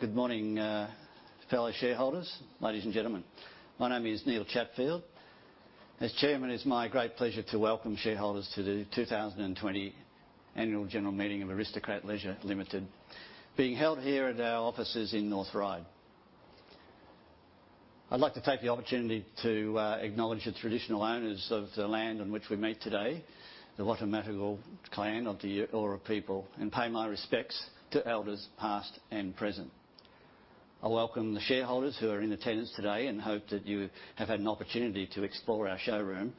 Good morning, fellow shareholders, ladies and gentlemen. My name is Neil Chatfield. As Chairman, it's my great pleasure to welcome shareholders to the 2020 Annual General Meeting of Aristocrat Leisure Limited, being held here at our offices in North Ryde. I'd like to take the opportunity to acknowledge the traditional owners of the land on which we meet today, the Wallumedegal Clan of the Eora people, and pay my respects to elders past and present. I welcome the shareholders who are in attendance today and hope that you have had an opportunity to explore our showroom,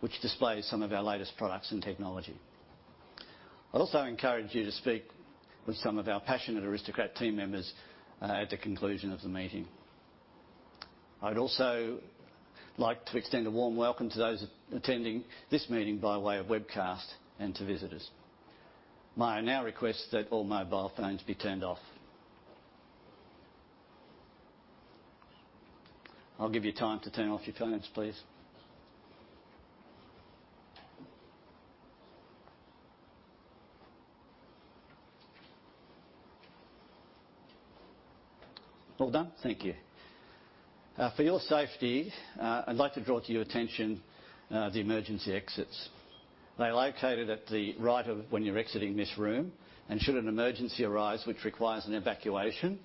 which displays some of our latest products and technology. I'd also encourage you to speak with some of our passionate Aristocrat team members at the conclusion of the meeting. I'd also like to extend a warm welcome to those attending this meeting by way of webcast and to visitors. May I now request that all mobile phones be turned off? I'll give you time to turn off your phones, please. All done? Thank you. For your safety, I'd like to draw to your attention the emergency exits. They're located at the right of when you're exiting this room, and should an emergency arise, which requires an evacuation,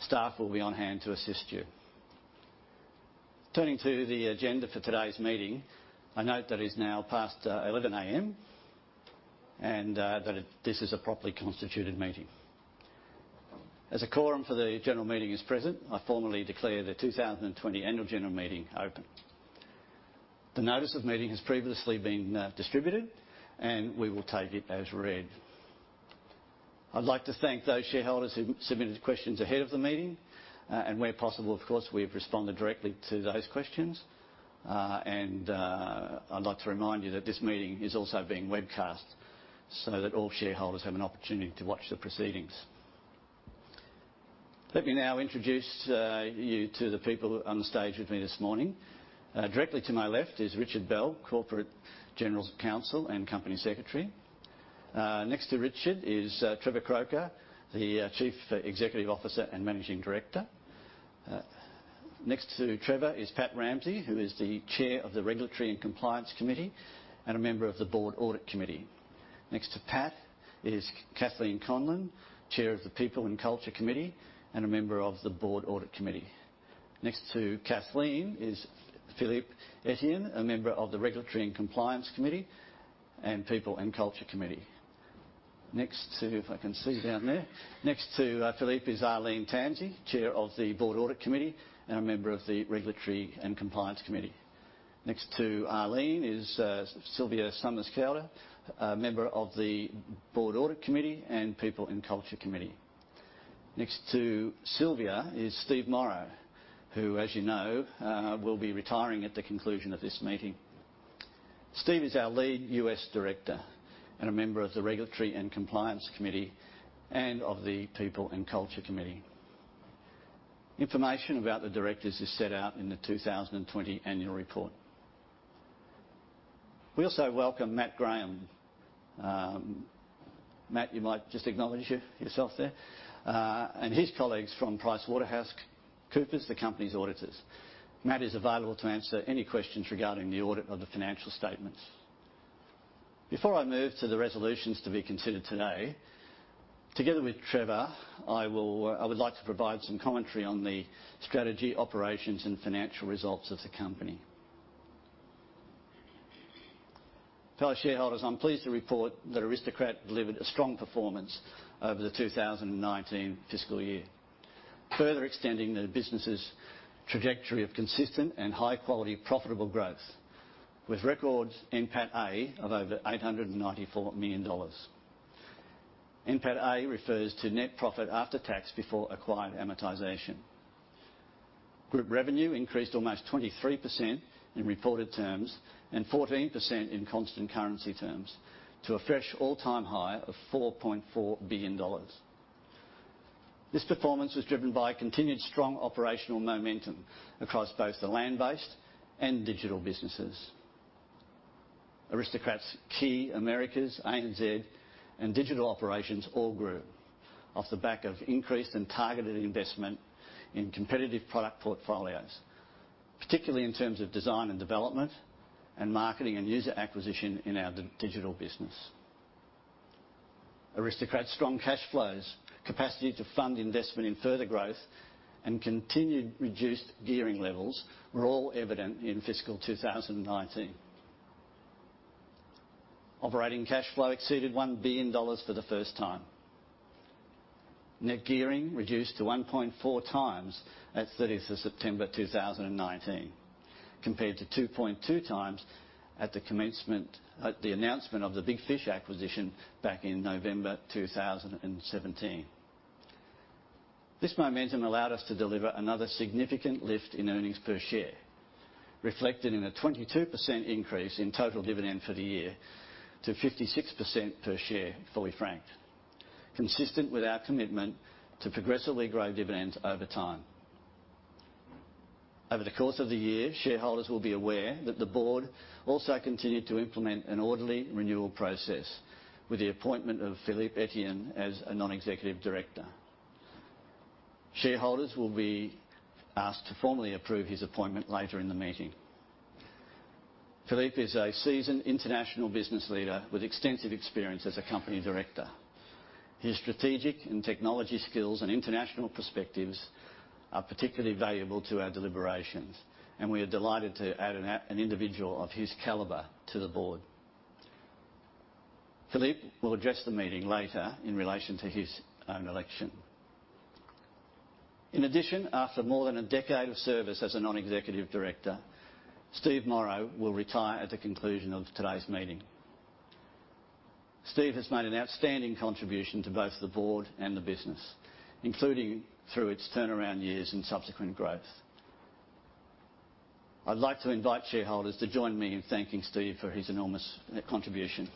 staff will be on hand to assist you. Turning to the agenda for today's meeting, I note that it is now past 11:00 A.M. and that this is a properly constituted meeting. As a quorum for the general meeting is present, I formally declare the 2020 Annual General Meeting open. The notice of meeting has previously been distributed, and we will take it as read. I'd like to thank those shareholders who submitted questions ahead of the meeting, and where possible, of course, we've responded directly to those questions. I'd like to remind you that this meeting is also being webcast so that all shareholders have an opportunity to watch the proceedings. Let me now introduce you to the people on the stage with me this morning. Directly to my left is Richard Bell, Corporate General Counsel and Company Secretary. Next to Richard is Trevor Croker, the Chief Executive Officer and Managing Director. Next to Trevor is Pat Ramsey, who is the Chair of the Regulatory and Compliance Committee and a member of the Board Audit Committee. Next to Pat is Kathleen Conlon, Chair of the People and Culture Committee and a member of the Board Audit Committee. Next to Kathleen is Philippe Etienne, a member of the Regulatory and Compliance Committee and People and Culture Committee. Next to, if I can see down there, next to Philippe is Arlene Tansey, Chair of the Board Audit Committee and a member of the Regulatory and Compliance Committee. Next to Arlene is Sylvia Summers Couder, a member of the Board Audit Committee and People and Culture Committee. Next to Sylvia is Steve Morrow, who, as you know, will be retiring at the conclusion of this meeting. Steve is our lead U.S. Director and a member of the Regulatory and Compliance Committee and of the People and Culture Committee. Information about the directors is set out in the 2020 Annual Report. We also welcome Matt Graham. Matt, you might just acknowledge yourself there. and his colleagues from PricewaterhouseCoopers, the company's auditors. Matt is available to answer any questions regarding the audit of the financial statements. Before I move to the resolutions to be considered today, together with Trevor, I would like to provide some commentary on the strategy, operations, and financial results of the company. Fellow shareholders, I'm pleased to report that Aristocrat delivered a strong performance over the 2019 fiscal year, further extending the business's trajectory of consistent and high-quality, profitable growth, with records in NPATAof over $894 million. NPATA refers to net profit after tax before acquired amortization. Group revenue increased almost 23% in reported terms and 14% in constant currency terms to a fresh all-time high of $4.4 billion. This performance was driven by continued strong operational momentum across both the land-based and digital businesses. Aristocrat's key Americas, ANZ, and digital operations all grew off the back of increased and targeted investment in competitive product portfolios, particularly in terms of design and development and marketing and user acquisition in our digital business. Aristocrat's strong cash flows, capacity to fund investment in further growth, and continued reduced gearing levels were all evident in fiscal 2019. Operating cash flow exceeded 1 billion dollars for the first time. Net gearing reduced to 1.4 times at 30th of September 2019, compared to 2.2 times at the commencement at the announcement of the Big Fish acquisition back in November 2017. This momentum allowed us to deliver another significant lift in earnings per share, reflected in a 22% increase in total dividend for the year to 0.56 per share, fully franked, consistent with our commitment to progressively grow dividends over time. Over the course of the year, shareholders will be aware that the board also continued to implement an orderly renewal process with the appointment of Philippe Etienne as a Non-Executive Director. Shareholders will be asked to formally approve his appointment later in the meeting. Philippe is a seasoned international business leader with extensive experience as a company director. His strategic and technology skills and international perspectives are particularly valuable to our deliberations, and we are delighted to add an individual of his caliber to the board. Philippe will address the meeting later in relation to his own election. In addition, after more than a decade of service as a non-executive director, Steve Morrow will retire at the conclusion of today's meeting. Steve has made an outstanding contribution to both the board and the business, including through its turnaround years and subsequent growth. I'd like to invite shareholders to join me in thanking Steve for his enormous contribution.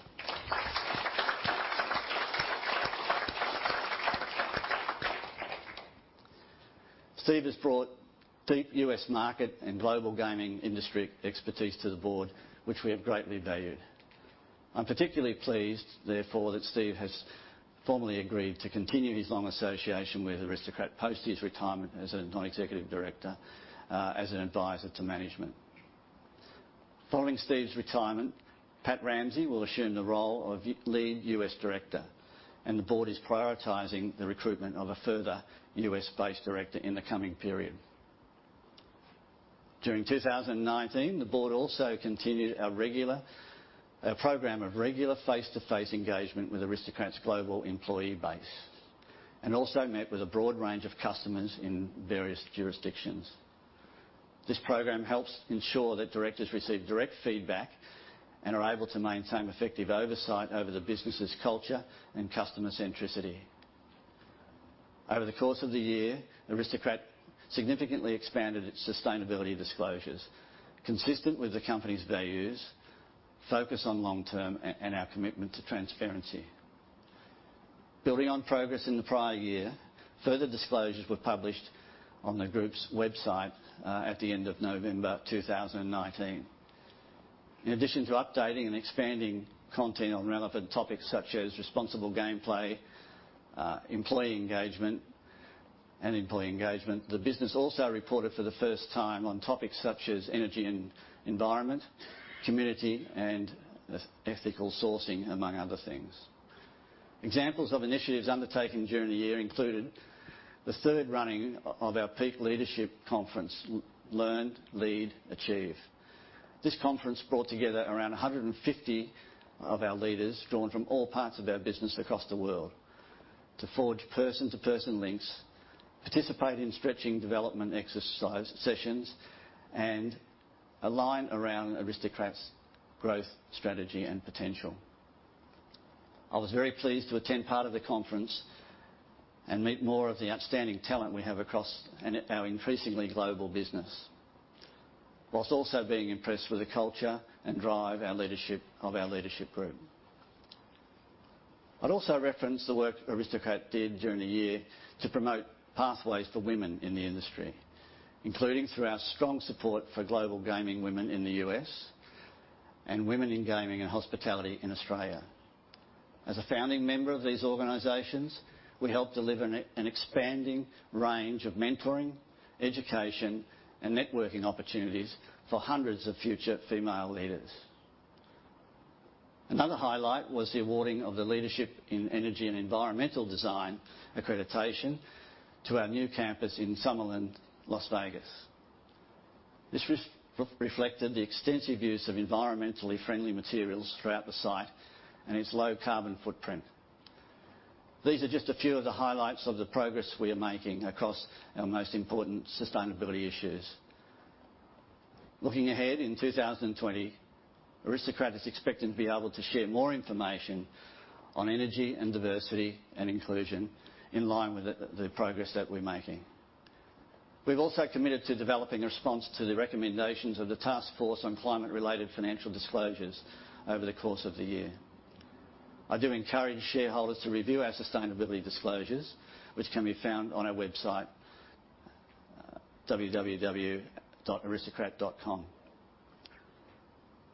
Steve has brought deep US market and global gaming industry expertise to the board, which we have greatly valued. I'm particularly pleased, therefore, that Steve has formally agreed to continue his long association with Aristocrat post his retirement as a non-executive director, as an advisor to management. Following Steve's retirement, Pat Ramsey will assume the role of lead US director, and the board is prioritizing the recruitment of a further US-based director in the coming period. During 2019, the board also continued our regular program of regular face-to-face engagement with Aristocrat's global employee base and also met with a broad range of customers in various jurisdictions. This program helps ensure that directors receive direct feedback and are able to maintain effective oversight over the business's culture and customer centricity. Over the course of the year, Aristocrat significantly expanded its sustainability disclosures, consistent with the company's values, focus on long-term, and our commitment to transparency. Building on progress in the prior year, further disclosures were published on the group's website at the end of November 2019. In addition to updating and expanding content on relevant topics such as responsible gameplay, employee engagement, and employee engagement, the business also reported for the first time on topics such as energy and environment, community, and ethical sourcing, among other things. Examples of initiatives undertaken during the year included the third running of our peak leadership conference, Learn Lead Achieve. This conference brought together around 150 of our leaders drawn from all parts of our business across the world to forge person-to-person links, participate in stretching development exercise sessions, and align around Aristocrat's growth strategy and potential. I was very pleased to attend part of the conference and meet more of the outstanding talent we have across our increasingly global business, whilst also being impressed with the culture and drive of our leadership group. I'd also reference the work Aristocrat did during the year to promote pathways for women in the industry, including through our strong support for Global Gaming Women in the U.S., and Women in Gaming and Hospitality in Australia. As a founding member of these organizations, we helped deliver an expanding range of mentoring, education, and networking opportunities for hundreds of future female leaders. Another highlight was the awarding of the Leadership in Energy and Environmental Design accreditation to our new campus in Summerlin, Las Vegas. This reflected the extensive use of environmentally friendly materials throughout the site and its low carbon footprint. These are just a few of the highlights of the progress we are making across our most important sustainability issues. Looking ahead in 2020, Aristocrat is expected to be able to share more information on energy and diversity and inclusion in line with the progress that we're making. We've also committed to developing a response to the recommendations of the Task Force on Climate-Related Financial Disclosures over the course of the year. I do encourage shareholders to review our sustainability disclosures, which can be found on our website, www.aristocrat.com.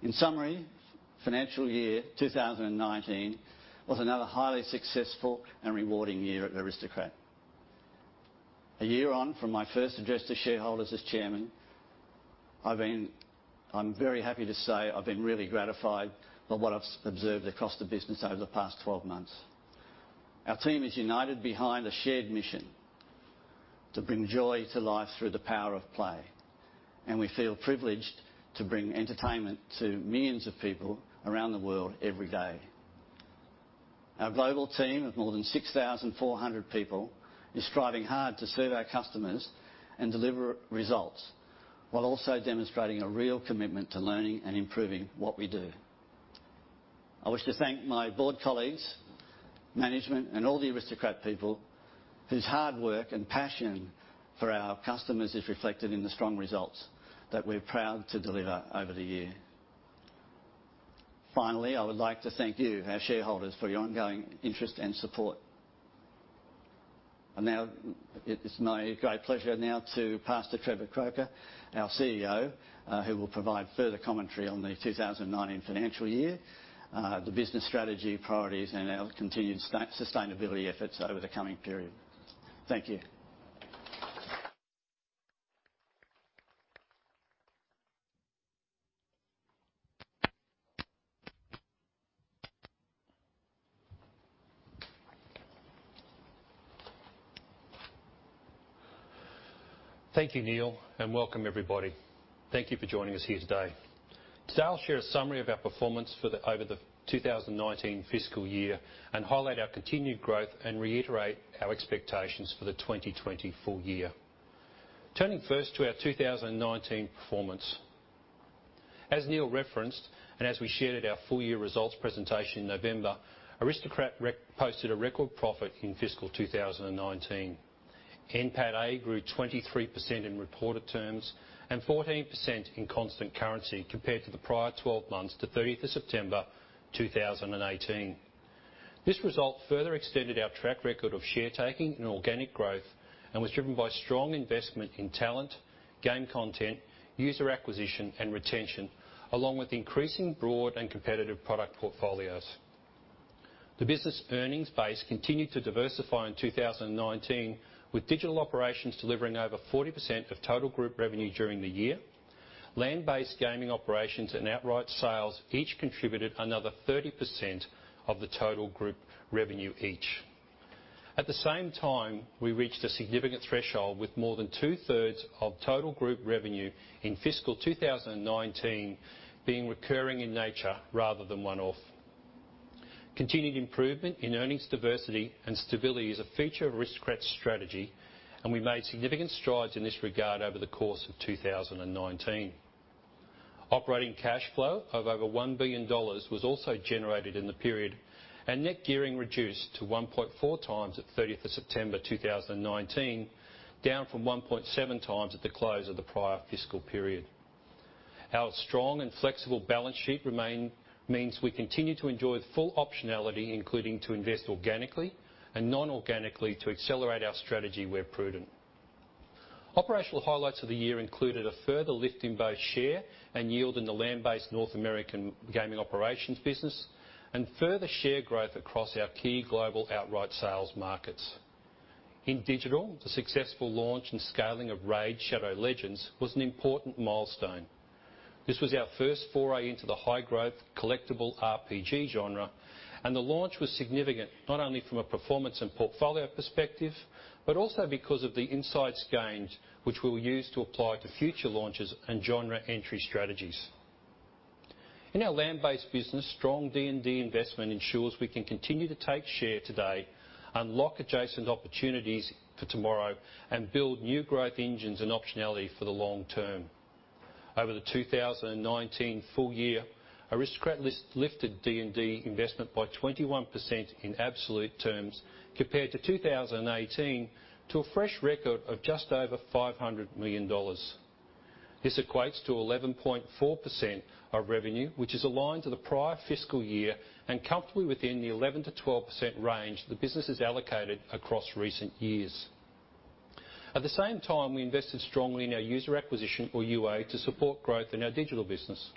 In summary, financial year 2019 was another highly successful and rewarding year at Aristocrat. A year on from my first address to shareholders as Chairman, I'm very happy to say I've been really gratified by what I've observed across the business over the past 12 months. Our team is united behind a shared mission to bring joy to life through the power of play, and we feel privileged to bring entertainment to millions of people around the world every day. Our global team of more than 6,400 people is striving hard to serve our customers and deliver results while also demonstrating a real commitment to learning and improving what we do. I wish to thank my board colleagues, management, and all the Aristocrat people whose hard work and passion for our customers is reflected in the strong results that we're proud to deliver over the year. Finally, I would like to thank you, our shareholders, for your ongoing interest and support. It is my great pleasure now to pass to Trevor Croker, our CEO, who will provide further commentary on the 2019 financial year, the business strategy, priorities, and our continued sustainability efforts over the coming period. Thank you. Thank you, Neil, and welcome, everybody. Thank you for joining us here today. Today, I'll share a summary of our performance for the 2019 fiscal year and highlight our continued growth and reiterate our expectations for the 2020 full year. Turning first to our 2019 performance, as Neil referenced and as we shared at our full-year results presentation in November, Aristocrat posted a record profit in fiscal 2019. In NPATA, it grew 23% in reported terms and 14% in constant currency compared to the prior 12 months to 30th of September 2018. `This result further extended our track record of share-taking and organic growth and was driven by strong investment in talent, game content, user acquisition, and retention, along with increasing broad and competitive product portfolios. The business earnings base continued to diversify in 2019, with digital operations delivering over 40% of total group revenue during the year. Land-based gaming operations and outright sales each contributed another 30% of the total group revenue each. At the same time, we reached a significant threshold with more than two-thirds of total group revenue in fiscal 2019 being recurring in nature rather than one-off. Continued improvement in earnings diversity and stability is a feature of Aristocrat's strategy, and we made significant strides in this regard over the course of 2019. Operating cash flow of over $1 billion was also generated in the period, and net gearing reduced to 1.4 times at 30th of September 2019, down from 1.7 times at the close of the prior fiscal period. Our strong and flexible balance sheet remained means we continue to enjoy full optionality, including to invest organically and non-organically to accelerate our strategy where prudent. Operational highlights of the year included a further lift in both share and yield in the land-based North American gaming operations business and further share growth across our key global outright sales markets. In digital, the successful launch and scaling of Raid Shadow Legends was an important milestone. This was our first foray into the high-growth collectible RPG genre, and the launch was significant not only from a performance and portfolio perspective but also because of the insights gained, which we will use to apply to future launches and genre entry strategies. In our land-based business, strong D&D Investment ensures we can continue to take share today, unlock adjacent opportunities for tomorrow, and build new growth engines and optionality for the long term. Over the 2019 full year, Aristocrat lifted D&D Investment by 21% in absolute terms compared to 2018 to a fresh record of just over $500 million. This equates to 11.4% of revenue, which is aligned to the prior fiscal year and comfortably within the 11% to 12% range the business has allocated across recent years. At the same time, we invested strongly in our user acquisition, or UA, to support growth in our digital business.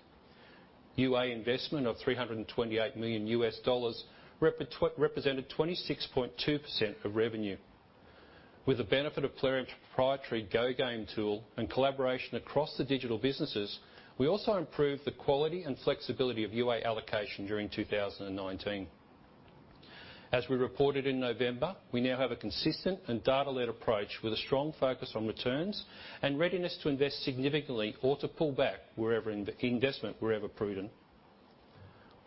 UA investment of $328 million represented 26.2% of revenue. With the benefit of Player Enterprise's proprietary Go game tool and collaboration across the digital businesses, we also improved the quality and flexibility of UA allocation during 2019. As we reported in November, we now have a consistent and data-led approach with a strong focus on returns and readiness to invest significantly or to pull back wherever investment is prudent.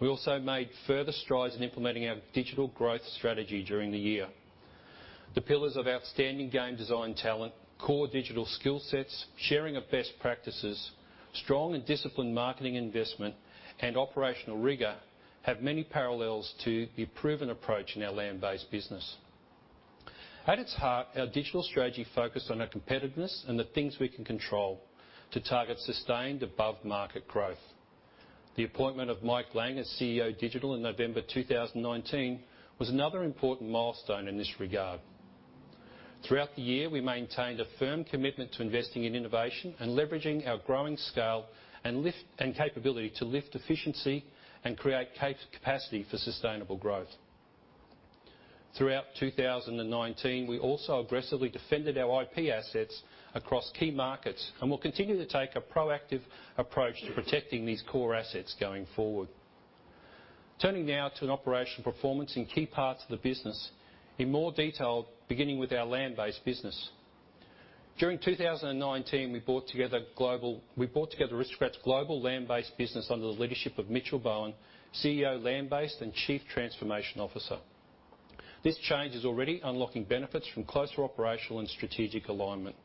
We also made further strides in implementing our digital growth strategy during the year. The pillars of outstanding game design talent, core digital skill sets, sharing of best practices, strong and disciplined marketing investment, and operational rigor have many parallels to the proven approach in our land-based business. At its heart, our digital strategy focused on our competitiveness and the things we can control to target sustained above-market growth. The appointment of Mike Lang, as CEO Digital in November 2019, was another important milestone in this regard. Throughout the year, we maintained a firm commitment to investing in innovation and leveraging our growing scale and capability to lift efficiency and create capacity for sustainable growth. Throughout 2019, we also aggressively defended our IP assets across key markets and will continue to take a proactive approach to protecting these core assets going forward. Turning now to operational performance in key parts of the business, in more detail, beginning with our land-based business. During 2019, we brought together Aristocrat's global land-based business under the leadership of Mitchell Bowen, CEO Land-based and Chief Transformation Officer. This change is already unlocking benefits from closer operational and strategic alignment.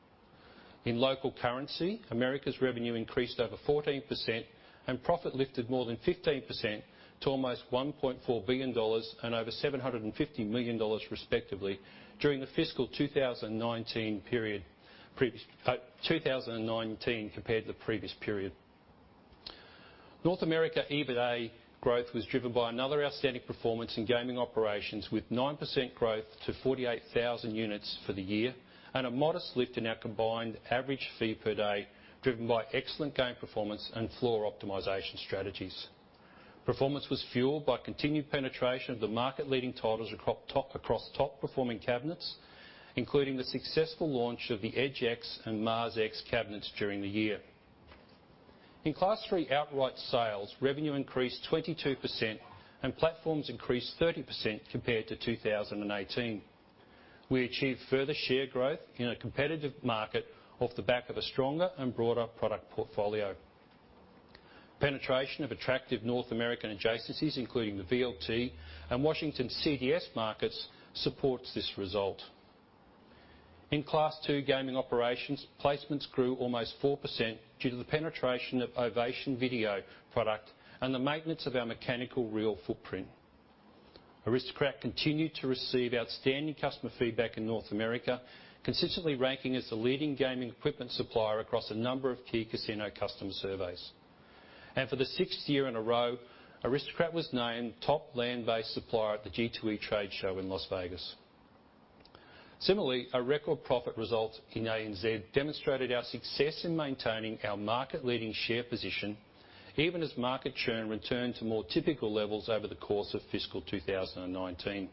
In local currency, America's revenue increased over 14% and profit lifted more than 15% to almost $1.4 billion and over $750 million, respectively, during the fiscal 2019 period, compared to the previous period. North America EBITA growth was driven by another outstanding performance in gaming operations with 9% growth to 48,000 units for the year and a modest lift in our combined average fee per day driven by excellent game performance and floor optimization strategies. Performance was fueled by continued penetration of the market-leading titles across top-performing cabinets, including the successful launch of the EDGE X and Mars X cabinets during the year. In class three outright sales, revenue increased 22% and platforms increased 30% compared to 2018. We achieved further share growth in a competitive market off the back of a stronger and broader product portfolio. Penetration of attractive North American adjacencies, including the VLT and Washington CDS markets, supports this result. In Class II gaming operations, placements grew almost 4% due to the penetration of Ovation Video product and the maintenance of our mechanical reel footprint. Aristocrat continued to receive outstanding customer feedback in North America, consistently ranking as the leading gaming equipment supplier across a number of key casino customer surveys. For the sixth year in a row, Aristocrat was named top land-based supplier at the G2E Trade Show in Las Vegas. Similarly, our record profit result in ANZ demonstrated our success in maintaining our market-leading share position even as market churn returned to more typical levels over the course of fiscal 2019.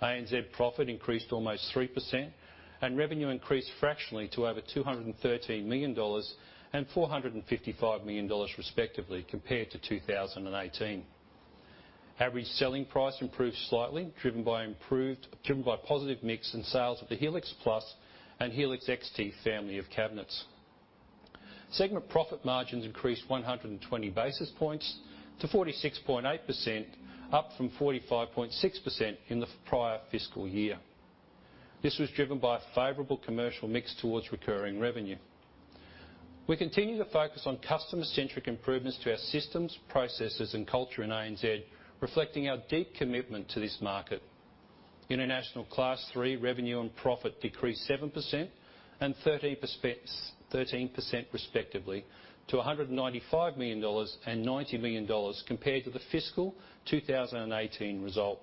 ANZ profit increased almost 3% and revenue increased fractionally to over 213 million dollars and 455 million dollars, respectively, compared to 2018. Average selling price improved slightly, driven by positive mix in sales of the Helix Plus and Helix XT family of cabinets. Segment profit margins increased 120 basis points to 46.8%, up from 45.6% in the prior fiscal year. This was driven by a favorable commercial mix towards recurring revenue. We continue to focus on customer-centric improvements to our systems, processes, and culture in ANZ, reflecting our deep commitment to this market. International class three revenue and profit decreased 7% and 13%, respectively, to 195 million dollars and 90 million dollars compared to the fiscal 2018 result.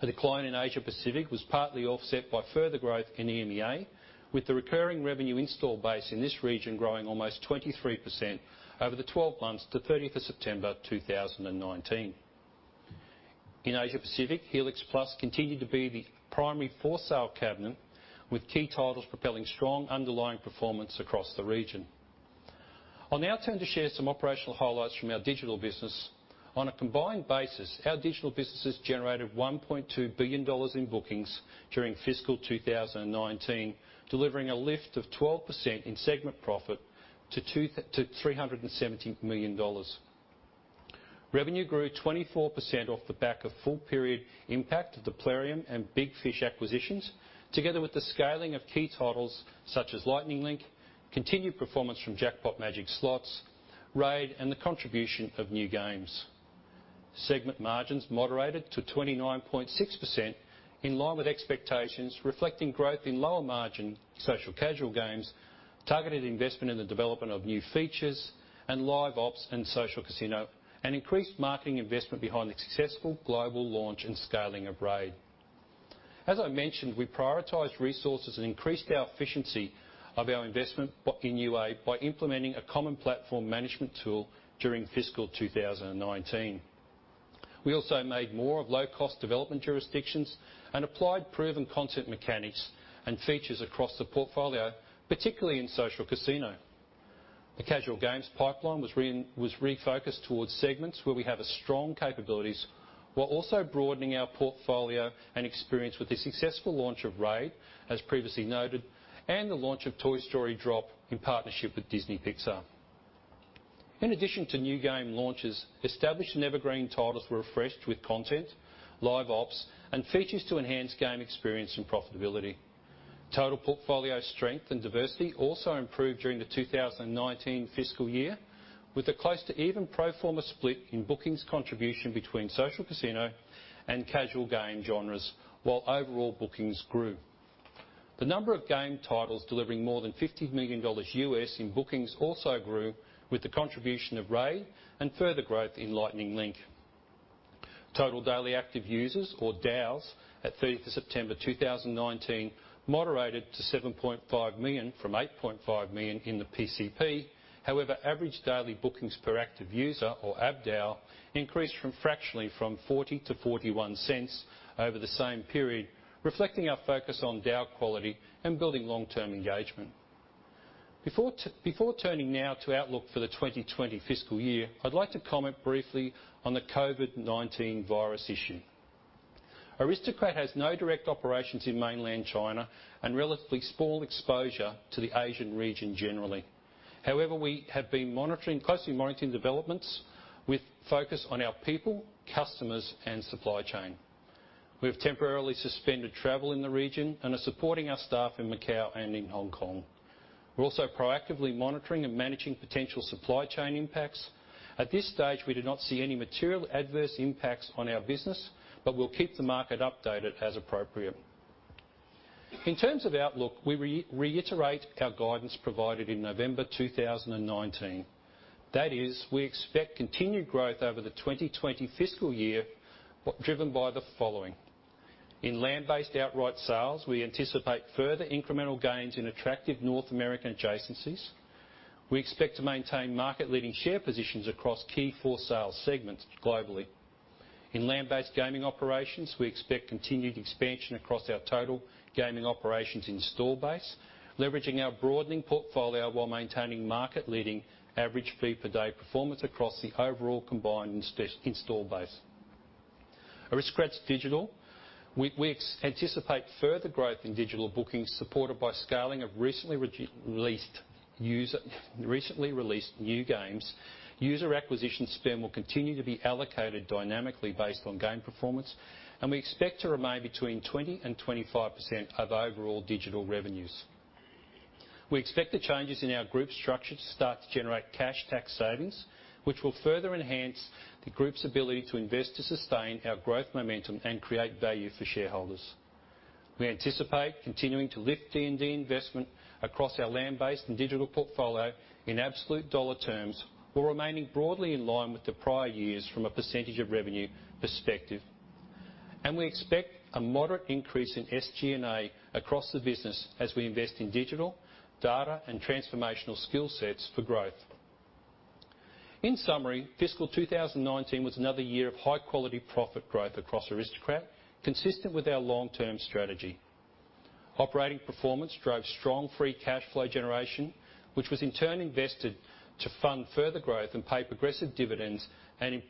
A decline in Asia Pacific was partly offset by further growth in EMEA, with the recurring revenue install base in this region growing almost 23% over the 12 months to 30th of September 2019. In Asia Pacific, Helix Plus continued to be the primary foresale cabinet, with key titles propelling strong underlying performance across the region. I'll now turn to share some operational highlights from our digital business. On a combined basis, our digital business has generated $1.2 billion in bookings during fiscal 2019, delivering a lift of 12% in segment profit to $270 million. Revenue grew 24% off the back of full-period impact of the Plarium and Big Fish acquisitions, together with the scaling of key titles such as Lightning Link, continued performance from Jackpot Magic Slots, Raid, and the contribution of new games. Segment margins moderated to 29.6% in line with expectations, reflecting growth in lower margin social casual games, targeted investment in the development of new features and live ops and social casino, and increased marketing investment behind the successful global launch and scaling of Raid. As I mentioned, we prioritized resources and increased our efficiency of our investment in UA by implementing a common platform management tool during fiscal 2019. We also made more of low-cost development jurisdictions and applied proven content mechanics and features across the portfolio, particularly in social casino. The casual games pipeline was refocused towards segments where we have strong capabilities while also broadening our portfolio and experience with the successful launch of Raid, as previously noted, and the launch of Toy Story Drop in partnership with Disney Pixar. In addition to new game launches, established and evergreen titles were refreshed with content, live ops, and features to enhance game experience and profitability. Total portfolio strength and diversity also improved during the 2019 fiscal year with a close to even pro forma split in bookings contribution between social casino and casual game genres, while overall bookings grew. The number of game titles delivering more than $50 million in bookings also grew with the contribution of Raid and further growth in Lightning Link. Total daily active users, or DAUs, at 30th of September 2019 moderated to 7.5 million from 8.5 million in the PCP; however, average daily bookings per active user, or ABDAU, increased fractionally from $0.40 to $0.41 over the same period, reflecting our focus on DAU quality and building long-term engagement. Before turning now to outlook for the 2020 fiscal year, I'd like to comment briefly on the COVID-19 virus issue. Aristocrat has no direct operations in mainland China and relatively small exposure to the Asian region generally. However, we have been closely monitoring developments with focus on our people, customers, and supply chain. We have temporarily suspended travel in the region and are supporting our staff in Macao and in Hong Kong. We're also proactively monitoring and managing potential supply chain impacts. At this stage, we do not see any material adverse impacts on our business, but we'll keep the market updated as appropriate. In terms of outlook, we reiterate our guidance provided in November 2019. That is, we expect continued growth over the 2020 fiscal year driven by the following, in land-based outright sales, we anticipate further incremental gains in attractive North American adjacencies. We expect to maintain market-leading share positions across key foresale segments globally. In land-based gaming operations, we expect continued expansion across our total gaming operations install base, leveraging our broadening portfolio while maintaining market-leading average fee per day performance across the overall combined install base. Aristocrat's Digital, we anticipate further growth in digital bookings supported by scaling of recently released user recently released new games. User acquisition spend will continue to be allocated dynamically based on game performance, and we expect to remain between 20% and 25% of overall digital revenues. We expect the changes in our group structure to start to generate cash tax savings, which will further enhance the group's ability to invest to sustain our growth momentum and create value for shareholders. We anticipate continuing to lift D&D investment across our land-based and digital portfolio in absolute dollar terms, while remaining broadly in line with the prior years from a percentage of revenue perspective. We expect a moderate increase in SG&A across the business as we invest in digital, data, and transformational skill sets for growth. In summary, fiscal 2019 was another year of high-quality profit growth across Aristocrat, consistent with our long-term strategy. Operating performance drove strong free cash flow generation, which was in turn invested to fund further growth and pay progressive dividends and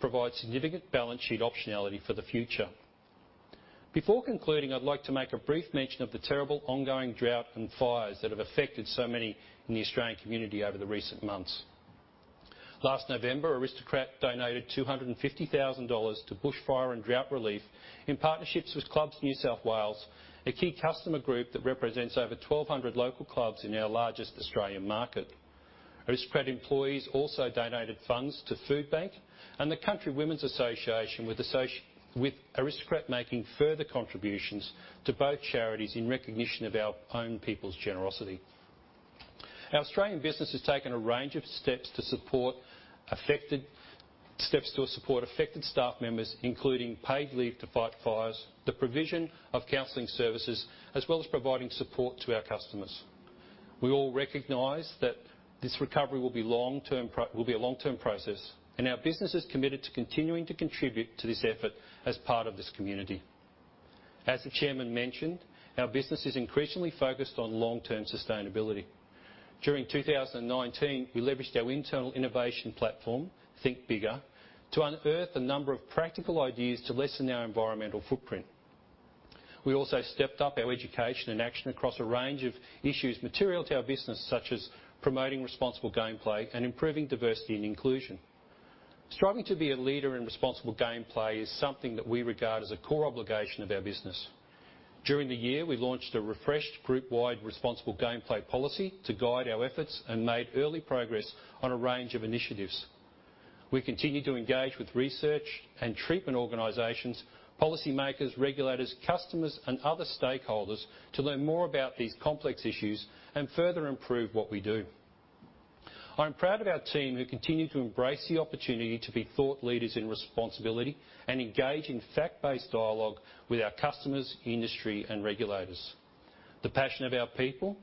provide significant balance sheet optionality for the future. Before concluding, I'd like to make a brief mention of the terrible ongoing drought and fires that have affected so many in the Australian community over the recent months. Last November, Aristocrat donated 250,000 dollars to bushfire and drought relief in partnerships with Clubs New South Wales, a key customer group that represents over 1,200 local clubs in our largest Australian market. Aristocrat employees also donated funds to Food Bank and the Country Women's Association, with Aristocrat making further contributions to both charities in recognition of our own people's generosity. Our Australian business has taken a range of steps to support affected staff members, including paid leave to fight fires, the provision of counseling services, as well as providing support to our customers. We all recognize that this recovery will be a long-term process, and our business is committed to continuing to contribute to this effort as part of this community. As the Chairman mentioned, our business is increasingly focused on long-term sustainability. During 2019, we leveraged our internal innovation platform, Think Bigger, to unearth a number of practical ideas to lessen our environmental footprint. We also stepped up our education and action across a range of issues material to our business, such as promoting responsible gameplay and improving diversity and inclusion. Striving to be a leader in responsible gameplay is something that we regard as a core obligation of our business. During the year, we launched a refreshed group-wide responsible gameplay policy to guide our efforts and made early progress on a range of initiatives. We continue to engage with research and treatment organizations, policymakers, regulators, customers, and other stakeholders to learn more about these complex issues and further improve what we do. I'm proud of our team who continue to embrace the opportunity to be thought leaders in responsibility and engage in fact-based dialogue with our customers, industry, and regulators. The passion our people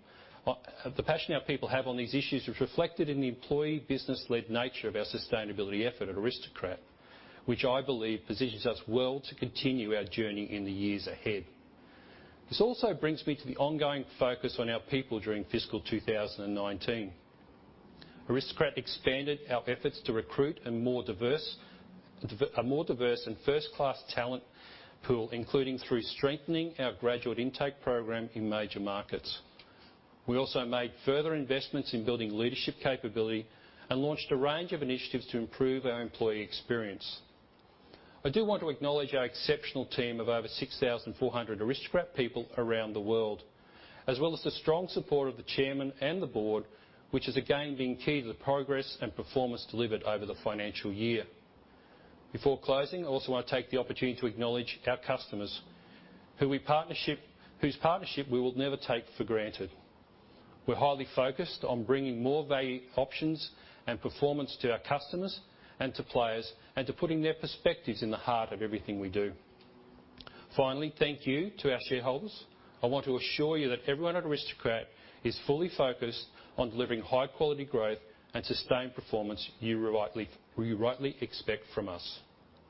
have on these issues is reflected in the employee business-led nature of our sustainability effort at Aristocrat, which I believe positions us well to continue our journey in the years ahead. This also brings me to the ongoing focus on our people during fiscal 2019. Aristocrat expanded our efforts to recruit a more diverse and first-class talent pool, including through strengthening our graduate intake program in major markets. We also made further investments in building leadership capability and launched a range of initiatives to improve our employee experience. I do want to acknowledge our exceptional team of over 6,400 Aristocrat people around the world, as well as the strong support of the Chairman and the Board, which has again been key to the progress and performance delivered over the financial year. Before closing, I also want to take the opportunity to acknowledge our customers, whose partnership we will never take for granted. We're highly focused on bringing more value, options, and performance to our customers and to players, and to putting their perspectives at the heart of everything we do. Finally, thank you to our shareholders. I want to assure you that everyone at Aristocrat is fully focused on delivering high-quality growth and sustained performance you rightly expect from us.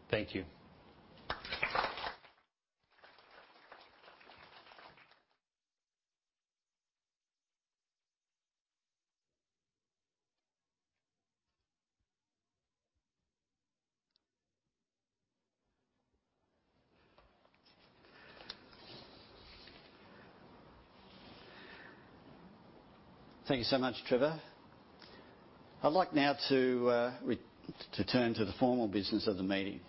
Thank you. Thank you so much, Trevor. I'd like now to turn to the formal business of the meeting.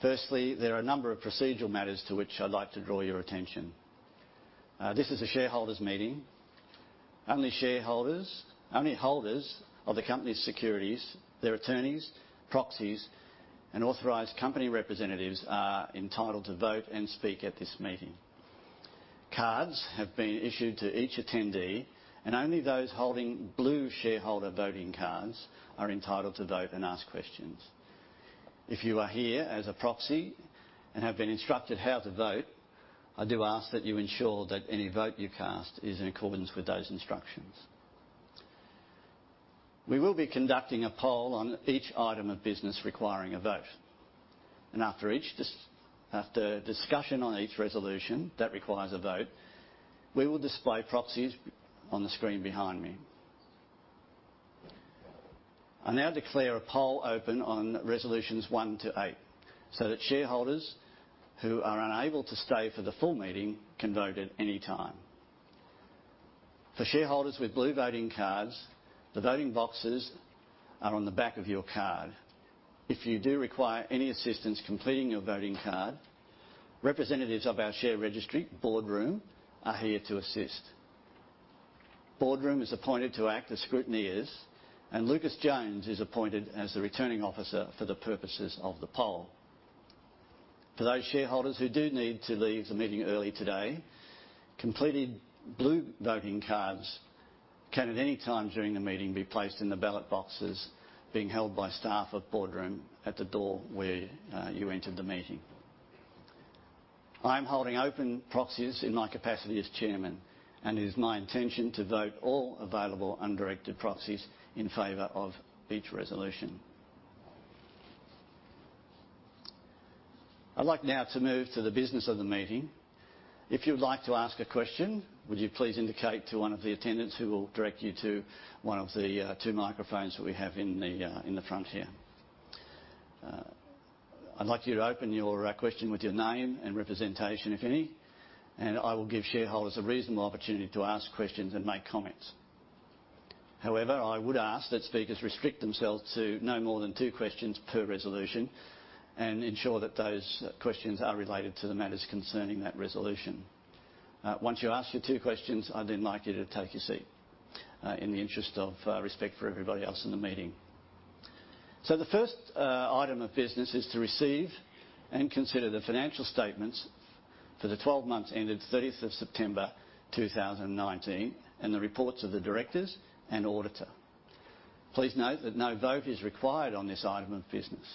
Firstly, there are a number of procedural matters to which I'd like to draw your attention. This is a shareholders' meeting. Only shareholders, only holders of the company's securities, their attorneys, proxies, and authorized company representatives are entitled to vote and speak at this meeting. Cards have been issued to each attendee, and only those holding blue shareholder voting cards are entitled to vote and ask questions. If you are here as a proxy and have been instructed how to vote, I do ask that you ensure that any vote you cast is in accordance with those instructions. We will be conducting a poll on each item of business requiring a vote. After discussion on each resolution that requires a vote, we will display proxies on the screen behind me. I now declare a poll open on resolutions one to eight so that shareholders who are unable to stay for the full meeting can vote at any time. For shareholders with blue voting cards, the voting boxes are on the back of your card. If you do require any assistance completing your voting card, representatives of our share registry Boardroom are here to assist. Boardroom is appointed to act as scrutineers, and Lucas Jones is appointed as the returning officer for the purposes of the poll. For those shareholders who do need to leave the meeting early today, completed blue voting cards can at any time during the meeting be placed in the ballot boxes being held by staff of Boardroom at the door where you entered the meeting. I'm holding open proxies in my capacity as Chairman, and it is my intention to vote all available undirected proxies in favor of each resolution. I'd like now to move to the business of the meeting. If you'd like to ask a question, would you please indicate to one of the attendants who will direct you to one of the two microphones that we have in the front here? I'd like you to open your question with your name and representation, if any, and I will give shareholders a reasonable opportunity to ask questions and make comments. However, I would ask that speakers restrict themselves to no more than two questions per resolution and ensure that those questions are related to the matters concerning that resolution. Once you ask your two questions, I'd then like you to take your seat, in the interest of respect for everybody else in the meeting. The first item of business is to receive and consider the financial statements for the 12 months ended 30th of September 2019 and the reports of the directors and auditor. Please note that no vote is required on this item of business.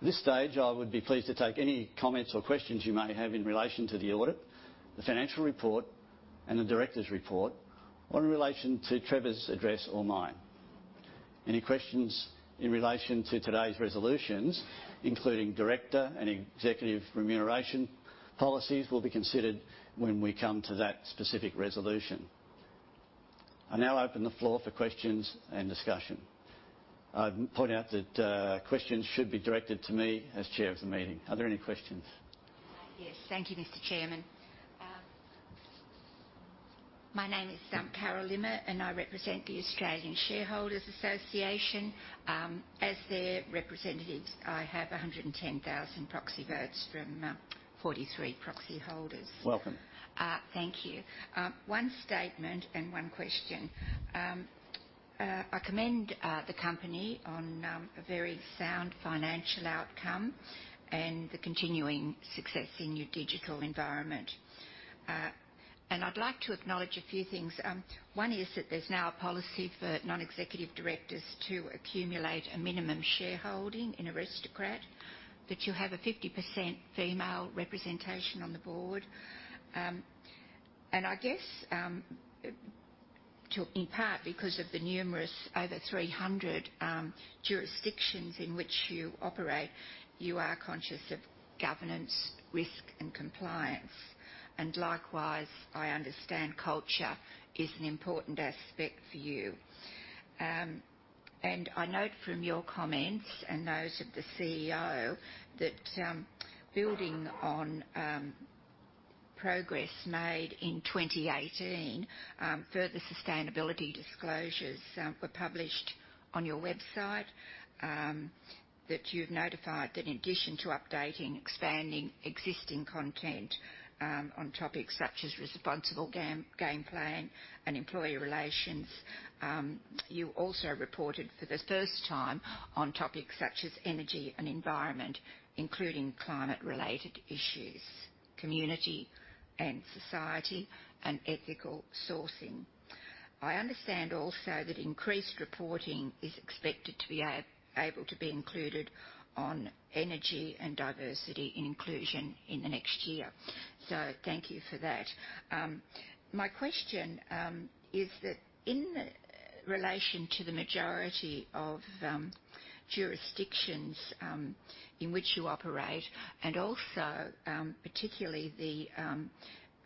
At this stage, I would be pleased to take any comments or questions you may have in relation to the audit, the financial report, and the director's report, or in relation to Trevor's address or mine. Any questions in relation to today's resolutions, including director and executive remuneration policies, will be considered when we come to that specific resolution. I now open the floor for questions and discussion. I'd point out that questions should be directed to me as Chair of the meeting. Are there any questions? Yes. Thank you, Mr. Chairman. My name is Carol Emmott, and I represent the Australian Shareholders Association. As their representative, I have 110,000 proxy votes from 43 proxy holders. Welcome. Thank you. One statement and one question. I commend the company on a very sound financial outcome and the continuing success in your digital environment. I'd like to acknowledge a few things. One is that there's now a policy for non-executive directors to accumulate a minimum shareholding in Aristocrat, that you have a 50% female representation on the board. I guess, in part because of the numerous, over 300, jurisdictions in which you operate, you are conscious of governance, risk, and compliance. I understand culture is an important aspect for you. I note from your comments and those of the CEO that, building on progress made in 2018, further sustainability disclosures were published on your website, that you've notified that in addition to updating, expanding existing content on topics such as responsible gameplan and employee relations, you also reported for the first time on topics such as energy and environment, including climate-related issues, community and society, and ethical sourcing. I understand also that increased reporting is expected to be able to be included on energy and diversity and inclusion in the next year. Thank you for that. My question is that in relation to the majority of jurisdictions in which you operate, and also particularly the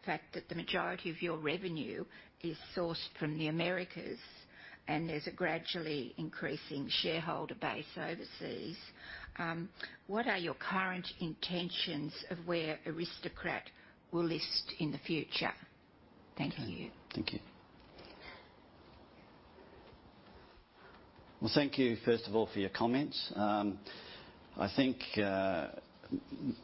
fact that the majority of your revenue is sourced from the Americas and there's a gradually increasing shareholder base overseas, what are your current intentions of where Aristocrat will list in the future? Thank you. Thank you. Thank you, first of all, for your comments. I think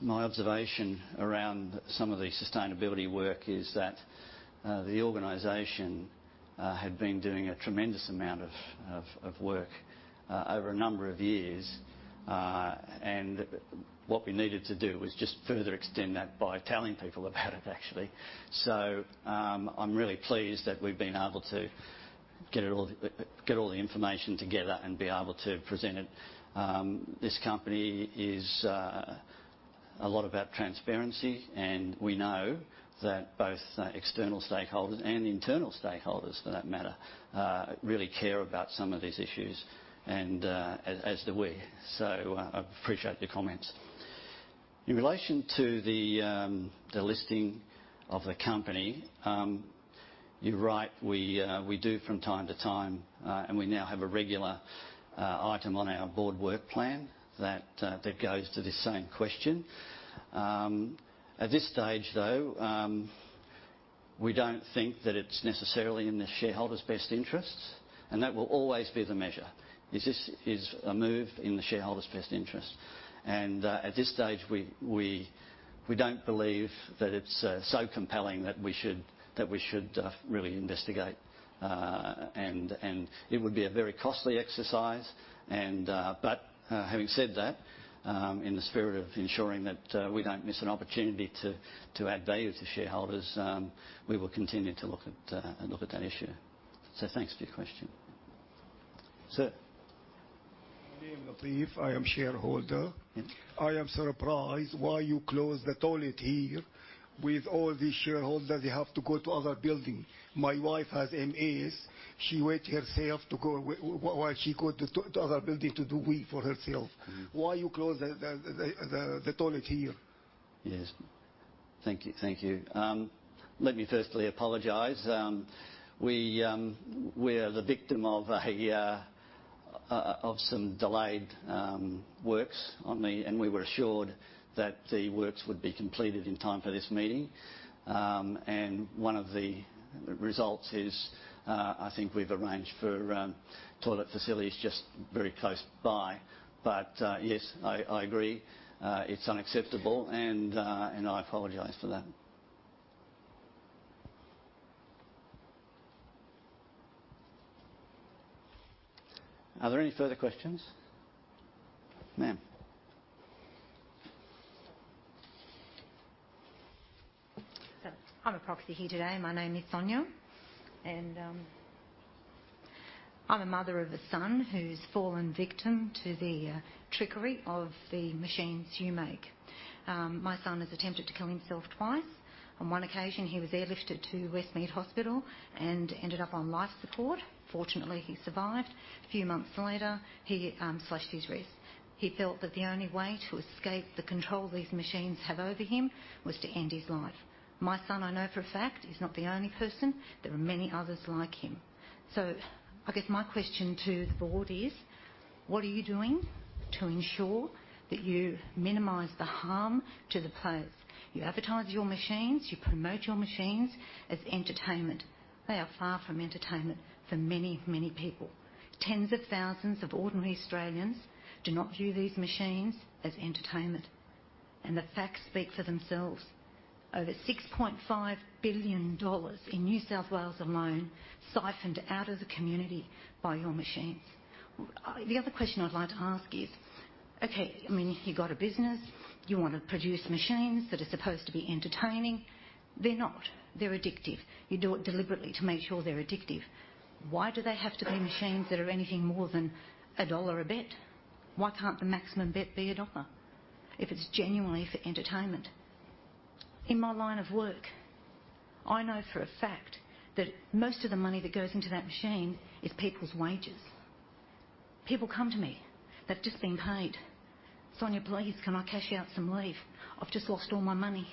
my observation around some of the sustainability work is that the organization had been doing a tremendous amount of work over a number of years, and what we needed to do was just further extend that by telling people about it, actually. I am really pleased that we have been able to get it all, get all the information together and be able to present it. This company is a lot about transparency, and we know that both external stakeholders and internal stakeholders, for that matter, really care about some of these issues, as do we. I appreciate the comments. In relation to the listing of the company, you are right. We do from time to time, and we now have a regular item on our board work plan that goes to this same question. At this stage, though, we do not think that it is necessarily in the shareholders' best interests, and that will always be the measure. This is a move in the shareholders' best interest. At this stage, we do not believe that it is so compelling that we should really investigate, and it would be a very costly exercise. Having said that, in the spirit of ensuring that we do not miss an opportunity to add value to shareholders, we will continue to look at that issue. Thanks for your question. Sir, my name is Leif. I am shareholder. I am surprised why you closed the toilet here with all these shareholders that have to go to other buildings. My wife has MAs. She waits herself to go while she goes to other buildings to do wee for herself. Why you close the toilet here? Yes. Thank you. Thank you. Let me firstly apologize. We are the victim of some delayed works on the, and we were assured that the works would be completed in time for this meeting. One of the results is, I think we have arranged for toilet facilities just very close by. Yes, I agree. It is unacceptable, and I apologize for that. Are there any further questions? Ma'am? I am a proxy here today. My name is Sonja, and I'm a mother of a son who's fallen victim to the trickery of the machines you make. My son has attempted to kill himself twice. On one occasion, he was airlifted to Westmead Hospital and ended up on life support. Fortunately, he survived. A few months later, he slashed his wrist. He felt that the only way to escape the control these machines have over him was to end his life. My son I know for a fact is not the only person. There are many others like him. I guess my question to the board is, what are you doing to ensure that you minimize the harm to the players? You advertise your machines. You promote your machines as entertainment. They are far from entertainment for many, many people. Tens of thousands of ordinary Australians do not view these machines as entertainment. The facts speak for themselves. Over 6.5 billion dollars in New South Wales alone siphoned out of the community by your machines. The other question I'd like to ask is, okay, I mean, you've got a business. You want to produce machines that are supposed to be entertaining. They're not. They're addictive. You do it deliberately to make sure they're addictive. Why do they have to be machines that are anything more than a dollar a bet? Why can't the maximum bet be a dollar if it's genuinely for entertainment? In my line of work, I know for a fact that most of the money that goes into that machine is people's wages. People come to me that have just been paid. Sonja, please, can I cash out some leave? I've just lost all my money.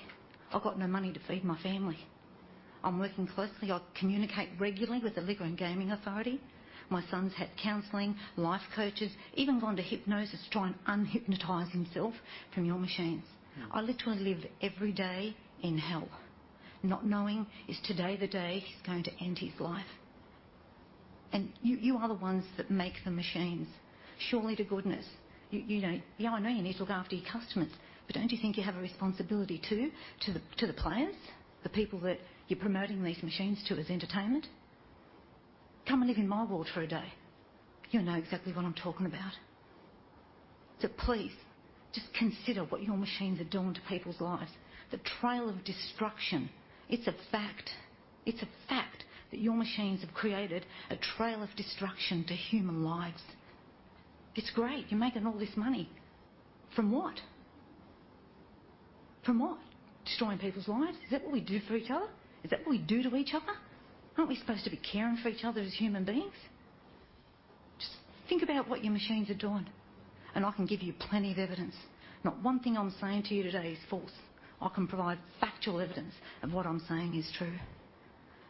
I've got no money to feed my family. I'm working closely. I communicate regularly with the Liquor and Gaming Authority. My son's had counseling, life coaches, even gone to hypnosis to try and unhypnotize himself from your machines. I literally live every day in hell, not knowing is today the day he's going to end his life. You are the ones that make the machines. Surely, to goodness, you know, yeah, I know you need to look after your customers, but don't you think you have a responsibility too, to the players, the people that you're promoting these machines to as entertainment? Come and live in my world for a day. You know exactly what I'm talking about. Please just consider what your machines are doing to people's lives. The trail of destruction, it's a fact. It's a fact that your machines have created a trail of destruction to human lives. It's great. You're making all this money. From what? From what? Destroying people's lives? Is that what we do for each other? Is that what we do to each other? Aren't we supposed to be caring for each other as human beings? Just think about what your machines are doing. I can give you plenty of evidence. Not one thing I'm saying to you today is false. I can provide factual evidence of what I'm saying is true.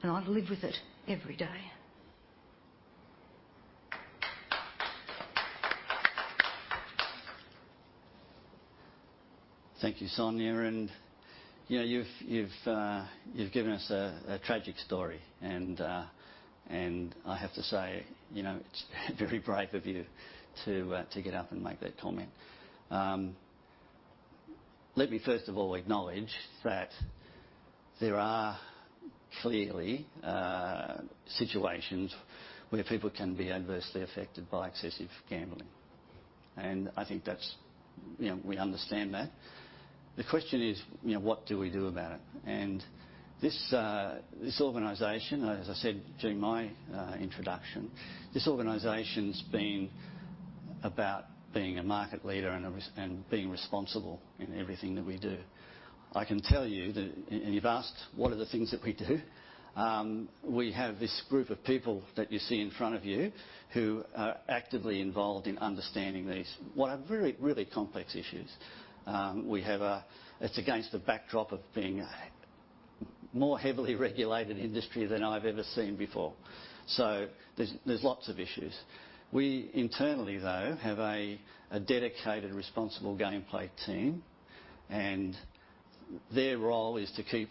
I live with it every day. Thank you, Sonja. You know, you've given us a tragic story. I have to say, you know, it's very brave of you to get up and make that comment. Let me first of all acknowledge that there are clearly situations where people can be adversely affected by excessive gambling. I think that's, you know, we understand that. The question is, you know, what do we do about it? This organization, as I said during my introduction, this organization's been about being a market leader and being responsible in everything that we do. I can tell you that, and you've asked what are the things that we do. We have this group of people that you see in front of you who are actively involved in understanding these what are very, really complex issues. We have a, it's against the backdrop of being a more heavily regulated industry than I've ever seen before. There's lots of issues. We internally, though, have a dedicated responsible gameplay team, and their role is to keep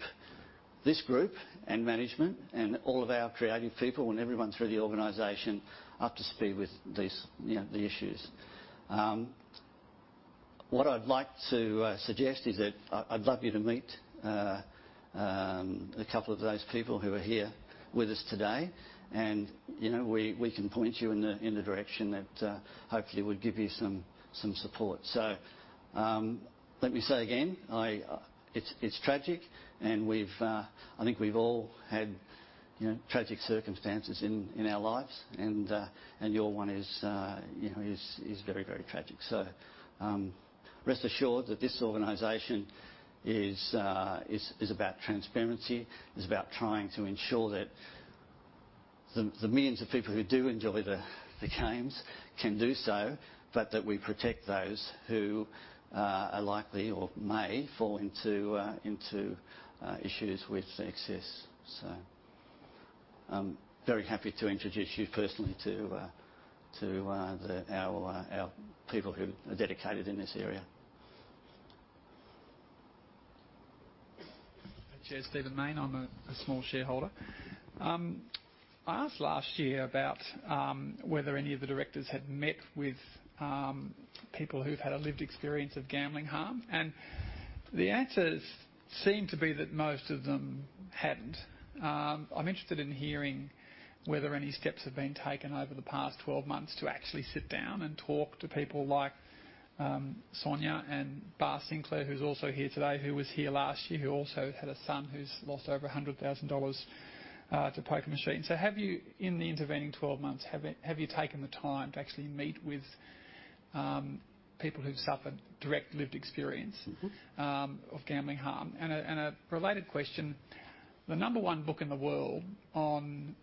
this group and management and all of our creative people and everyone through the organization up to speed with these, you know, the issues. What I'd like to suggest is that I'd love you to meet a couple of those people who are here with us today. You know, we can point you in the direction that hopefully would give you some support. Let me say again, it's tragic, and I think we've all had tragic circumstances in our lives. Your one is very, very tragic. Rest assured that this organization is about transparency. It's about trying to ensure that the millions of people who do enjoy the games can do so, but that we protect those who are likely or may fall into issues with excess. Very happy to introduce you personally to our people who are dedicated in this area. Chair, Steven Mayne, I'm a small shareholder. I asked last year about whether any of the directors had met with people who've had a lived experience of gambling harm. The answers seem to be that most of them hadn't. I'm interested in hearing whether any steps have been taken over the past 12 months to actually sit down and talk to people like Sonja and Bart Sinclair, who's also here today, who was here last year, who also had a son who's lost over $100,000 to poker machines. Have you, in the intervening 12 months, have you taken the time to actually meet with people who've suffered direct lived experience of gambling harm? Mm-hmm. And a related question. The number one book in the world on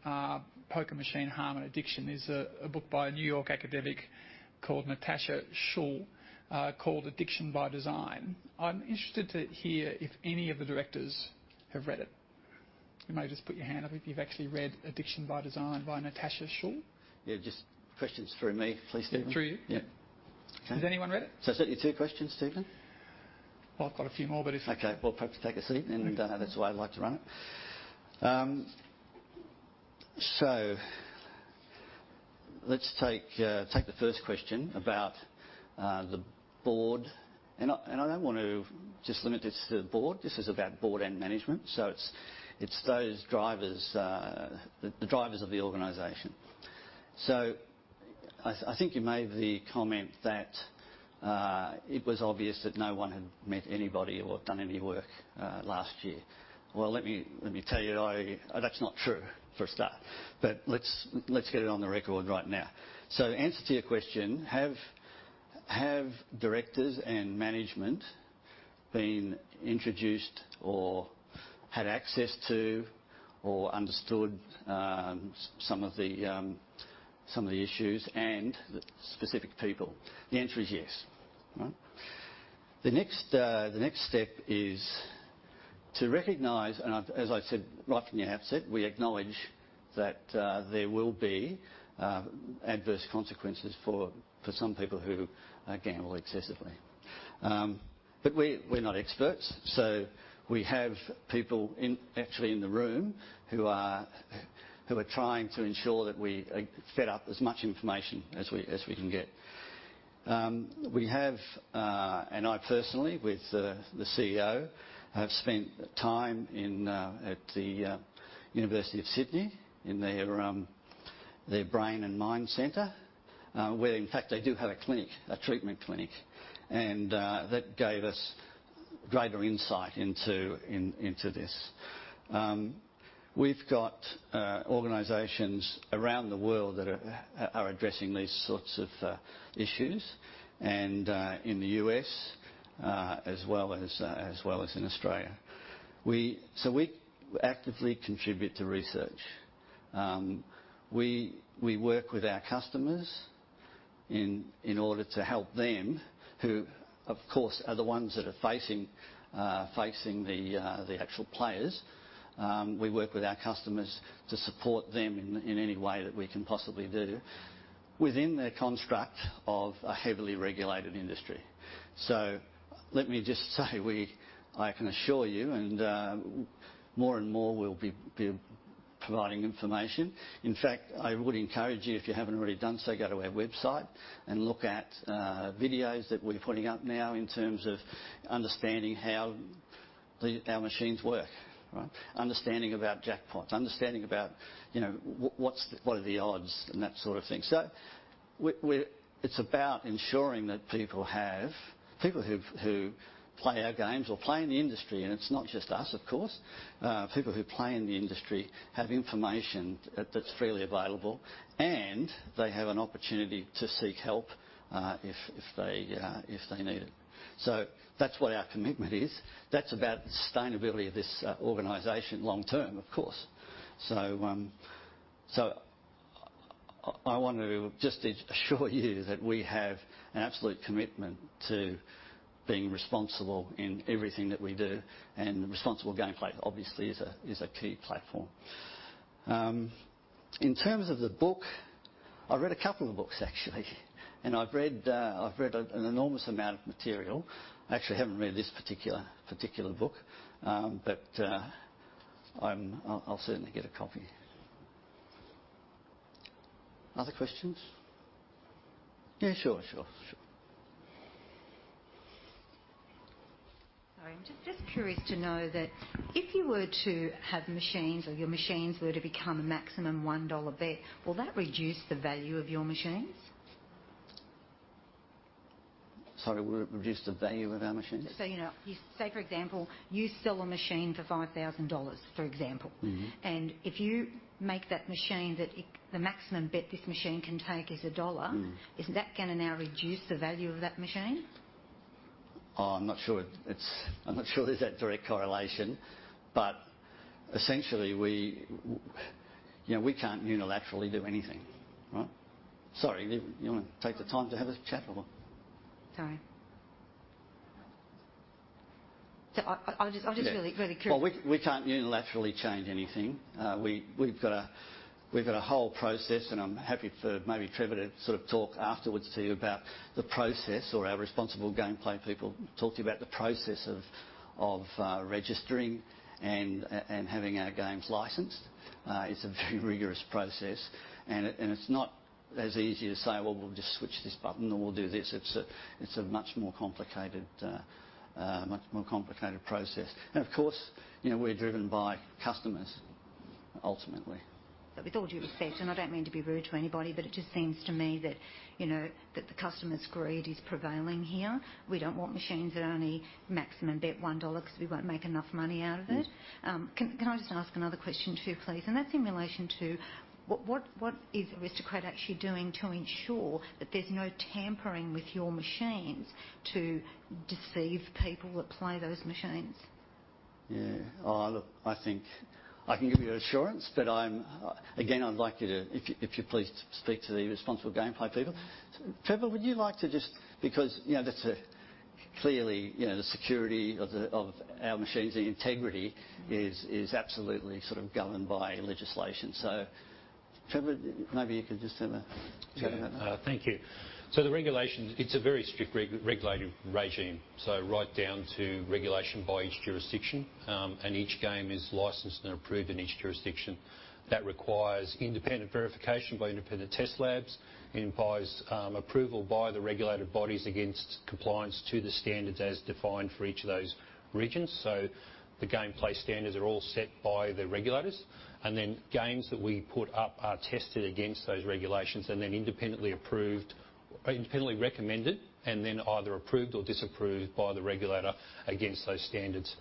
poker machine harm and addiction is a book by a New York academic called Natasha Schüll, called Addiction by Design. I'm interested to hear if any of the directors have read it. You may just put your hand up if you've actually read Addiction by Design by Natasha Schüll. Yeah. Just questions through me, please, Steven. Through you? Yeah. Okay. Has anyone read it? Certainly two questions, Steven. I've got a few more, but if okay. We'll perhaps take a seat. That's why I'd like to run it. Let's take the first question about the board. I don't want to just limit this to the board. This is about board and management. It's those drivers, the drivers of the organization. I think you made the comment that it was obvious that no one had met anybody or done any work last year. Let me tell you, that's not true for a start. Let's get it on the record right now. Answer to your question, have directors and management been introduced or had access to or understood some of the issues and the specific people? The answer is yes. The next step is to recognize, and as I said right from the outset, we acknowledge that there will be adverse consequences for some people who gamble excessively. We're not experts. We have people actually in the room who are trying to ensure that we fed up as much information as we can get. We have, and I personally, with the CEO, have spent time in, at the University of Sydney in their brain and mind center, where in fact they do have a clinic, a treatment clinic. That gave us greater insight into this. We've got organizations around the world that are addressing these sorts of issues, in the U.S. as well as in Australia. We actively contribute to research. We work with our customers in order to help them who, of course, are the ones that are facing the actual players. We work with our customers to support them in any way that we can possibly do within the construct of a heavily regulated industry. Let me just say I can assure you, and more and more we'll be providing information. In fact, I would encourage you, if you haven't already done so, go to our website and look at videos that we're putting up now in terms of understanding how our machines work, right? Understanding about jackpots, understanding about, you know, what's what are the odds and that sort of thing. We're it's about ensuring that people have people who, who play our games or play in the industry, and it's not just us, of course, people who play in the industry have information that's freely available, and they have an opportunity to seek help, if they need it. That's what our commitment is. That's about the sustainability of this organization long term, of course. I want to just assure you that we have an absolute commitment to being responsible in everything that we do. Responsible gameplay, obviously, is a key platform. In terms of the book, I've read a couple of books, actually. I've read an enormous amount of material. I actually haven't read this particular book, but I'll certainly get a copy. Other questions? Yeah. Sure, sure, sure. Sorry. I'm just curious to know that if you were to have machines or your machines were to become a maximum $1 bet, will that reduce the value of your machines? Sorry. Would it reduce the value of our machines? You know, you say, for example, you sell a machine for $5,000, for example. Mm-hmm. And if you make that machine that the maximum bet this machine can take is a dollar, isn't that gonna now reduce the value of that machine? Oh, I'm not sure if it's, I'm not sure there's that direct correlation. Essentially, we, you know, we can't unilaterally do anything, right? Sorry. Do you want to take the time to have a chat or what? Sorry. I'll just, I'm just really, really curious. We can't unilaterally change anything. We have a whole process, and I'm happy for maybe Trevor to sort of talk afterwards to you about the process or our responsible gameplay people talk to you about the process of registering and having our games licensed. It's a very rigorous process. It's not as easy to say, "We'll just switch this button and we'll do this." It's a much more complicated, much more complicated process. Of course, you know, we're driven by customers, ultimately. With all due respect, and I don't mean to be rude to anybody, it just seems to me that, you know, the customer's greed is prevailing here. We don't want machines that only maximum bet $1 'cause we won't make enough money out of it. Can I just ask another question too, please? That's in relation to what is Aristocrat actually doing to ensure that there's no tampering with your machines to deceive people that play those machines? Yeah. Oh, look, I think I can give you assurance that I'm again, I'd like you to, if you please, speak to the responsible gameplay people. Trevor, would you like to, just because, you know, that's a clearly, you know, the security of our machines and integrity is absolutely sort of governed by legislation. Trevor, maybe you could just have a chat about that. Yeah, thank you. The regulation, it's a very strict regulated regime. Right down to regulation by each jurisdiction, and each game is licensed and approved in each jurisdiction. That requires independent verification by independent test labs. It implies approval by the regulatory bodies against compliance to the standards as defined for each of those regions. The gameplay standards are all set by the regulators. Games that we put up are tested against those regulations and then independently approved, independently recommended, and then either approved or disapproved by the regulator against those standards.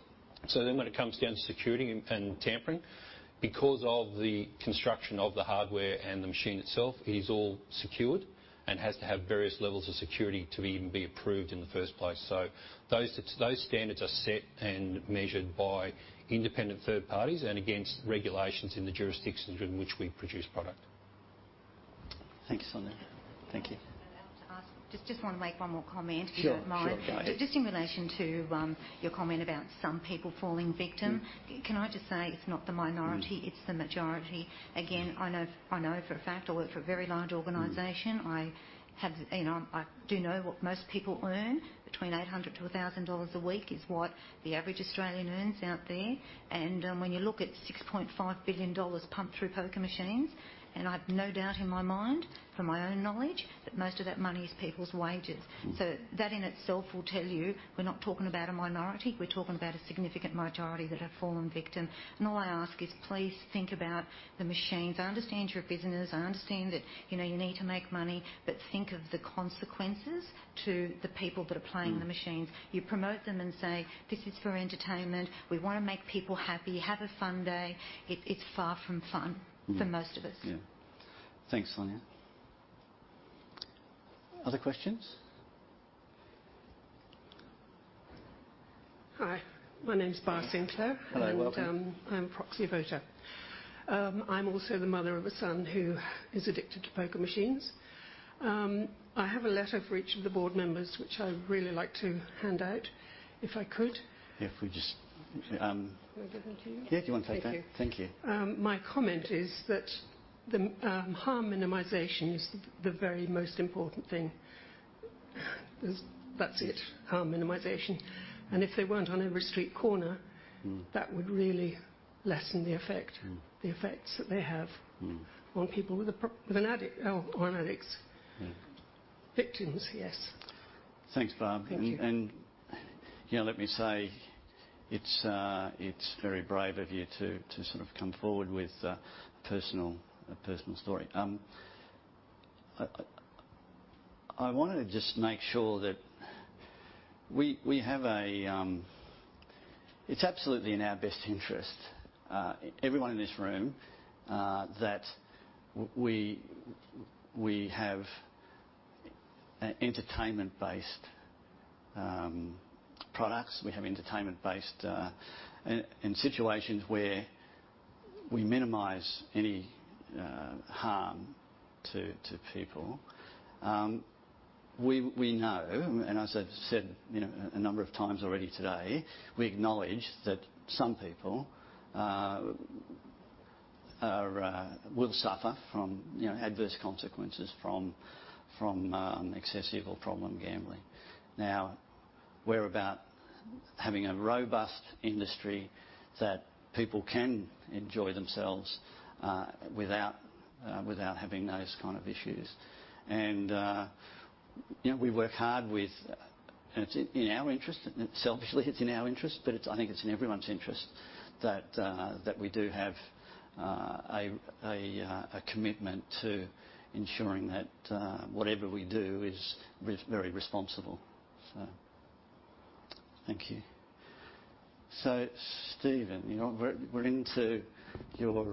When it comes down to security and tampering, because of the construction of the hardware and the machine itself, it is all secured and has to have various levels of security to even be approved in the first place. Those standards are set and measured by independent third parties and against regulations in the jurisdictions in which we produce product. Thank you, Sonja. Thank you. I'm allowed to ask, just wanna make one more comment. Sure. Go ahead. Just in relation to your comment about some people falling victim, can I just say it's not the minority, it's the majority. Again, I know for a fact, I work for a very large organization. I have, you know, I do know what most people earn. Between 800 to 1,000 dollars a week is what the average Australian earns out there. When you look at 6.5 billion dollars pumped through poker machines, I have no doubt in my mind, from my own knowledge, that most of that money is people's wages. That in itself will tell you we're not talking about a minority. We're talking about a significant majority that have fallen victim. All I ask is please think about the machines. I understand you're a business. I understand that, you know, you need to make money, but think of the consequences to the people that are playing the machines. You promote them and say, "This is for entertainment. We wanna make people happy. Have a fun day." It's far from fun for most of us. Yeah. Thanks, Sonja. Other questions? Hi. My name's Bart Sinclair. Hello. Welcome. I'm a proxy voter. I'm also the mother of a son who is addicted to poker machines. I have a letter for each of the board members, which I'd really like to hand out if I could. Yeah. If we just go ahead and do that. Yeah. Do you wanna take that? Thank you. Thank you. My comment is that the harm minimization is the very most important thing. That's it, harm minimization. If they weren't on every street corner, that would really lessen the effect, the effects that they have on people with a pro, with an addict or on addicts. Yeah. Victims, yes. Thanks, Barb. Thank you. You know, let me say it's very brave of you to sort of come forward with a personal, a personal story. I wanted to just make sure that we have a, it's absolutely in our best interest, everyone in this room, that we have entertainment-based products. We have entertainment-based, and situations where we minimize any harm to people. We know, and as I've said, you know, a number of times already today, we acknowledge that some people will suffer from, you know, adverse consequences from excessive or problem gambling. Now, we're about having a robust industry that people can enjoy themselves without having those kind of issues. You know, we work hard with, and it's in our interest. Selfishly, it's in our interest, but I think it's in everyone's interest that we do have a commitment to ensuring that whatever we do is very responsible. Thank you. Stehen, you know, we're into your,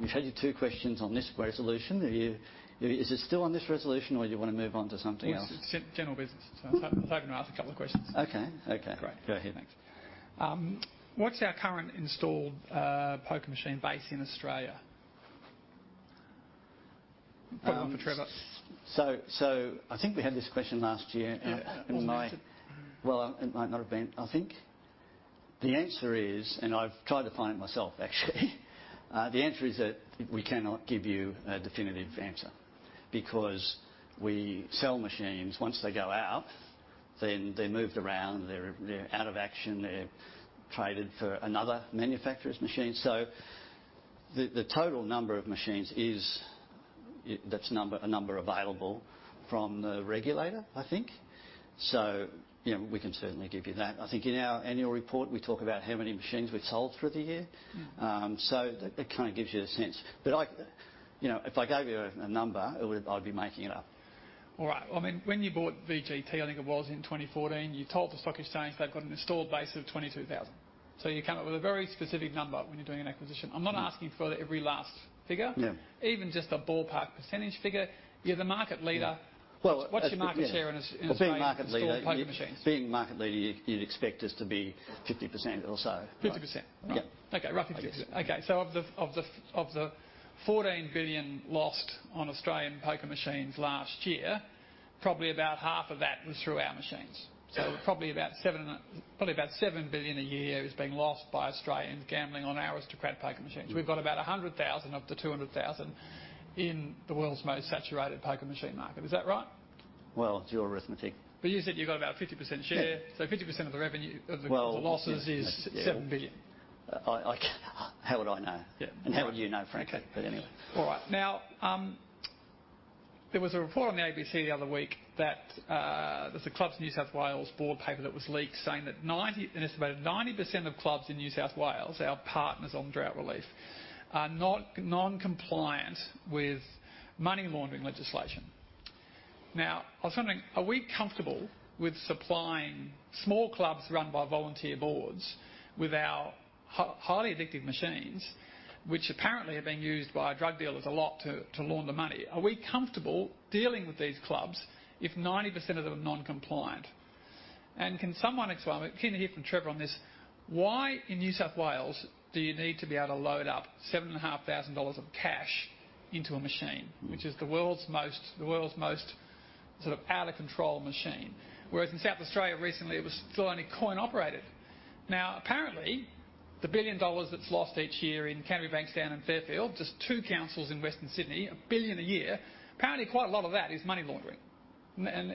you've had your two questions on this resolution. Are you, is it still on this resolution, or do you want to move on to something else? It's general business. I was hoping to ask a couple of questions. Okay. Great. Go ahead. Thanks. What's our current installed poker machine base in Australia? Probably for Trevor. I think we had this question last year. It might not have been. I think the answer is, and I've tried to find it myself, actually, the answer is that we cannot give you a definitive answer because we sell machines. Once they go out, then they're moved around. They're out of action. They're traded for another manufacturer's machine. The total number of machines is a number available from the regulator, I think. We can certainly give you that. I think in our annual report, we talk about how many machines we've sold through the year, so that kind of gives you a sense. If I gave you a number, I'd be making it up. All right. I mean, when you bought VGT, I think it was in 2014, you told the Stock Exchange they've got an installed base of 22,000. You come up with a very specific number when you're doing an acquisition. I'm not asking for every last figure. Even just a ballpark percentage figure. You're the market leader. What's your market share in Australian poker machines? Being market leader, you'd expect us to be 50% or so. 50%. Yeah. Okay. Roughly 50%. Okay. Of the 14 billion lost on Australian poker machines last year, probably about half of that was through our machines. Probably about 7 and probably about 7 billion a year is being lost by Australians gambling on our Aristocrat poker machines. We've got about 100,000 of the 200,000 in the world's most saturated poker machine market. Is that right? It's your arithmetic. You said you've got about a 50% share. 50% of the revenue of the losses is 7 billion. I, how would I know? How would you know, frankly? Anyway. There was a report on the ABC the other week that there's a Clubs New South Wales board paper that was leaked saying that an estimated 90% of clubs in New South Wales, our partners on drought relief, are non-compliant with money laundering legislation. I was wondering, are we comfortable with supplying small clubs run by volunteer boards with our highly addictive machines, which apparently are being used by drug dealers a lot to launder money? Are we comfortable dealing with these clubs if 90% of them are non-compliant? Can someone explain, can you hear from Trevor on this? Why in New South Wales do you need to be able to load up 7,500 dollars of cash into a machine, which is the world's most sort of out-of-control machine, whereas in South Australia recently, it was still only coin-operated? Now, apparently, the billion dollars that's lost each year in Canterbury Bankstown and Fairfield, just two councils in Western Sydney, a billion a year, apparently quite a lot of that is money laundering.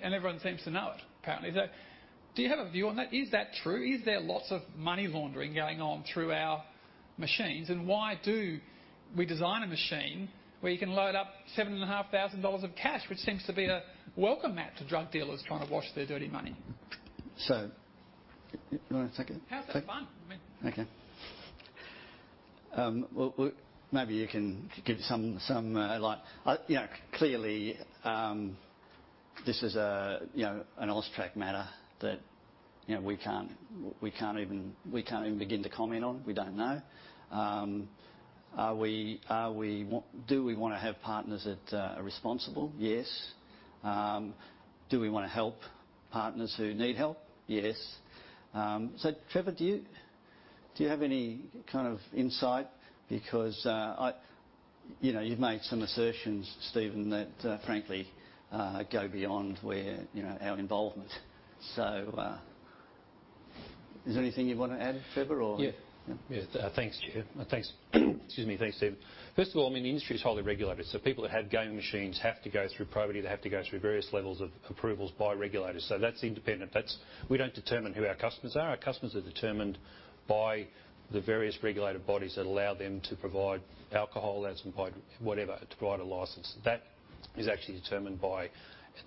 Everyone seems to know it, apparently. Do you have a view on that? Is that true? Is there lots of money laundering going on through our machines? Why do we design a machine where you can load up 7,500 dollars of cash, which seems to be a welcome mat to drug dealers trying to wash their dirty money? You wanna take it? How's that fun? I mean, okay. Maybe you can give some, some, like, you know, clearly, this is a, you know, an AUSTRAC matter that, you know, we can't even begin to comment on. We don't know. Are we, are we, want, do we wanna have partners that are responsible? Yes. Do we wanna help partners who need help? Yes. Trevor, do you have any kind of insight? Because, I, you know, you've made some assertions, Steven, that, frankly, go beyond where, you know, our involvement. Is there anything you wanna add, Trevor, or? Yeah. Yeah. Thanks, Chief. Thanks, excuse me. Thanks, Steven. First of all, I mean, the industry's highly regulated. People that have gaming machines have to go through probity. They have to go through various levels of approvals by regulators. That's independent. We don't determine who our customers are. Our customers are determined by the various regulator bodies that allow them to provide alcohol, that's by whatever, to provide a license. That is actually determined by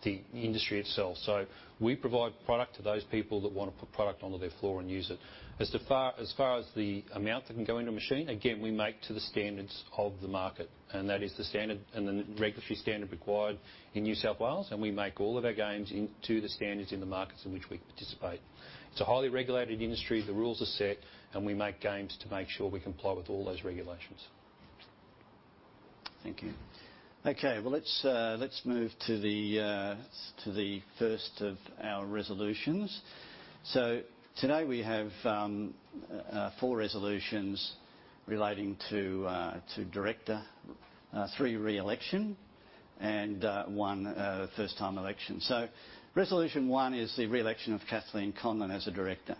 the industry itself. So we provide product to those people that wanna put product onto their floor and use it. As far as the amount that can go into a machine, again, we make to the standards of the market. That is the standard and the regulatory standard required in New South Wales. We make all of our games to the standards in the markets in which we participate. It's a highly regulated industry. The rules are set. We make games to make sure we comply with all those regulations. Thank you. Okay. Let's move to the first of our resolutions. Today we have four resolutions relating to director, three re-election, and one first-time election. Resolution one is the re-election of Kathleen Conlon as a director.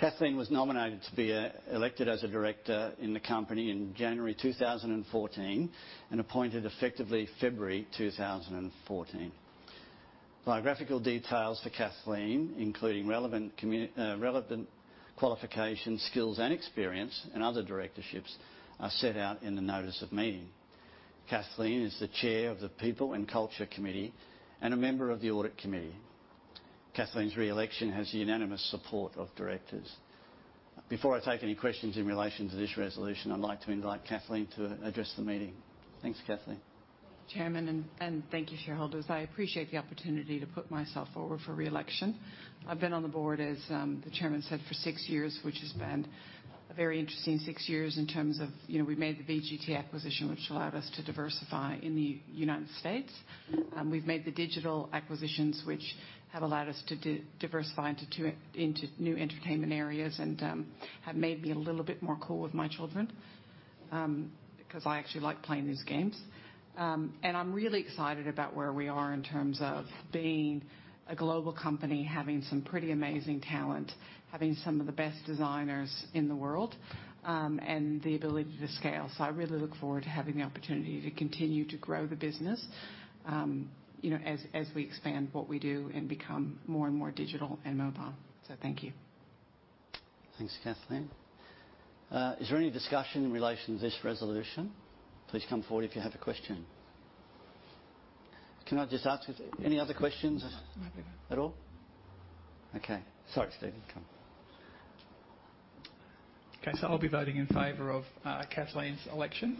Kathleen was nominated to be elected as a director in the company in January 2014 and appointed effectively February 2014. Biographical details for Kathleen, including relevant qualifications, skills, and experience and other directorships, are set out in the notice of meeting. Kathleen is the Chair of the People and Culture Committee and a member of the Audit Committee. Kathleen's re-election has unanimous support of directors. Before I take any questions in relation to this resolution, I'd like to invite Kathleen to address the meeting. Thanks, Kathleen. Chairman, and thank you, shareholders. I appreciate the opportunity to put myself forward for re-election. I've been on the board, as the Chairman said, for six years, which has been a very interesting six years in terms of, you know, we made the VGT acquisition, which allowed us to diversify in the United States. We've made the digital acquisitions, which have allowed us to diversify into new entertainment areas and have made me a little bit more cool with my children, because I actually like playing these games. I'm really excited about where we are in terms of being a global company, having some pretty amazing talent, having some of the best designers in the world, and the ability to scale. I really look forward to having the opportunity to continue to grow the business, you know, as we expand what we do and become more and more digital and mobile. Thank you. Thanks, Kathleen. Is there any discussion in relation to this resolution? Please come forward if you have a question. Can I just ask if any other questions at all? Okay. Sorry, Steven. Come on. Okay. I'll be voting in favor of Kathleen's election.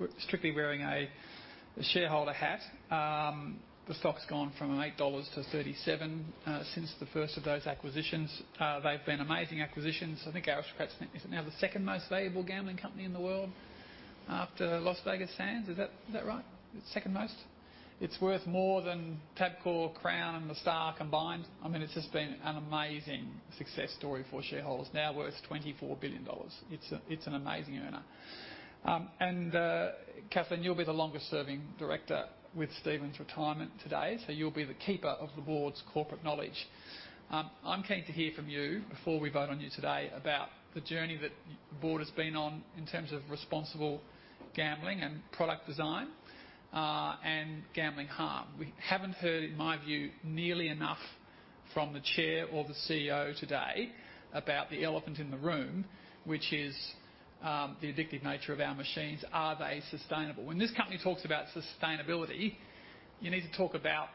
We're strictly wearing a shareholder hat. The stock's gone from 8 dollars to 37 since the first of those acquisitions. They've been amazing acquisitions. I think Aristocrat is now the second most valuable gambling company in the world after Las Vegas Sands. Is that right? Second most? It's worth more than Tabcorp Crown, and The Star combined. I mean, it's just been an amazing success story for shareholders, now worth 24 billion dollars. It's an amazing earner. Kathleen, you'll be the longest-serving director with Steven's retirement today. You'll be the keeper of the board's corporate knowledge. I'm keen to hear from you before we vote on you today about the journey that the board has been on in terms of responsible gambling and product design, and gambling harm. We haven't heard, in my view, nearly enough from the Chair or the CEO today about the elephant in the room, which is, the addictive nature of our machines. Are they sustainable? When this company talks about sustainability, you need to talk about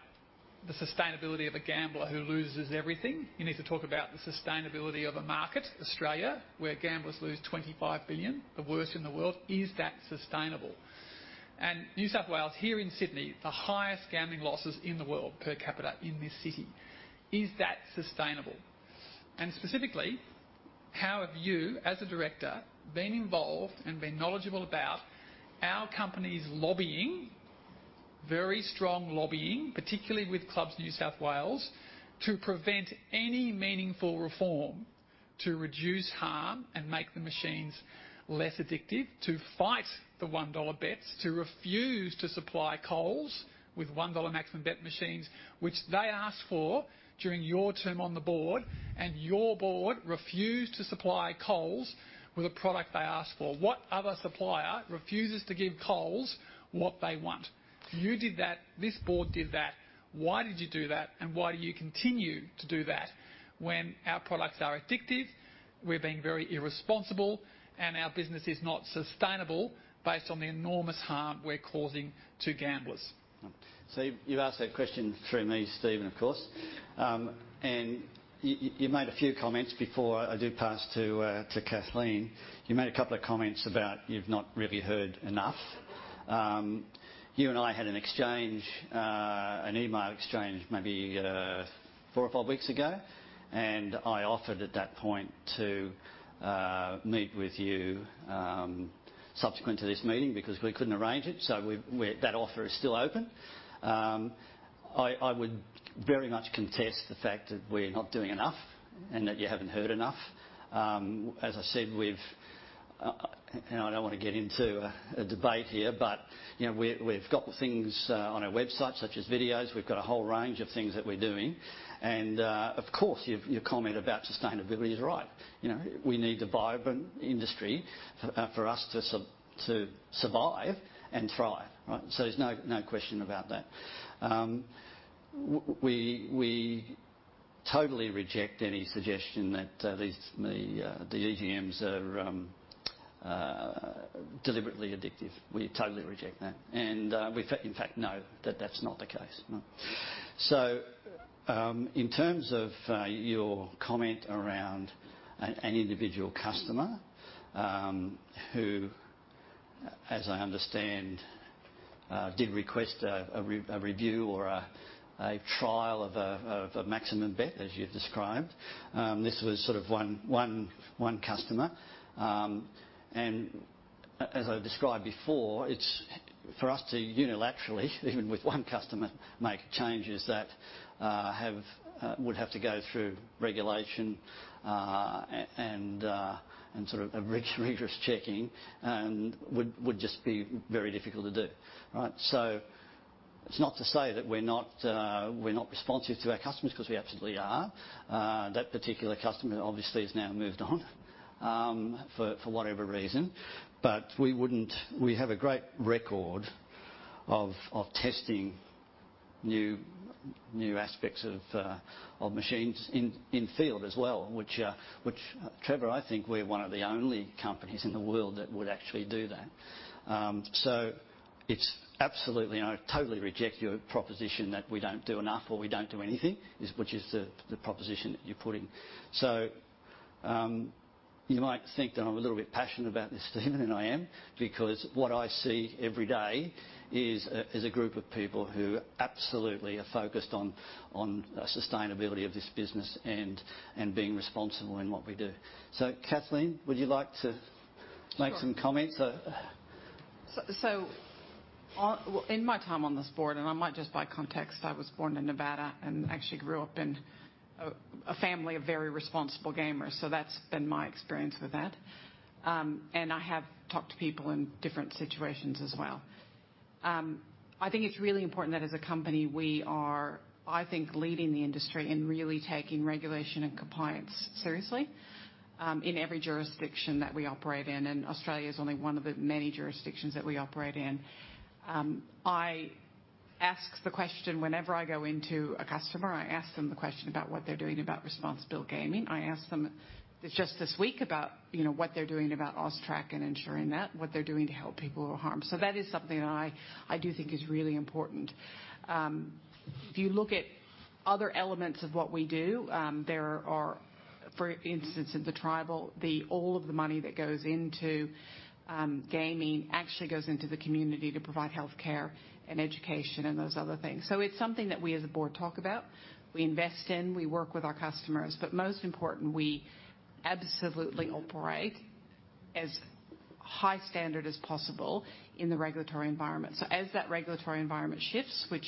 the sustainability of a gambler who loses everything. You need to talk about the sustainability of a market, Australia, where gamblers lose 25 billion, the worst in the world. Is that sustainable? New South Wales, here in Sydney, the highest gambling losses in the world per capita in this city. Is that sustainable? Specifically, how have you, as a director, been involved and been knowledgeable about our company's lobbying, very strong lobbying, particularly with Clubs New South Wales, to prevent any meaningful reform to reduce harm and make the machines less addictive, to fight the $1 bets, to refuse to supply Coles with $1 maximum bet machines, which they asked for during your term on the board, and your board refused to supply Coles with a product they asked for? What other supplier refuses to give Coles what they want? You did that. This board did that. Why did you do that? Why do you continue to do that when our products are addictive, we're being very irresponsible, and our business is not sustainable based on the enormous harm we're causing to gamblers? You have asked that question through me, Steven, of course. You made a few comments before I do pass to Kathleen. You made a couple of comments about you've not really heard enough. You and I had an exchange, an email exchange maybe four or five weeks ago. I offered at that point to meet with you subsequent to this meeting because we could not arrange it. That offer is still open. I would very much contest the fact that we are not doing enough and that you have not heard enough. As I said, we have things on our website, such as videos. We have a whole range of things that we are doing. Of course, your comment about sustainability is right. We need the vibrant industry for us to survive and thrive, right? There is no question about that. We totally reject any suggestion that the EGMs are deliberately addictive. We totally reject that. In fact, we know that is not the case. In terms of your comment around an individual customer, who, as I understand, did request a review or a trial of a maximum bet, as you have described, this was one customer. As I described before, for us to unilaterally, even with one customer, make changes that would have to go through regulation and a rigorous checking, would just be very difficult to do, right? It is not to say that we are not responsive to our customers because we absolutely are. That particular customer obviously has now moved on, for whatever reason. We have a great record of testing new aspects of machines in field as well, which, Trevor, I think we're one of the only companies in the world that would actually do that. It's absolutely, I totally reject your proposition that we don't do enough or we don't do anything, which is the proposition that you're putting. You might think that I'm a little bit passionate about this, Steven, and I am, because what I see every day is a group of people who absolutely are focused on the sustainability of this business and being responsible in what we do. Kathleen, would you like to make some comments? In my time on this board, and I might just by context, I was born in Nevada and actually grew up in a family of very responsible gamers. That's been my experience with that. I have talked to people in different situations as well. I think it's really important that as a company, we are, I think, leading the industry in really taking regulation and compliance seriously, in every jurisdiction that we operate in. Australia is only one of the many jurisdictions that we operate in. I ask the question whenever I go into a customer, I ask them the question about what they're doing about responsible gaming. I ask them just this week about, you know, what they're doing about AUSTRAC and ensuring that, what they're doing to help people who are harmed. That is something that I do think is really important. If you look at other elements of what we do, there are, for instance, in the tribal, all of the money that goes into gaming actually goes into the community to provide healthcare and education and those other things. It is something that we as a board talk about. We invest in. We work with our customers. Most important, we absolutely operate as high standard as possible in the regulatory environment. As that regulatory environment shifts, which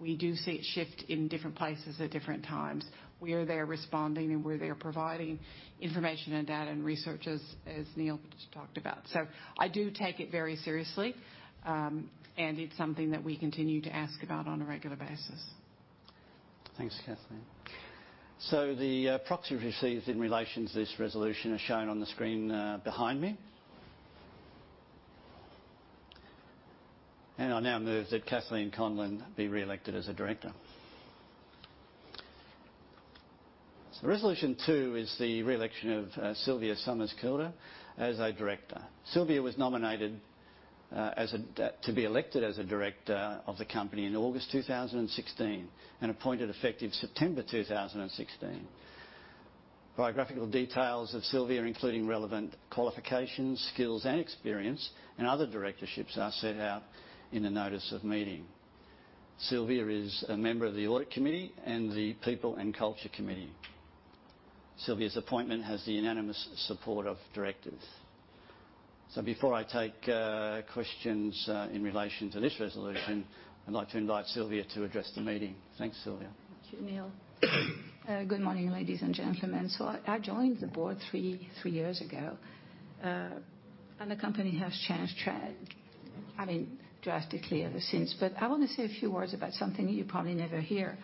we do see it shift in different places at different times, we are there responding, and we are there providing information and data and research as Neil just talked about. I do take it very seriously, and it is something that we continue to ask about on a regular basis. Thanks, Kathleen. The proxy receipts in relation to this resolution are shown on the screen behind me. I now move that Kathleen Conlon be re-elected as a director. Resolution two is the re-election of Sylvia Summers Couder as a director. Sylvia was nominated to be elected as a director of the company in August 2016 and appointed effective September 2016. Biographical details of Sylvia, including relevant qualifications, skills, experience, and other directorships, are set out in the notice of meeting. Sylvia is a member of the Audit Committee and the People and Culture Committee. Sylvia's appointment has the unanimous support of directors. Before I take questions in relation to this resolution, I'd like to invite Sylvia to address the meeting. Thanks, Sylvia. Thank you, Neil. Good morning, ladies and gentlemen. I joined the board three years ago. The company has changed, I mean, drastically ever since. I wanna say a few words about something that you probably never hear,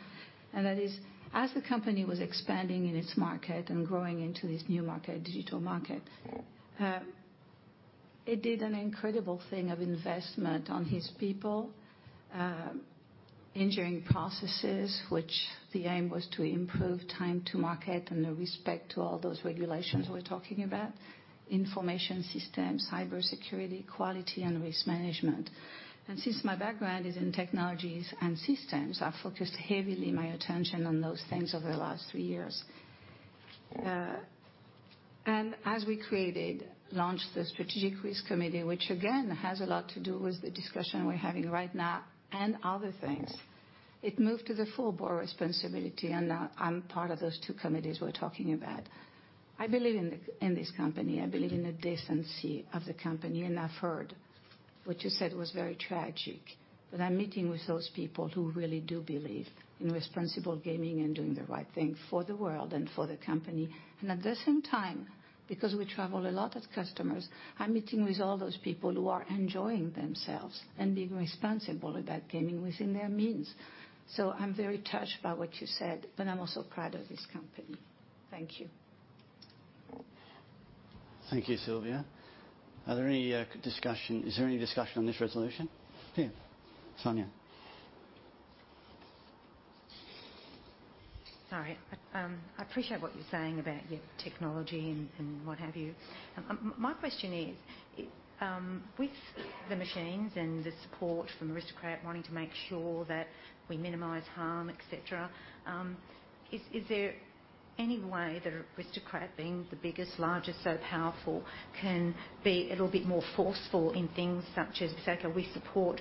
and that is, as the company was expanding in its market and growing into this new market, digital market, it did an incredible thing of investment on its people, engineering processes, which the aim was to improve time to market and the respect to all those regulations we're talking about, information systems, cybersecurity, quality and risk management. Since my background is in technologies and systems, I've focused heavily my attention on those things over the last three years. As we created, launched the Strategic Risk Committee, which again has a lot to do with the discussion we're having right now and other things, it moved to the full board responsibility, and I'm part of those two committees we're talking about. I believe in this company. I believe in the decency of the company. I've heard what you said was very tragic. I'm meeting with those people who really do believe in responsible gaming and doing the right thing for the world and for the company. At the same time, because we travel a lot as customers, I'm meeting with all those people who are enjoying themselves and being responsible about gaming within their means. I'm very touched by what you said, but I'm also proud of this company. Thank you. Thank you, Sylvia. Is there any discussion on this resolution? Yeah. Sonja. Sorry. I appreciate what you're saying about, you know, technology and what have you. My question is, with the machines and the support from Aristocrat wanting to make sure that we minimize harm, etc., is, is there any way that Aristocrat, being the biggest, largest, so powerful, can be a little bit more forceful in things such as, say, can we support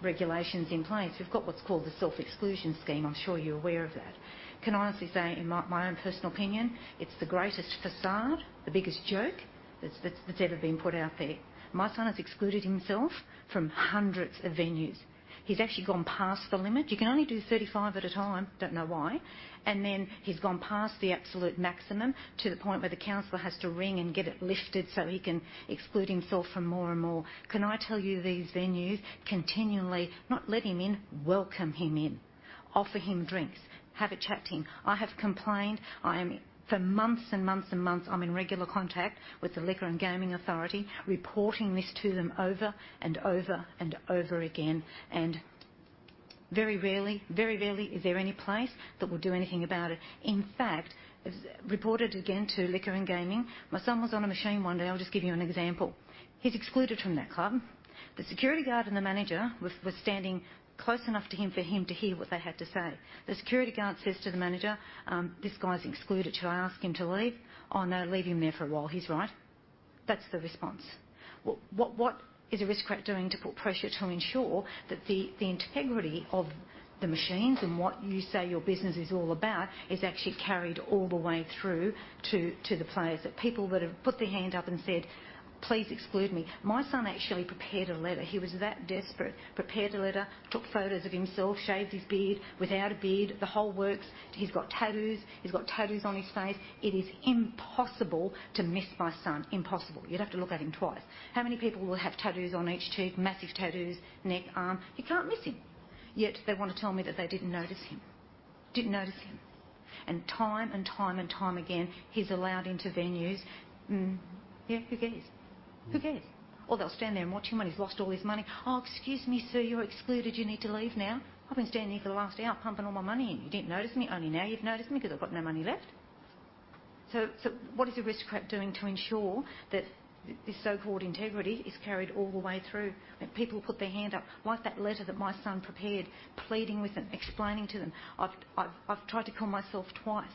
regulations in place? We've got what's called the Self-Exclusion Scheme. I'm sure you're aware of that. Can I honestly say, in my, my own personal opinion, it's the greatest facade, the biggest joke that's, that's, that's ever been put out there. My son has excluded himself from hundreds of venues. He's actually gone past the limit. You can only do 35 at a time. Don't know why. And then he's gone past the absolute maximum to the point where the council has to ring and get it lifted so he can exclude himself from more and more. Can I tell you these venues continually not let him in, welcome him in, offer him drinks, have a chat to him? I have complained. I am for months and months and months, I'm in regular contact with the Legal and Gaming Authority, reporting this to them over and over and over again. Very rarely, very rarely is there any place that will do anything about it. In fact, reported again to Liquor and Gaming, my son was on a machine one day. I'll just give you an example. He's excluded from that club. The security guard and the manager were standing close enough to him for him to hear what they had to say. The security guard says to the manager, "This guy's excluded. Should I ask him to leave?" "Oh, no. Leave him there for a while." "He's right." That's the response. What is Aristocrat doing to put pressure to ensure that the integrity of the machines and what you say your business is all about is actually carried all the way through to the players? That people that have put their hand up and said, "Please exclude me." My son actually prepared a letter. He was that desperate. Prepared a letter, took photos of himself, shaved his beard without a beard. The whole works. He's got tattoos. He's got tattoos on his face. It is impossible to miss my son. Impossible. You'd have to look at him twice. How many people will have tattoos on each cheek? Massive tattoos, neck, arm. You can't miss him. Yet they wanna tell me that they didn't notice him. Didn't notice him. And time and time and time again, he's allowed into venues. Yeah. Who cares? Who cares? They'll stand there and watch him when he's lost all his money. "Oh, excuse me, sir. You're excluded. You need to leave now." "I've been standing here for the last hour pumping all my money in. You didn't notice me. Only now you've noticed me 'cause I've got no money left." What is Aristocrat doing to ensure that this so-called integrity is carried all the way through? People put their hand up. Like that letter that my son prepared, pleading with them, explaining to them. I've tried to call myself twice.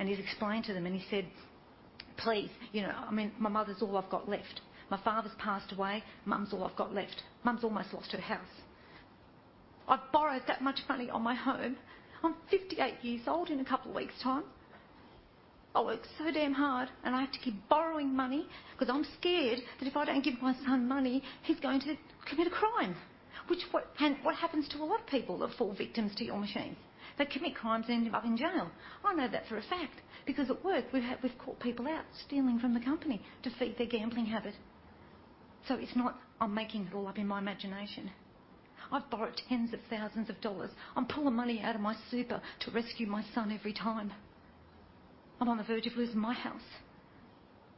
And he's explained to them, and he said, "Please, you know, I mean, my mother's all I've got left. My father's passed away. Mum's all I've got left. Mum's almost lost her house. I've borrowed that much money on my home. I'm 58 years old in a couple of weeks' time. I work so damn hard, and I have to keep borrowing money 'cause I'm scared that if I don't give my son money, he's going to commit a crime. Which is what happens to a lot of people that fall victims to your machines. They commit crimes and end up in jail. I know that for a fact because at work, we've caught people out stealing from the company to feed their gambling habit. It's not like I'm making it all up in my imagination. I've borrowed tens of thousands of dollars. I'm pulling money out of my super to rescue my son every time. I'm on the verge of losing my house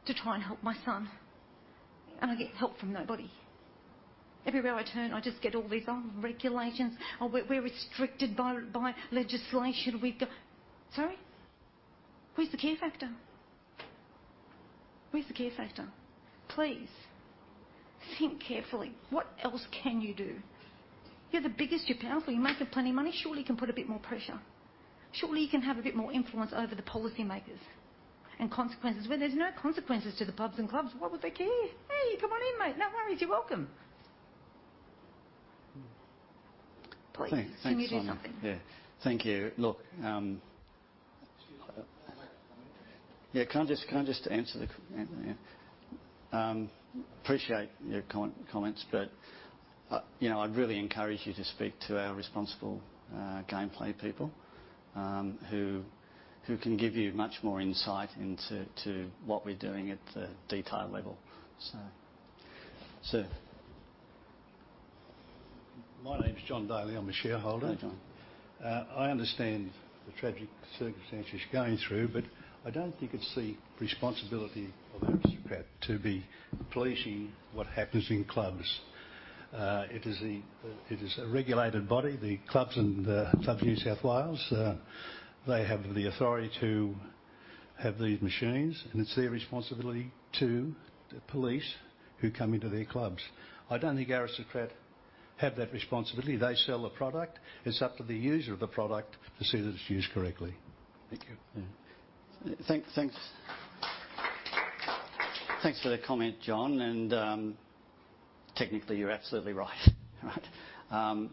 to try and help my son. I get help from nobody. Everywhere I turn, I just get all these, "Oh, regulations. Oh, we're, we're restricted by, by legislation. We've got," sorry? Where's the care factor? Where's the care factor? Please, think carefully. What else can you do? You're the biggest. You're powerful. You're making plenty of money. Surely you can put a bit more pressure. Surely you can have a bit more influence over the policymakers and consequences. When there's no consequences to the pubs and clubs, what would they care? "Hey, come on in, mate. No worries. You're welcome." Please. Thanks. Thank you. Can you do something? Yeah. Thank you. Look, can I just answer the appreciate your comments, but, you know, I'd really encourage you to speak to our responsible gameplay people, who can give you much more insight into what we're doing at the detail level. So, sir. My name's John Daly. I'm a shareholder. Hi, John. I understand the tragic circumstances you're going through, but I don't think it's the responsibility of Aristocrat to be policing what happens in clubs. It is a regulated body. The clubs and the Clubs New South Wales, they have the authority to have these machines, and it's their responsibility to police who come into their clubs. I don't think Aristocrat have that responsibility. They sell the product. It's up to the user of the product to see that it's used correctly. Thank you. Thanks. Thanks for the comment, John. Technically, you're absolutely right.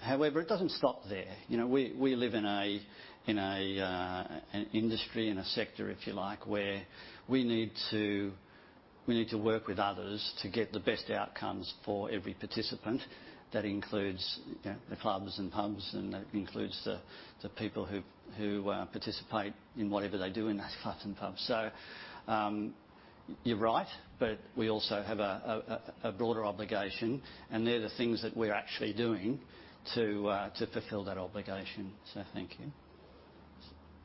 However, it doesn't stop there. You know, we live in an industry, in a sector, if you like, where we need to work with others to get the best outcomes for every participant. That includes, you know, the clubs and pubs, and that includes the people who participate in whatever they do in those clubs and pubs. You're right, but we also have a broader obligation, and they're the things that we're actually doing to fulfill that obligation. Thank you.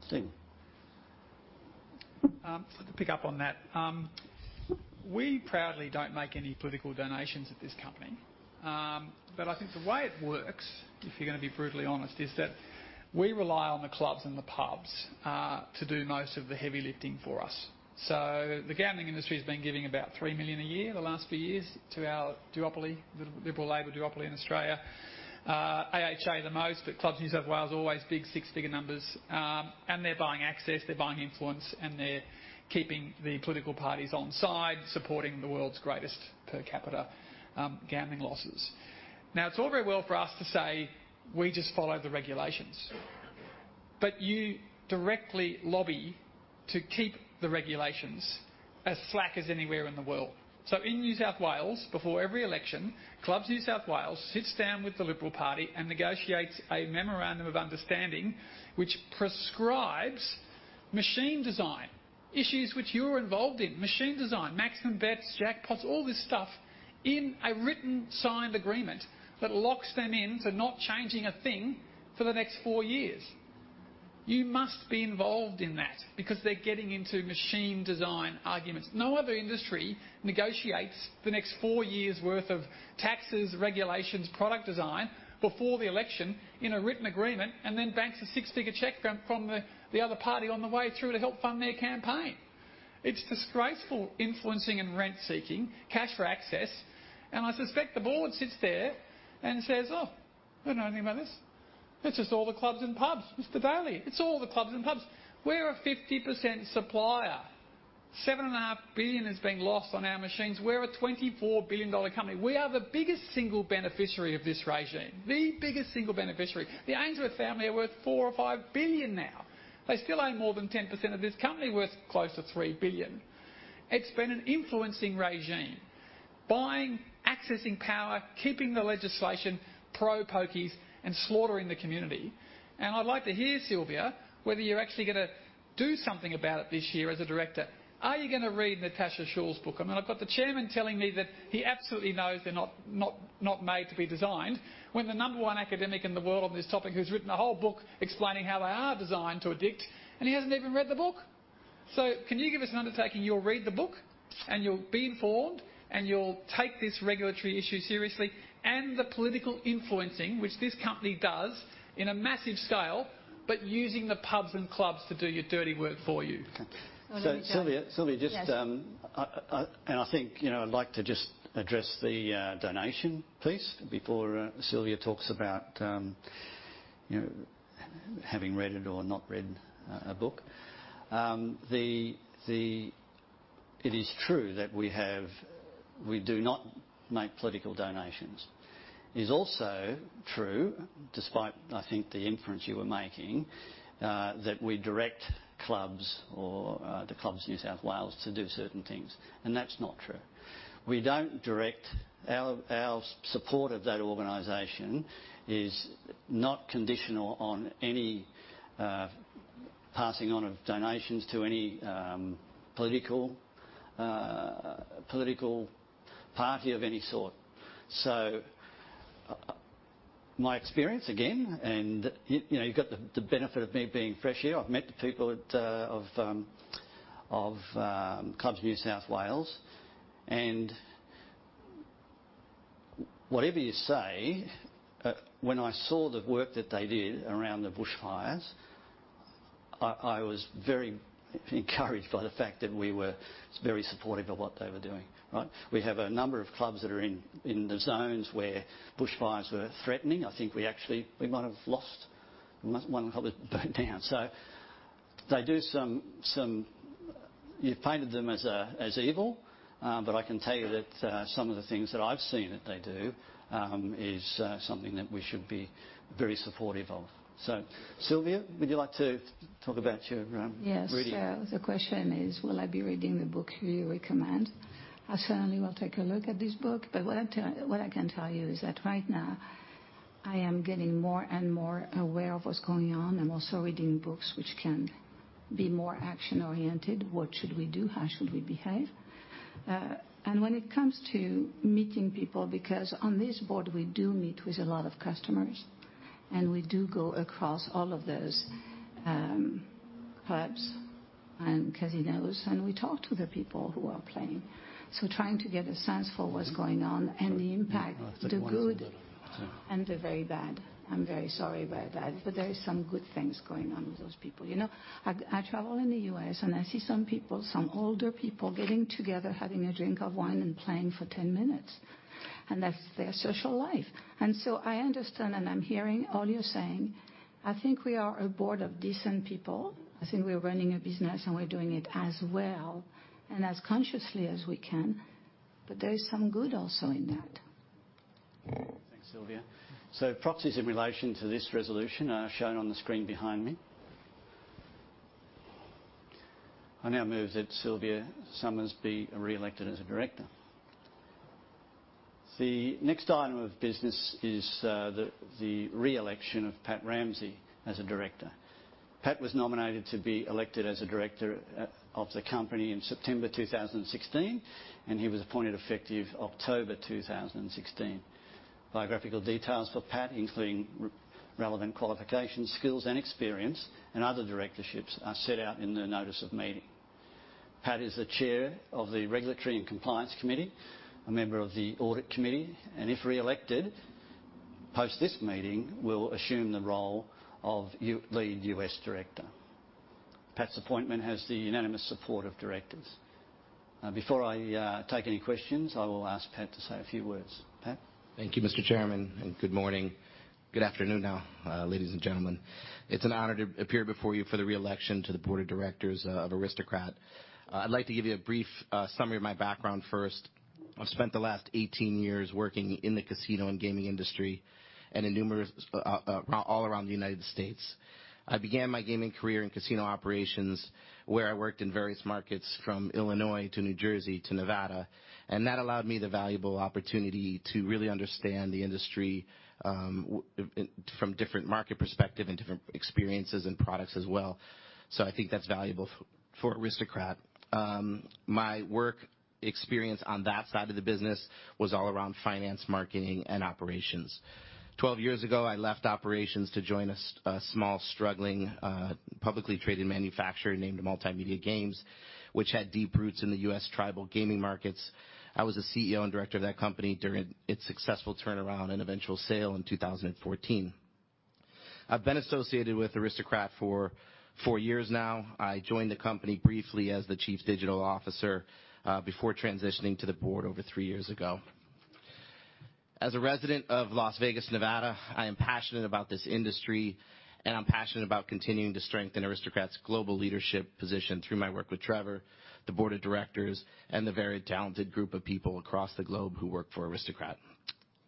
Stephen, to pick up on that, we proudly don't make any political donations at this company. I think the way it works, if you're gonna be brutally honest, is that we rely on the clubs and the pubs to do most of the heavy lifting for us. The gambling industry's been giving about 3 million a year the last few years to our duopoly, the Liberal Labour duopoly in Australia. AHA the most, but Clubs New South Wales always big, six-figure numbers, and they're buying access. They're buying influence, and they're keeping the political parties onside, supporting the world's greatest per capita gambling losses. Now, it's all very well for us to say, "We just follow the regulations." But you directly lobby to keep the regulations as slack as anywhere in the world. In New South Wales, before every election, Clubs New South Wales sits down with the Liberal Party and negotiates a memorandum of understanding which prescribes machine design issues which you're involved in, machine design, maximum bets, jackpots, all this stuff in a written signed agreement that locks them into not changing a thing for the next four years. You must be involved in that because they're getting into machine design arguments. No other industry negotiates the next four years' worth of taxes, regulations, product design before the election in a written agreement and then banks a six-figure check from the other party on the way through to help fund their campaign. It's disgraceful influencing and rent-seeking, cash for access. I suspect the board sits there and says, "Oh, I don't know anything about this. It's just all the clubs and pubs, Mr. Daly. It's all the clubs and pubs. We're a 50% supplier. 7.5 billion has been lost on our machines. We're a 24 billion dollar company. We are the biggest single beneficiary of this regime. The biggest single beneficiary. The Ainsworth family are worth 4 billion-5 billion now. They still own more than 10% of this company worth close to 3 billion. It's been an influencing regime, buying, accessing power, keeping the legislation pro-Pokies, and slaughtering the community. I'd like to hear, Sylvia, whether you're actually gonna do something about it this year as a director. Are you gonna read Natasha Schüll's book? I mean, I've got the chairman telling me that he absolutely knows they're not, not, not made to be designed when the number one academic in the world on this topic who's written a whole book explaining how they are designed to addict, and he hasn't even read the book. Can you give us an undertaking you'll read the book, and you'll be informed, and you'll take this regulatory issue seriously and the political influencing which this company does in a massive scale but using the pubs and clubs to do your dirty work for you? Okay. Sylvia, Sylvia, just, I, I, and I think, you know, I'd like to just address the donation piece before Sylvia talks about, you know, having read it or not read a, a book. It is true that we have, we do not make political donations. It is also true, despite, I think, the inference you were making, that we direct clubs or the Clubs New South Wales to do certain things. That's not true. We don't direct our, our support of that organization is not conditional on any passing on of donations to any political, political party of any sort. My experience, again, and you, you know, you've got the benefit of me being fresh here. I've met the people at, of, of, Clubs New South Wales. Whatever you say, when I saw the work that they did around the bushfires, I was very encouraged by the fact that we were very supportive of what they were doing. Right? We have a number of clubs that are in the zones where bushfires were threatening. I think we actually might have lost one of the clubs burnt down. They do some, some you've painted them as evil. I can tell you that some of the things that I've seen that they do is something that we should be very supportive of. Sylvia, would you like to talk about your reading? Yes. The question is, will I be reading the book you recommend? I certainly will take a look at this book. What I can tell you is that right now, I am getting more and more aware of what's going on. I'm also reading books which can be more action-oriented. What should we do? How should we behave? When it comes to meeting people, because on this board, we do meet with a lot of customers, and we do go across all of those, clubs and casinos, and we talk to the people who are playing. Trying to get a sense for what's going on and the impact. The good. And the very bad. I'm very sorry about that. There are some good things going on with those people. You know, I travel in the U.S., and I see some people, some older people getting together, having a drink of wine and playing for 10 minutes. That's their social life. I understand, and I'm hearing all you're saying. I think we are a board of decent people. I think we're running a business, and we're doing it as well and as consciously as we can. There is some good also in that. Thanks, Sylvia. Proxies in relation to this resolution are shown on the screen behind me. I now move that Sylvia Summers be re-elected as a director. The next item of business is the re-election of Pat Ramsey as a Director. Pat was nominated to be elected as a director of the company in September 2016, and he was appointed effective October 2016. Biographical details for Pat, including relevant qualifications, skills, and experience and other directorships, are set out in the notice of meeting. Pat is the Chair of the Regulatory and Compliance Committee, a member of the Audit Committee, and if re-elected post this meeting, will assume the role of lead US Director. Pat's appointment has the unanimous support of directors. Before I take any questions, I will ask Pat to say a few words. Pat? Thank you, Mr. Chairman, and good morning. Good afternoon now, ladies and gentlemen. It's an honor to appear before you for the re-election to the Board of Directors of Aristocrat. I'd like to give you a brief summary of my background first. I've spent the last 18 years working in the casino and gaming industry and in numerous, all around the United States. I began my gaming career in casino operations where I worked in various markets from Illinois to New Jersey to Nevada. That allowed me the valuable opportunity to really understand the industry, from different market perspective and different experiences and products as well. I think that's valuable for Aristocrat. My work experience on that side of the business was all around finance, marketing, and operations. Twelve years ago, I left operations to join a small, struggling, publicly traded manufacturer named Multimedia Games, which had deep roots in the US tribal gaming markets. I was the CEO and director of that company during its successful turnaround and eventual sale in 2014. I've been associated with Aristocrat for four years now. I joined the company briefly as the Chief Digital Officer, before transitioning to the board over three years ago. As a resident of Las Vegas, Nevada, I am passionate about this industry, and I'm passionate about continuing to strengthen Aristocrat's global leadership position through my work with Trevor, the Board of Directors, and the very talented group of people across the globe who work for Aristocrat.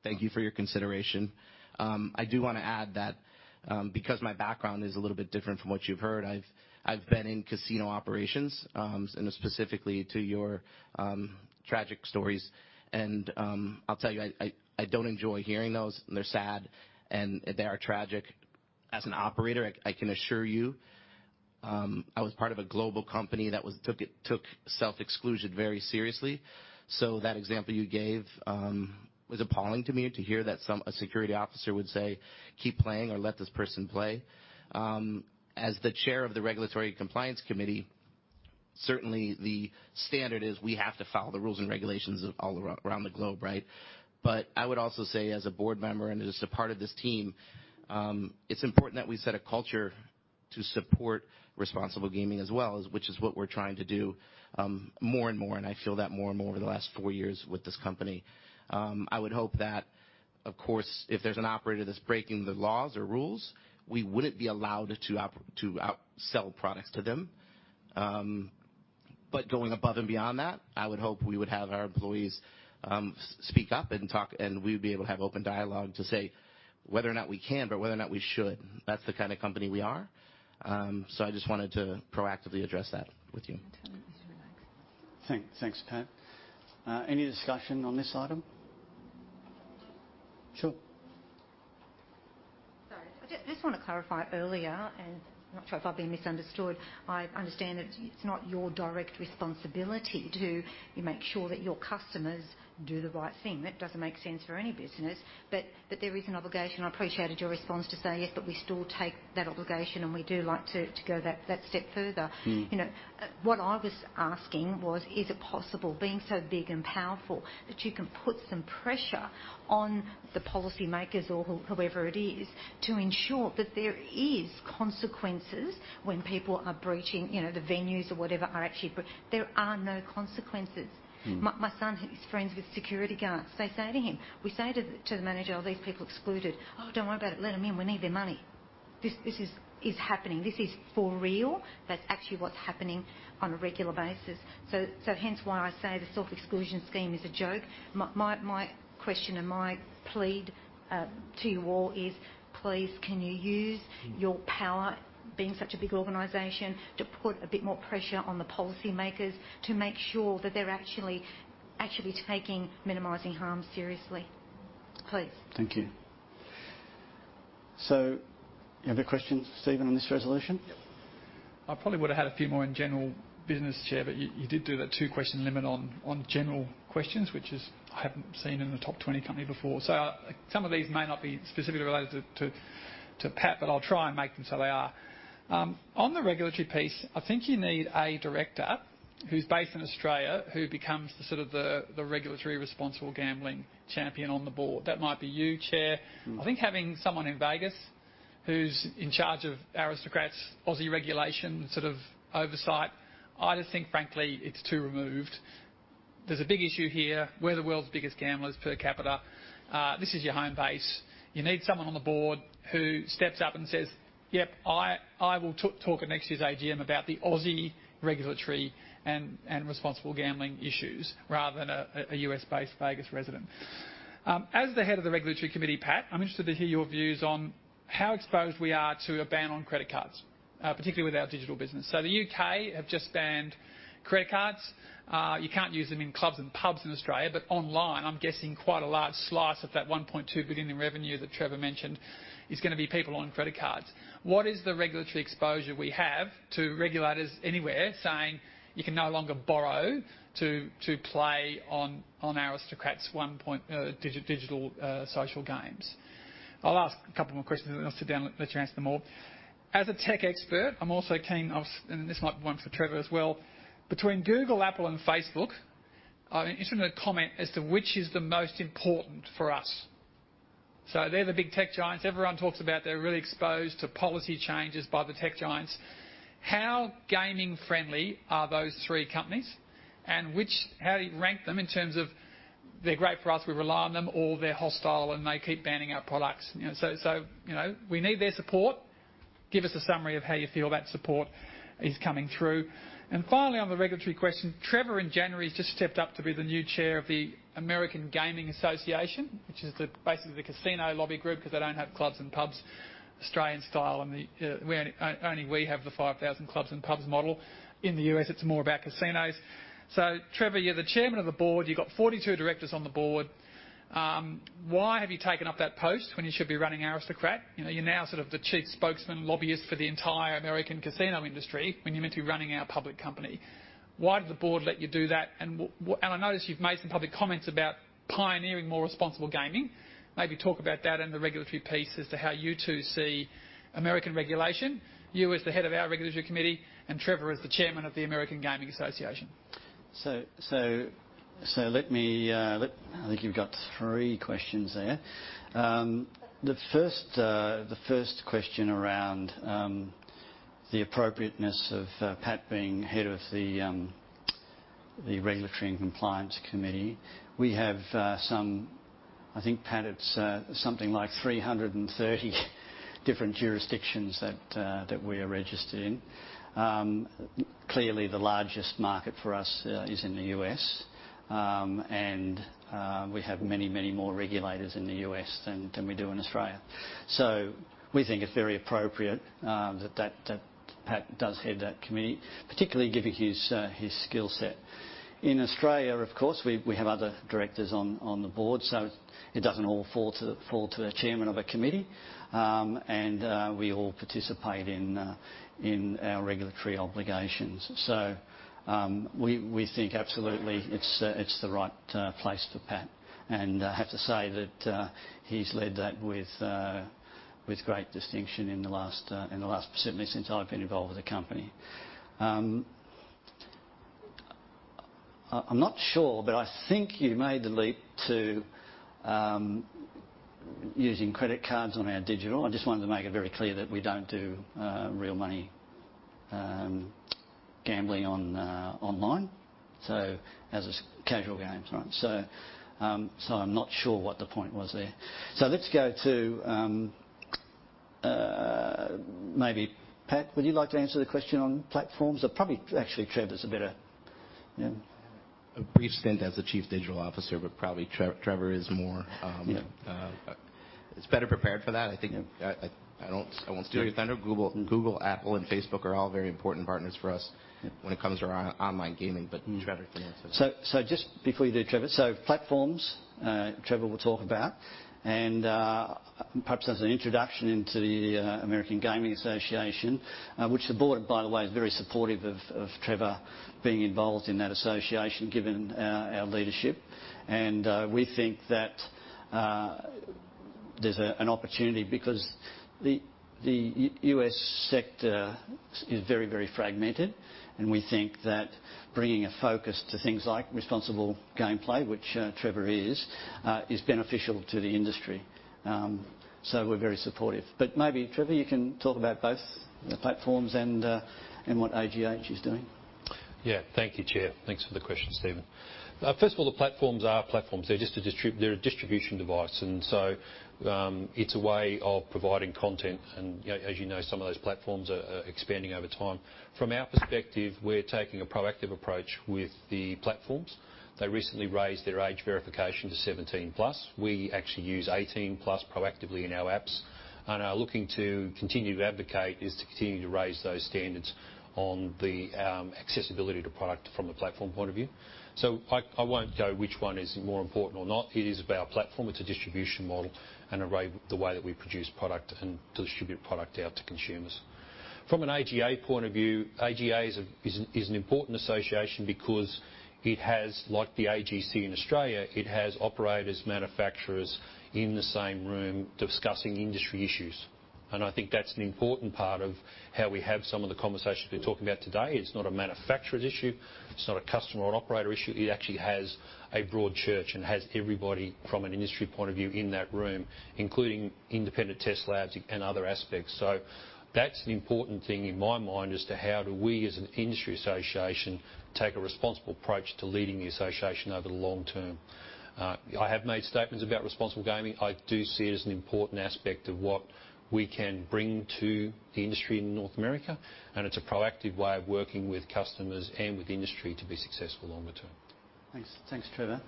Thank you for your consideration. I do wanna add that, because my background is a little bit different from what you've heard, I've been in casino operations, and specifically to your tragic stories. I will tell you, I don't enjoy hearing those. They're sad, and they are tragic. As an operator, I can assure you, I was part of a global company that took self-exclusion very seriously. That example you gave was appalling to me to hear that a security officer would say, "Keep playing or let this person play." As the Chair of the Regulatory and Compliance Committee, certainly, the standard is we have to follow the rules and regulations all around the globe, right? I would also say, as a board member and as a part of this team, it's important that we set a culture to support responsible gaming as well, which is what we're trying to do, more and more. I feel that more and more over the last four years with this company. I would hope that, of course, if there's an operator that's breaking the laws or rules, we wouldn't be allowed to outsell products to them. But going above and beyond that, I would hope we would have our employees speak up and talk, and we would be able to have open dialogue to say whether or not we can, but whether or not we should. That's the kind of company we are. I just wanted to proactively address that with you. I'm telling you to relax. Thanks, Pat. Any discussion on this item? Sure. Sorry. I just want to clarify earlier, and I'm not sure if I've been misunderstood. I understand that it's not your direct responsibility to make sure that your customers do the right thing. That doesn't make sense for any business. But there is an obligation. I appreciated your response to say, "Yes, but we still take that obligation, and we do like to go that step further." Mm-hmm. You know, what I was asking was, is it possible, being so big and powerful, that you can put some pressure on the policymakers or whoever it is to ensure that there are consequences when people are breaching, you know, the venues or whatever are actually bre there are no consequences? My, my son, he's friends with security guards. They say to him, we say to the manager, "Oh, these people excluded. Oh, don't worry about it. Let them in. We need their money." This, this is, is happening. This is for real. That's actually what's happening on a regular basis. Hence why I say the self-exclusion scheme is a joke. My question and my plead to you all is, please, can you use your power, being such a big organization, to put a bit more pressure on the policymakers to make sure that they're actually taking minimizing harm seriously? Please. Thank you. You have a question, Steven, on this resolution? Yep. I probably would've had a few more in general business, Chair, but you did do the two-question limit on general questions, which I haven't seen in a top 20 company before. Some of these may not be specifically related to Pat, but I'll try and make them so they are. On the regulatory piece, I think you need a director who's based in Australia who becomes the sort of regulatory responsible gambling champion on the board. That might be you, Chair. I think having someone in Vegas who's in charge of Aristocrat's Aussie regulation, sort of oversight, I just think, frankly, it's too removed. There's a big issue here. We're the world's biggest gamblers per capita. This is your home base. You need someone on the board who steps up and says, "Yep, I will talk at next year's AGM about the Aussie regulatory and responsible gambling issues rather than a US-based Vegas resident." As the head of the Regulatory Committee, Pat, I'm interested to hear your views on how exposed we are to a ban on credit cards, particularly with our digital business. The U.K. have just banned credit cards. You can't use them in clubs and pubs in Australia, but online, I'm guessing quite a large slice of that 1.2 billion in revenue that Trevor mentioned is gonna be people on credit cards. What is the regulatory exposure we have to regulators anywhere saying you can no longer borrow to play on Aristocrat's 1.0 digital, social games? I'll ask a couple more questions, and then I'll sit down and let you answer them all. As a tech expert, I'm also keen, and this might be one for Trevor as well. Between Google, Apple, and Facebook, I'm interested in a comment as to which is the most important for us. They are the big tech giants. Everyone talks about how they're really exposed to policy changes by the tech giants. How gaming-friendly are those three companies? How do you rank them in terms of they're great for us, we rely on them, or they're hostile and they keep banning our products? You know, we need their support. Give us a summary of how you feel that support is coming through. Finally, on the regulatory question, Trevor in January has just stepped up to be the new chair of the American Gaming Association, which is basically the casino lobby group 'cause they do not have clubs and pubs Australian style, and only we have the 5,000 clubs and pubs model in the U.S. It is more about casinos. Trevor, you are the chairman of the board. You have got 42 directors on the board. Why have you taken up that post when you should be running Aristocrat? You know, you are now sort of the chief spokesman, lobbyist for the entire American casino industry when you are meant to be running our public company. Why did the board let you do that? I notice you have made some public comments about pioneering more responsible gaming. Maybe talk about that and the regulatory piece as to how you two see American regulation, you as the head of our Regulatory Committee and Trevor as the chairman of the American Gaming Association. Let me, let I think you've got three questions there. The first, the first question around, the appropriateness of, Pat being head of the, the Regulatory and Compliance Committee. We have, some, I think, Pat, it's, something like 330 different jurisdictions that we are registered in. Clearly, the largest market for us is in the U.S. We have many, many more regulators in the U.S than we do in Australia. We think it's very appropriate that Pat does head that committee, particularly given his skill set. In Australia, of course, we have other directors on the board, so it doesn't all fall to a chairman of a committee. We all participate in our regulatory obligations. We think absolutely it's the right place for Pat. I have to say that he's led that with great distinction in the last, certainly since I've been involved with the company. I'm not sure, but I think you made the leap to using credit cards on our digital. I just wanted to make it very clear that we don't do real money gambling online, so as a casual games, right? I'm not sure what the point was there. Let's go to, maybe Pat, would you like to answer the question on platforms? Or probably actually Trevor's a better yeah. I have a brief stint as the Chief Digital Officer, but probably Trevor is more, is better prepared for that. I think. Yeah. I, I, I don't, I won't steal your thunder. Google, Google, Apple, and Facebook are all very important partners for us when it comes to our online gaming, but Trevor can answer that. Just before you do, Trevor, platforms, Trevor will talk about. Perhaps as an introduction into the American Gaming Association, which the board, by the way, is very supportive of, of Trevor being involved in that association given our leadership. We think that there's an opportunity because the U.S. sector is very, very fragmented, and we think that bringing a focus to things like responsible gameplay, which Trevor is, is beneficial to the industry. We are very supportive. Maybe, Trevor, you can talk about both the platforms and what AGH is doing. Yeah. Thank you, chair. Thanks for the question, Stephen. First of all, the platforms are platforms. They're just a distribution device. It's a way of providing content. And, you know, as you know, some of those platforms are expanding over time. From our perspective, we're taking a proactive approach with the platforms. They recently raised their age verification to 17 plus. We actually use 18 plus proactively in our apps. And are looking to continue to advocate to continue to raise those standards on the accessibility to product from the platform point of view. I won't go which one is more important or not. It is about platform. It's a distribution model and a way the way that we produce product and distribute product out to consumers. From an AGA point of view, AGA is an important association because it has, like the AGC in Australia, it has operators, manufacturers in the same room discussing industry issues. I think that's an important part of how we have some of the conversations we're talking about today. It's not a manufacturer's issue. It's not a customer or operator issue. It actually has a broad church and has everybody from an industry point of view in that room, including independent test labs and other aspects. That's an important thing in my mind as to how do we as an industry association take a responsible approach to leading the association over the long term. I have made statements about responsible gaming. I do see it as an important aspect of what we can bring to the industry in North America. It's a proactive way of working with customers and with industry to be successful longer term. Thanks. Thanks, Trevor.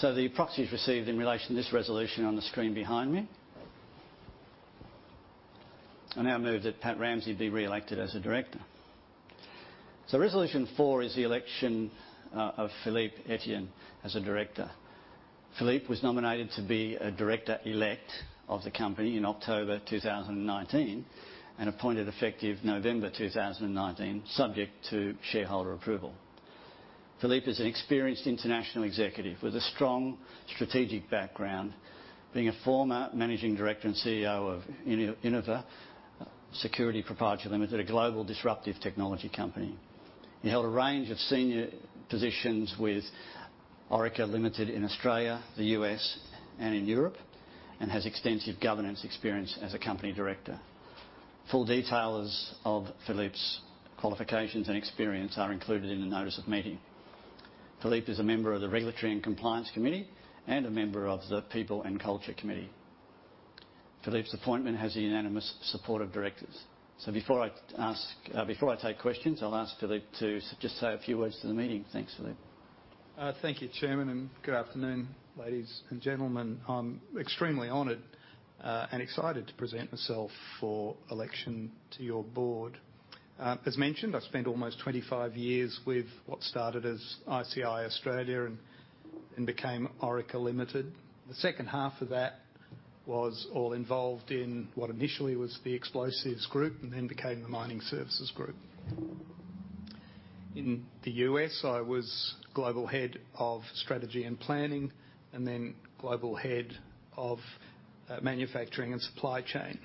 The proxy is received in relation to this resolution on the screen behind me. I now move that Pat Ramsey be re-elected as a director. Resolution four is the election of Philippe Etienne as a director. Philippe was nominated to be a director-elect of the company in October 2019 and appointed effective November 2019, subject to shareholder approval. Philippe is an experienced international executive with a strong strategic background, being a former managing director and CEO of Innovia Security Proprietary Limited, a global disruptive technology company. He held a range of senior positions with Orica Limited in Australia, the U.S., and in Europe, and has extensive governance experience as a company director. Full details of Philippe's qualifications and experience are included in the notice of meeting. Philippe is a member of the Regulatory and Compliance Committee and a member of the People and Culture Committee. Philippe's appointment has unanimous support of directors. Before I take questions, I'll ask Philippe to just say a few words to the meeting. Thanks, Philippe. Thank you, Chairman, and good afternoon, ladies and gentlemen. I'm extremely honored and excited to present myself for election to your board. As mentioned, I spent almost 25 years with what started as ICI Australia and became Orica Limited. The second half of that was all involved in what initially was the Explosives Group and then became the Mining Services Group. In the U.S., I was global head of strategy and planning and then global head of manufacturing and supply chain.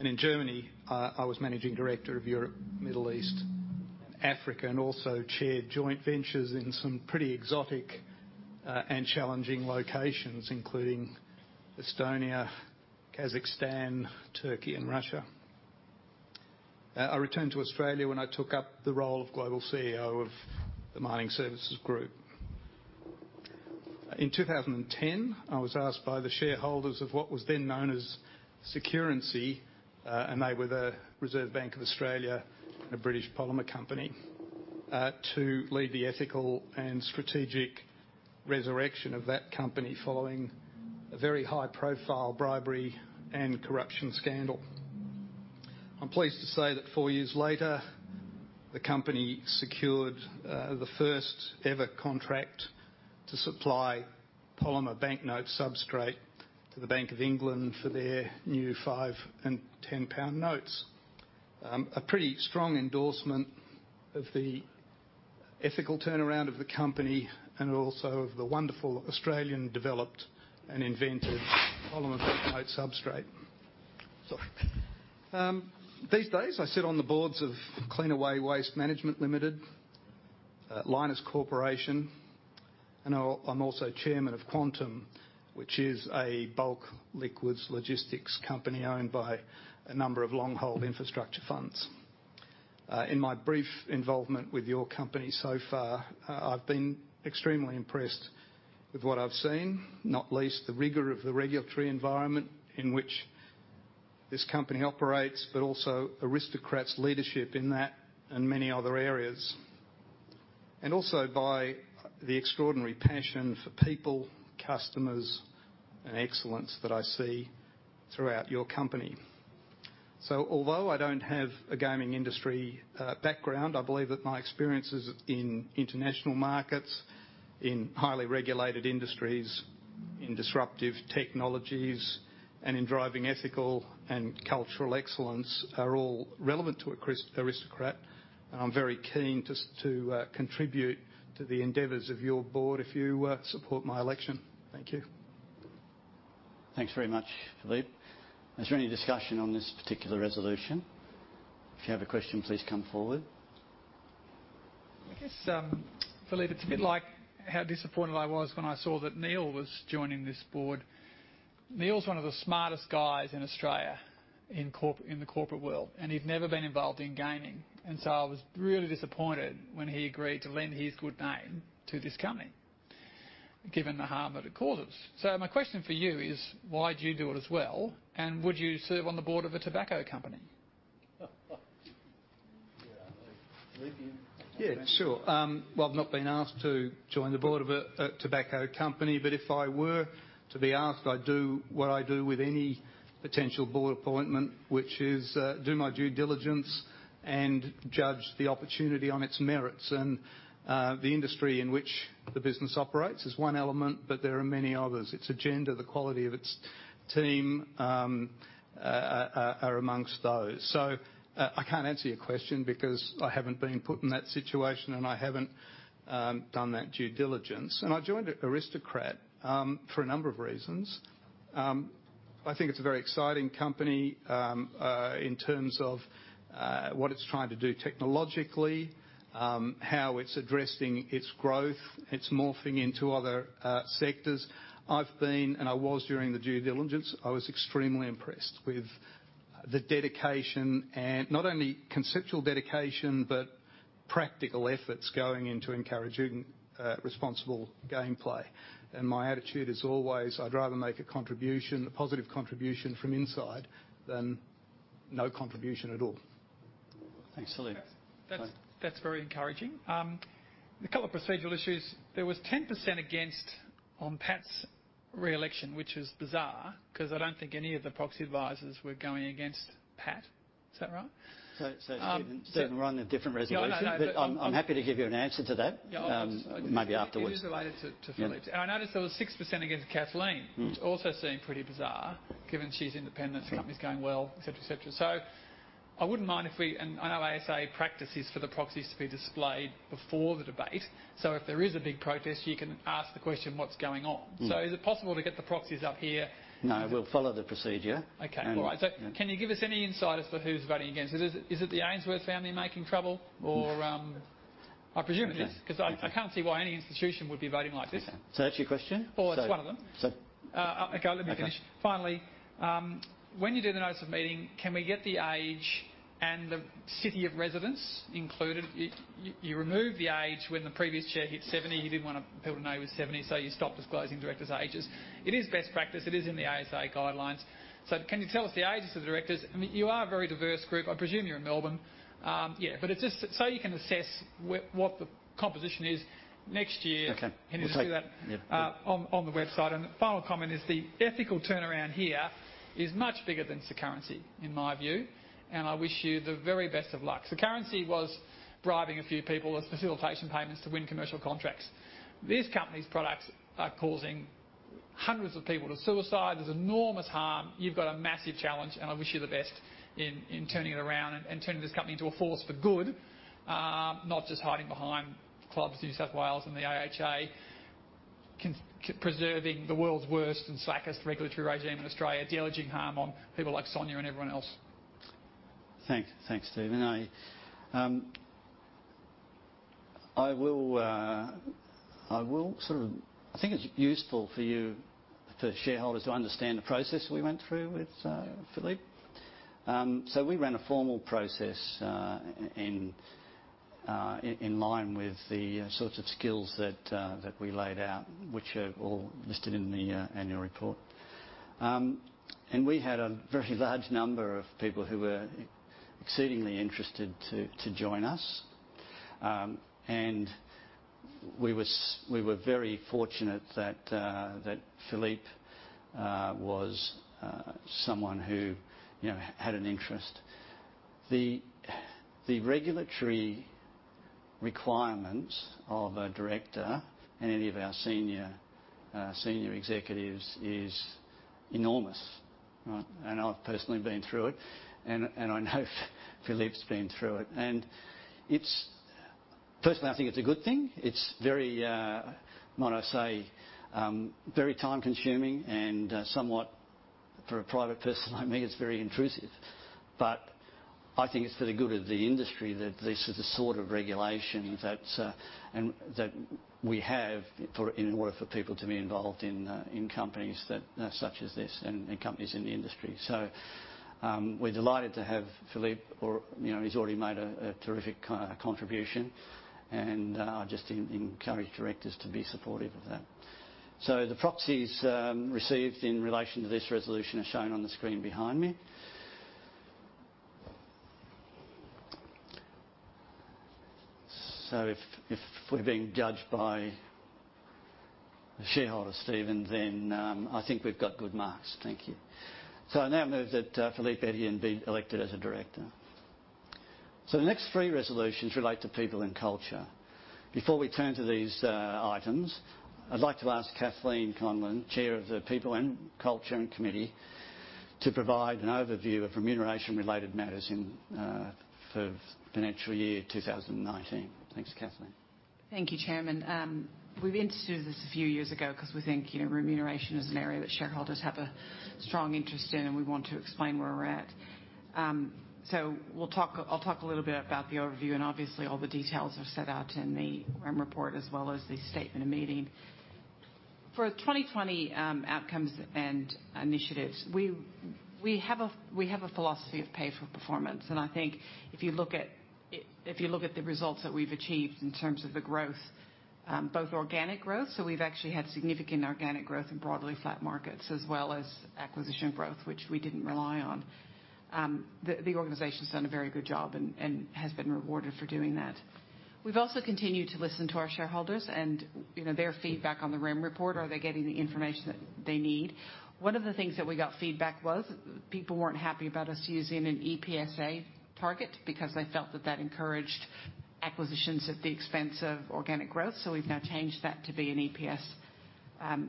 In Germany, I was managing director of Europe, Middle East, and Africa, and also chaired joint ventures in some pretty exotic and challenging locations, including Estonia, Kazakhstan, Turkey, and Russia. I returned to Australia when I took up the role of global CEO of the Mining Services Group. In 2010, I was asked by the shareholders of what was then known as Securency, and they were the Reserve Bank of Australia and a British polymer company, to lead the ethical and strategic resurrection of that company following a very high-profile bribery and corruption scandal. I'm pleased to say that four years later, the company secured the first-ever contract to supply polymer banknote substrate to the Bank of England for their new 5 and 10-pound notes. A pretty strong endorsement of the ethical turnaround of the company and also of the wonderful Australian-developed and invented polymer banknote substrate. Sorry. These days, I sit on the boards of Cleanaway Waste Management Limited, Linfox Corporation, and I'm also chairman of Quantum, which is a bulk liquids logistics company owned by a number of long-haul infrastructure funds. In my brief involvement with your company so far, I've been extremely impressed with what I've seen, not least the rigor of the regulatory environment in which this company operates, but also Aristocrat's leadership in that and many other areas, and also by the extraordinary passion for people, customers, and excellence that I see throughout your company. Although I don't have a gaming industry background, I believe that my experiences in international markets, in highly regulated industries, in disruptive technologies, and in driving ethical and cultural excellence are all relevant to Aristocrat. I'm very keen to contribute to the endeavors of your board if you support my election. Thank you. Thanks very much, Philippe. Is there any discussion on this particular resolution? If you have a question, please come forward. I guess, Philippe, it's a bit like how disappointed I was when I saw that Neil was joining this board. Neil's one of the smartest guys in Australia in the corporate world, and he'd never been involved in gaming. I was really disappointed when he agreed to lend his good name to this company given the harm that it causes. My question for you is, why'd you do it as well? Would you serve on the board of a tobacco company? Yeah. Philippe. Yeah. Sure. I've not been asked to join the board of a tobacco company, but if I were to be asked, I do what I do with any potential board appointment, which is, do my due diligence and judge the opportunity on its merits. The industry in which the business operates is one element, but there are many others. Its agenda, the quality of its team, are amongst those. I can't answer your question because I haven't been put in that situation, and I haven't done that due diligence. I joined Aristocrat for a number of reasons. I think it's a very exciting company, in terms of what it's trying to do technologically, how it's addressing its growth, its morphing into other sectors. I've been, and I was during the due diligence, I was extremely impressed with the dedication and not only conceptual dedication but practical efforts going into encouraging responsible gameplay. And my attitude is always I'd rather make a contribution, a positive contribution from inside than no contribution at all. Thanks, Philippe. That's, that's very encouraging. A couple of procedural issues. There was 10% against on Pat's re-election, which is bizarre 'cause I don't think any of the proxy advisors were going against Pat. Is that right? Stephen, Stephen running, a different resolution. No, no, no. I'm happy to give you an answer to that. Yeah. Okay. Maybe afterwards. It is related to Philippe. I noticed there was 6% against Kathleen, which also seemed pretty bizarre given she's independent, the company's going well, etc., etc. I wouldn't mind if we, and I know ASA practices for the proxies to be displayed before the debate. If there is a big protest, you can ask the question, what's going on? Is it possible to get the proxies up here? No. We'll follow the procedure. Okay. All right. Can you give us any insight as to who's voting against? Is it the Ainsworth family making trouble or, I presume it is 'cause I can't see why any institution would be voting like this. That's your question? Or It's one of them? Let me finish. Finally, when you do the notice of meeting, can we get the age and the city of residence included? You remove the age when the previous chair hit 70. He did not want people to know he was 70, so you stop disclosing directors' ages. It is best practice. It is in the ASA guidelines. Can you tell us the ages of the directors? I mean, you are a very diverse group. I presume you are in Melbourne. Yeah. It is just so you can assess what the composition is next year. Okay. Can you just do that? Yeah. On the website. The final comment is the ethical turnaround here is much bigger than Securency, in my view. I wish you the very best of luck. Securency was bribing a few people with facilitation payments to win commercial contracts. This company's products are causing hundreds of people to suicide. There is enormous harm. You have got a massive challenge. I wish you the best in turning it around and turning this company into a force for good, not just hiding behind clubs in New South Wales and the AHA, cons-preserving the world's worst and slackest regulatory regime in Australia, delegating harm on people like Sonia and everyone else. Thanks. Thanks, Stephen. I think it's useful for you, for shareholders, to understand the process we went through with Philippe. We ran a formal process, in line with the sorts of skills that we laid out, which are all listed in the annual report. We had a very large number of people who were exceedingly interested to join us. We were very fortunate that Philippe was someone who, you know, had an interest. The regulatory requirements of a director and any of our senior executives is enormous, right? And I've personally been through it. I know Philippe's been through it. Personally, I think it's a good thing. It is very, might I say, very time-consuming and, somewhat for a private person like me, it's very intrusive. I think it's for the good of the industry that this is the sort of regulation that we have in order for people to be involved in companies such as this and companies in the industry. We're delighted to have Philippe, or, you know, he's already made a terrific contribution. I just encourage directors to be supportive of that. The proxies received in relation to this resolution are shown on the screen behind me. If we're being judged by the shareholders, Stephen, then I think we've got good marks. Thank you. I now move that Philippe Etienne be elected as a director. The next three resolutions relate to people and culture. Before we turn to these items, I'd like to ask Kathleen Conlon, Chair of the People and Culture Committee, to provide an overview of remuneration-related matters for financial year 2019. Thanks, Kathleen. Thank you, Chairman. We've instituted this a few years ago 'cause we think, you know, remuneration is an area that shareholders have a strong interest in, and we want to explain where we're at. I'll talk a little bit about the overview, and obviously, all the details are set out in the report as well as the statement of meeting. For 2020, outcomes and initiatives, we have a philosophy of pay for performance. I think if you look at it, if you look at the results that we've achieved in terms of the growth, both organic growth, so we've actually had significant organic growth in broadly flat markets as well as acquisition growth, which we didn't rely on. The organization's done a very good job and has been rewarded for doing that. We've also continued to listen to our shareholders and, you know, their feedback on the REM report. Are they getting the information that they need? One of the things that we got feedback was people weren't happy about us using an EPSA target because they felt that that encouraged acquisitions at the expense of organic growth. We've now changed that to be an EPS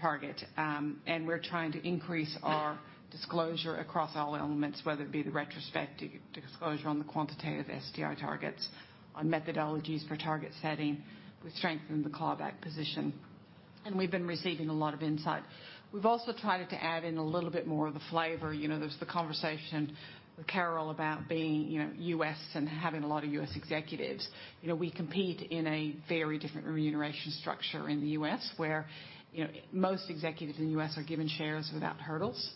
target. We're trying to increase our disclosure across all elements, whether it be the retrospective disclosure on the quantitative SDI targets, on methodologies for target setting. We've strengthened the clawback position, and we've been receiving a lot of insight. We've also tried to add in a little bit more of the flavor. You know, there's the conversation with Carol about being, you know, U.S. and having a lot of US executives. You know, we compete in a very different remuneration structure in the U.S. where, you know, most executives in the U.S. are given shares without hurdles.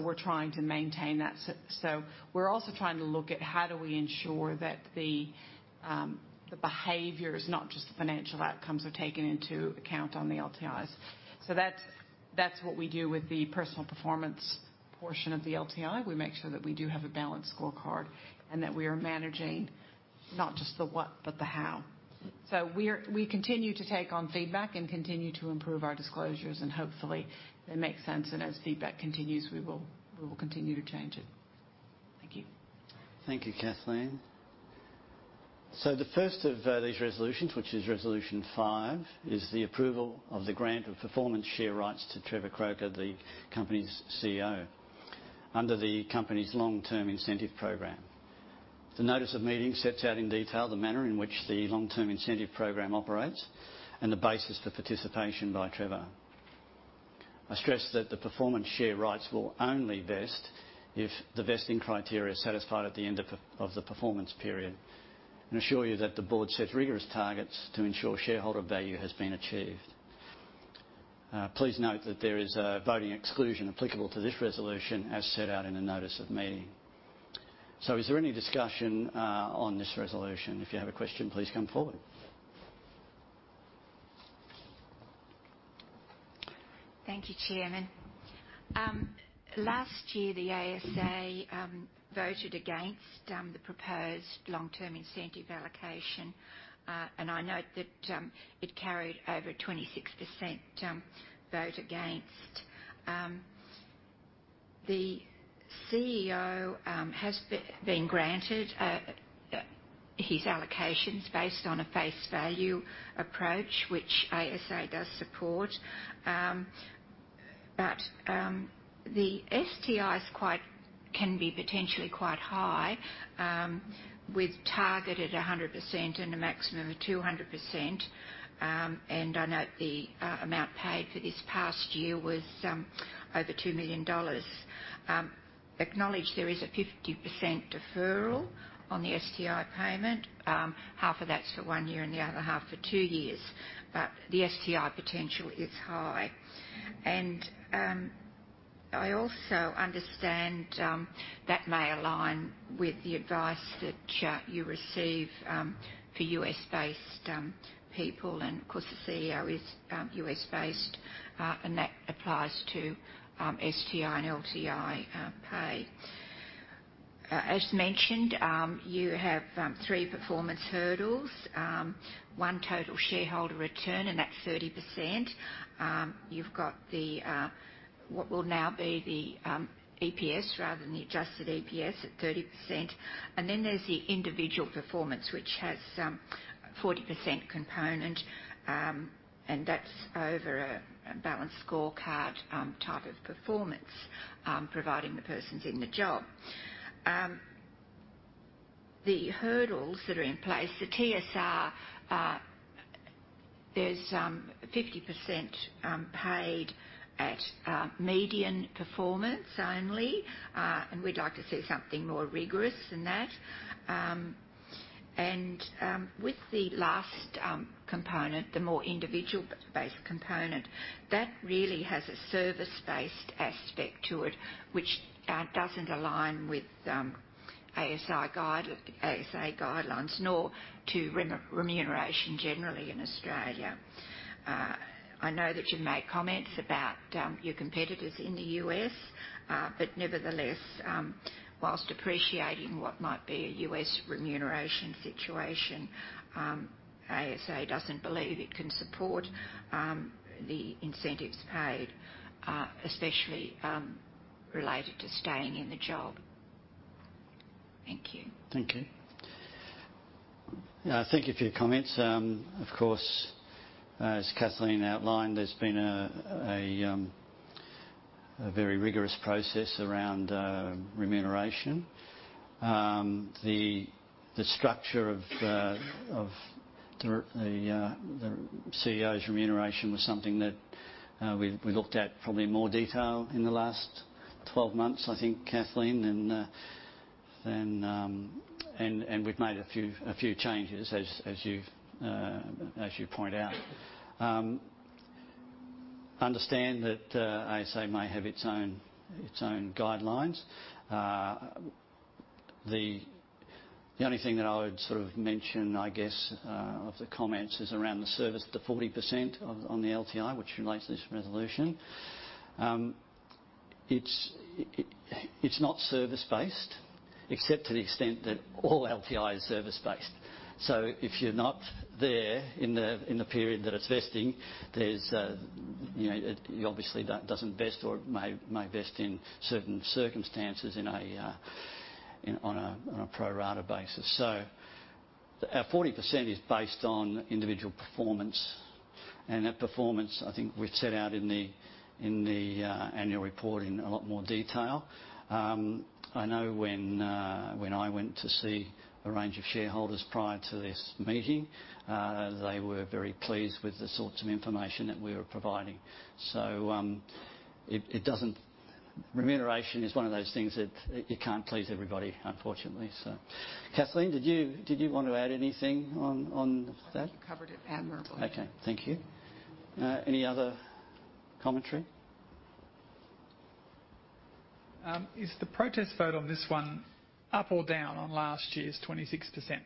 We're trying to maintain that. We're also trying to look at how do we ensure that the behaviors, not just the financial outcomes, are taken into account on the LTIs. That's what we do with the personal performance portion of the LTI. We make sure that we do have a balanced scorecard and that we are managing not just the what but the how. We continue to take on feedback and continue to improve our disclosures, and hopefully, they make sense. As feedback continues, we will continue to change it. Thank you. Thank you, Kathleen. The first of these resolutions, which is resolution five, is the approval of the grant of performance share rights to Trevor Croker, the company's CEO, under the company's long-term incentive program. The notice of meeting sets out in detail the manner in which the long-term incentive program operates and the basis for participation by Trevor. I stress that the performance share rights will only vest if the vesting criteria are satisfied at the end of the performance period and assure you that the board sets rigorous targets to ensure shareholder value has been achieved. Please note that there is a voting exclusion applicable to this resolution as set out in the notice of meeting. Is there any discussion on this resolution? If you have a question, please come forward. Thank you, Chairman. Last year, the ASA voted against the proposed long-term incentive allocation. I note that it carried over 26% vote against. The CEO has been granted his allocations based on a face value approach, which ASA does support. The STIs can be potentially quite high, with targeted 100% and a maximum of 200%. I note the amount paid for this past year was over $2 million. Acknowledge there is a 50% deferral on the STI payment. Half of that's for one year and the other half for two years. The STI potential is high. I also understand that may align with the advice that you receive for U.S. based people. Of course, the CEO is U.S. based, and that applies to STI and LTI pay. As mentioned, you have three performance hurdles. One total shareholder return, and that's 30%. You've got the, what will now be the, EPS rather than the adjusted EPS at 30%. Then there's the individual performance, which has a 40% component. That's over a balanced scorecard type of performance, providing the person's in the job. The hurdles that are in place, the TSR, there's 50% paid at median performance only. We'd like to see something more rigorous than that. And, with the last component, the more individual-based component, that really has a service-based aspect to it, which doesn't align with ASA guidelines nor to remuneration generally in Australia. I know that you've made comments about your competitors in the U.S., but nevertheless, whilst appreciating what might be a U.S. remuneration situation, ASA doesn't believe it can support the incentives paid, especially related to staying in the job. Thank you. Thank you. Yeah. Thank you for your comments. Of course, as Kathleen outlined, there's been a very rigorous process around remuneration. The structure of the CEO's remuneration was something that we've looked at probably in more detail in the last 12 months, I think, Kathleen. And we've made a few changes as you point out. understand that ASA may have its own guidelines. The only thing that I would sort of mention, I guess, of the comments is around the service, the 40% of on the LTI, which relates to this resolution. It's not service-based except to the extent that all LTI is service-based. If you're not there in the period that it's vesting, it obviously doesn't vest or may vest in certain circumstances on a pro rata basis. Our 40% is based on individual performance. That performance, I think we've set out in the annual report in a lot more detail. I know when I went to see a range of shareholders prior to this meeting, they were very pleased with the sorts of information that we were providing. It doesn't, remuneration is one of those things that you can't please everybody, unfortunately. Kathleen, did you want to add anything on that? I think you covered it admirably. Okay. Thank you. Any other commentary? Is the protest vote on this one up or down on last year's 26%?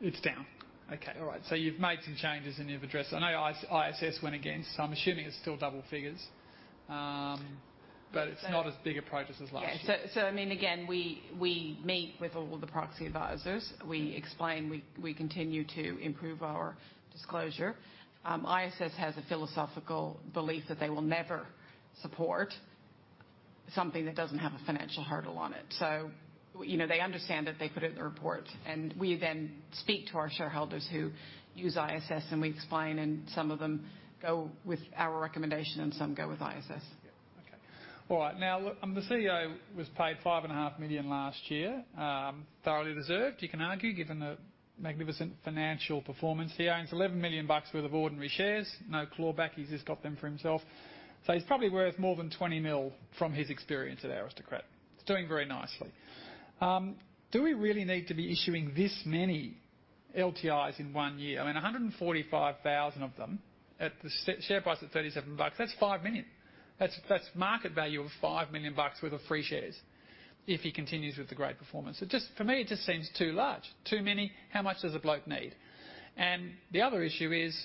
It's down. Okay. All right. You've made some changes in your address. I know ISS went against. I'm assuming it's still double figures, but it's not as big a protest as last year. Yeah. I mean, again, we meet with all the proxy advisors. We explain, we continue to improve our disclosure. ISS has a philosophical belief that they will never support something that doesn't have a financial hurdle on it. You know, they understand it. They put it in the report. We then speak to our shareholders who use ISS, and we explain, and some of them go with our recommendation, and some go with ISS. Yeah. Okay. All right. Now, look, I'm the CEO was paid $5.5 million last year, thoroughly deserved, you can argue, given the magnificent financial performance. He owns $11 million worth of ordinary shares. No clawback. He's just got them for himself. So he's probably worth more than $20 million from his experience at Aristocrat. He's doing very nicely. Do we really need to be issuing this many LTIs in one year? I mean, 145,000 of them at the share price at $37, that's $5 million. That's, that's market value of $5 million worth of free shares if he continues with the great performance. It just, for me, it just seems too large. Too many. How much does a bloke need? The other issue is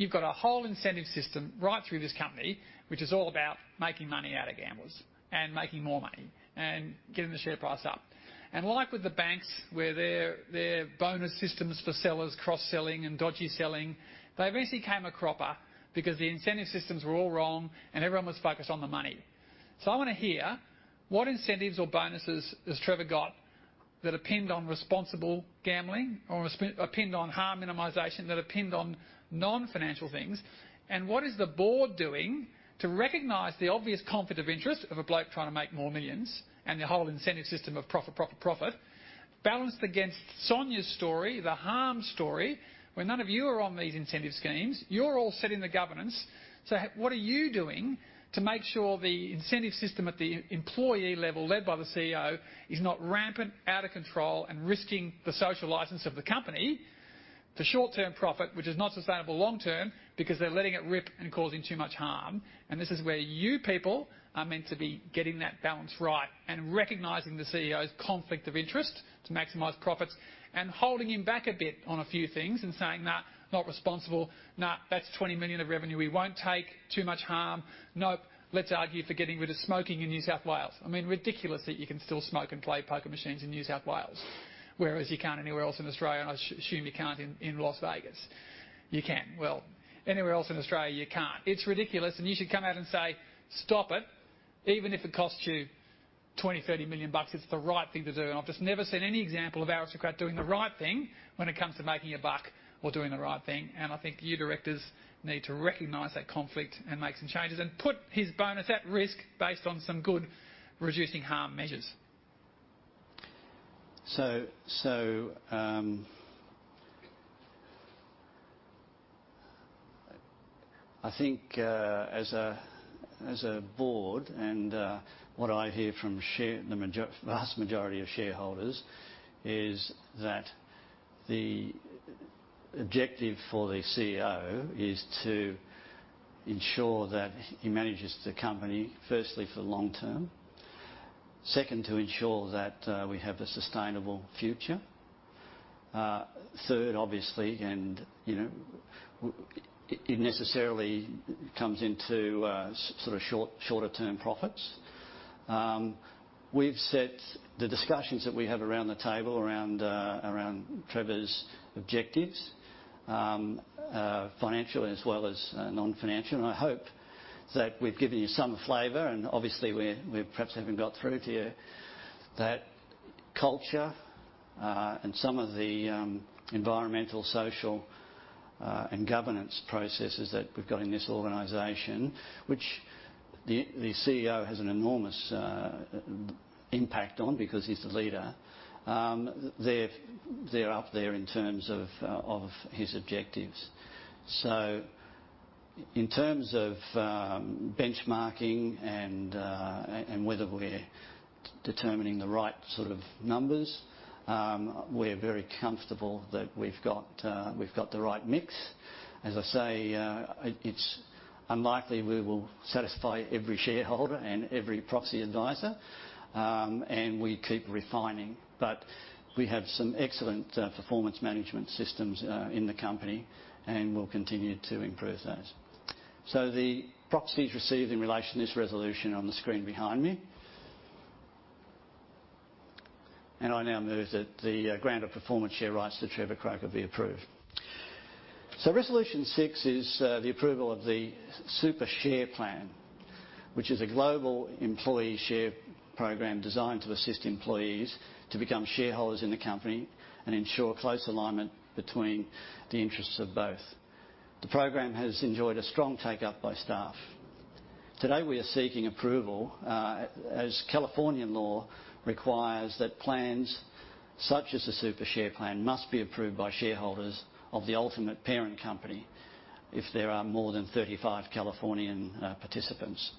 you've got a whole incentive system right through this company, which is all about making money out of gamblers and making more money and getting the share price up. Like with the banks where their bonus systems for sellers, cross-selling, and dodgy selling, they basically came a cropper because the incentive systems were all wrong and everyone was focused on the money. I want to hear what incentives or bonuses has Trevor got that are pinned on responsible gambling or are pinned on harm minimization that are pinned on non-financial things. What is the board doing to recognize the obvious conflict of interest of a bloke trying to make more millions and the whole incentive system of profit, profit, profit, balanced against Sonja's story, the harm story, where none of you are on these incentive schemes? You're all setting the governance. What are you doing to make sure the incentive system at the employee level led by the CEO is not rampant out of control and risking the social license of the company for short-term profit, which is not sustainable long-term because they're letting it rip and causing too much harm? This is where you people are meant to be getting that balance right and recognizing the CEO's conflict of interest to maximize profits and holding him back a bit on a few things and saying, "Nah, not responsible. Nah, that's 20 million of revenue. We won't take too much harm. Nope. Let's argue for getting rid of smoking in New South Wales. I mean, ridiculous that you can still smoke and play poker machines in New South Wales, whereas you can't anywhere else in Australia, and I assume you can't in, in Las Vegas. You can. Anywhere else in Australia, you can't. It's ridiculous. You should come out and say, "Stop it." Even if it costs you 20 million-30 million bucks, it's the right thing to do. I've just never seen any example of Aristocrat doing the right thing when it comes to making a buck or doing the right thing. I think you directors need to recognize that conflict and make some changes and put his bonus at risk based on some good reducing harm measures. I think, as a board and what I hear from the vast majority of shareholders is that the objective for the CEO is to ensure that he manages the company, firstly, for long term. Second, to ensure that we have a sustainable future. Third, obviously, and, you know, it necessarily comes into sort of shorter-term profits. We've set the discussions that we have around the table around Trevor's objectives, financial as well as non-financial. I hope that we've given you some flavor. Obviously, we perhaps haven't got through to you that culture and some of the environmental, social, and governance processes that we've got in this organization, which the CEO has an enormous impact on because he's the leader, they're up there in terms of his objectives. In terms of benchmarking and whether we're determining the right sort of numbers, we're very comfortable that we've got the right mix. As I say, it's unlikely we will satisfy every shareholder and every proxy advisor. We keep refining. We have some excellent performance management systems in the company, and we'll continue to improve those. The proxies received in relation to this resolution are on the screen behind me. I now know that the grant of performance share rights to Trevor Croker be approved. Resolution six is the approval of the Super Share Plan, which is a global employee share program designed to assist employees to become shareholders in the company and ensure close alignment between the interests of both. The program has enjoyed a strong take-up by staff. Today, we are seeking approval, as California law requires that plans such as the Super Share Plan must be approved by shareholders of the ultimate parent company if there are more than 35 Californian participants.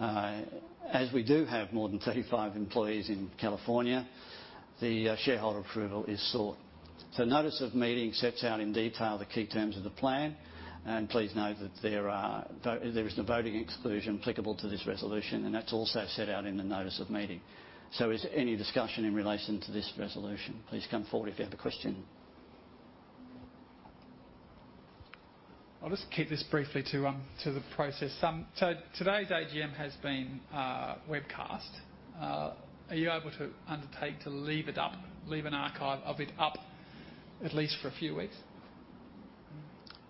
As we do have more than 35 employees in California, the shareholder approval is sought. The notice of meeting sets out in detail the key terms of the plan. Please note that there is no voting exclusion applicable to this resolution. That is also set out in the notice of meeting. Is there any discussion in relation to this resolution? Please come forward if you have a question. I'll just keep this briefly to the process. Today's AGM has been webcast. Are you able to undertake to leave it up, leave an archive of it up at least for a few weeks?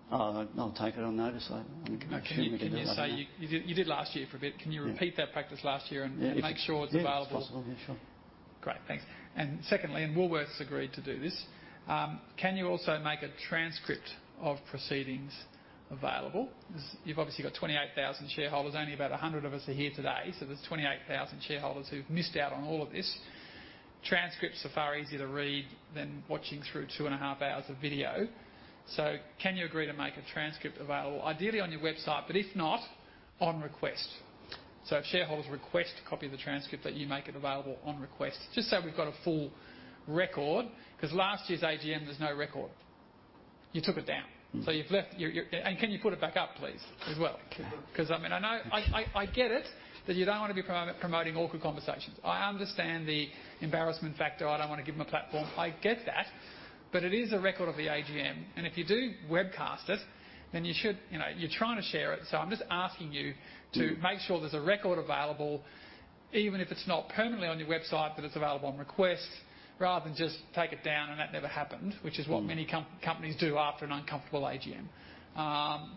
I'll take it on notice. I can make it available. Okay. You did last year for a bit. Can you repeat that practice last year and make sure it's available? If possible, yeah, sure. Great. Thanks. Secondly, and Woolworths agreed to do this, can you also make a transcript of proceedings available? You've obviously got 28,000 shareholders. Only about 100 of us are here today. There are 28,000 shareholders who've missed out on all of this. Transcripts are far easier to read than watching through two and a half hours of video. Can you agree to make a transcript available, ideally on your website, but if not, on request? If shareholders request a copy of the transcript, that you make it available on request just so we've got a full record. Last year's AGM, there's no record. You took it down. You have left your, your, and can you put it back up, please, as well? I mean, I know, I get it that you do not want to be promoting awkward conversations. I understand the embarrassment factor. I do not want to give them a platform. I get that. It is a record of the AGM. If you do webcast it, then you should, you know, you are trying to share it. I am just asking you to make sure there is a record available, even if it is not permanently on your website, but it is available on request, rather than just take it down and that never happened, which is what many companies do after an uncomfortable AGM,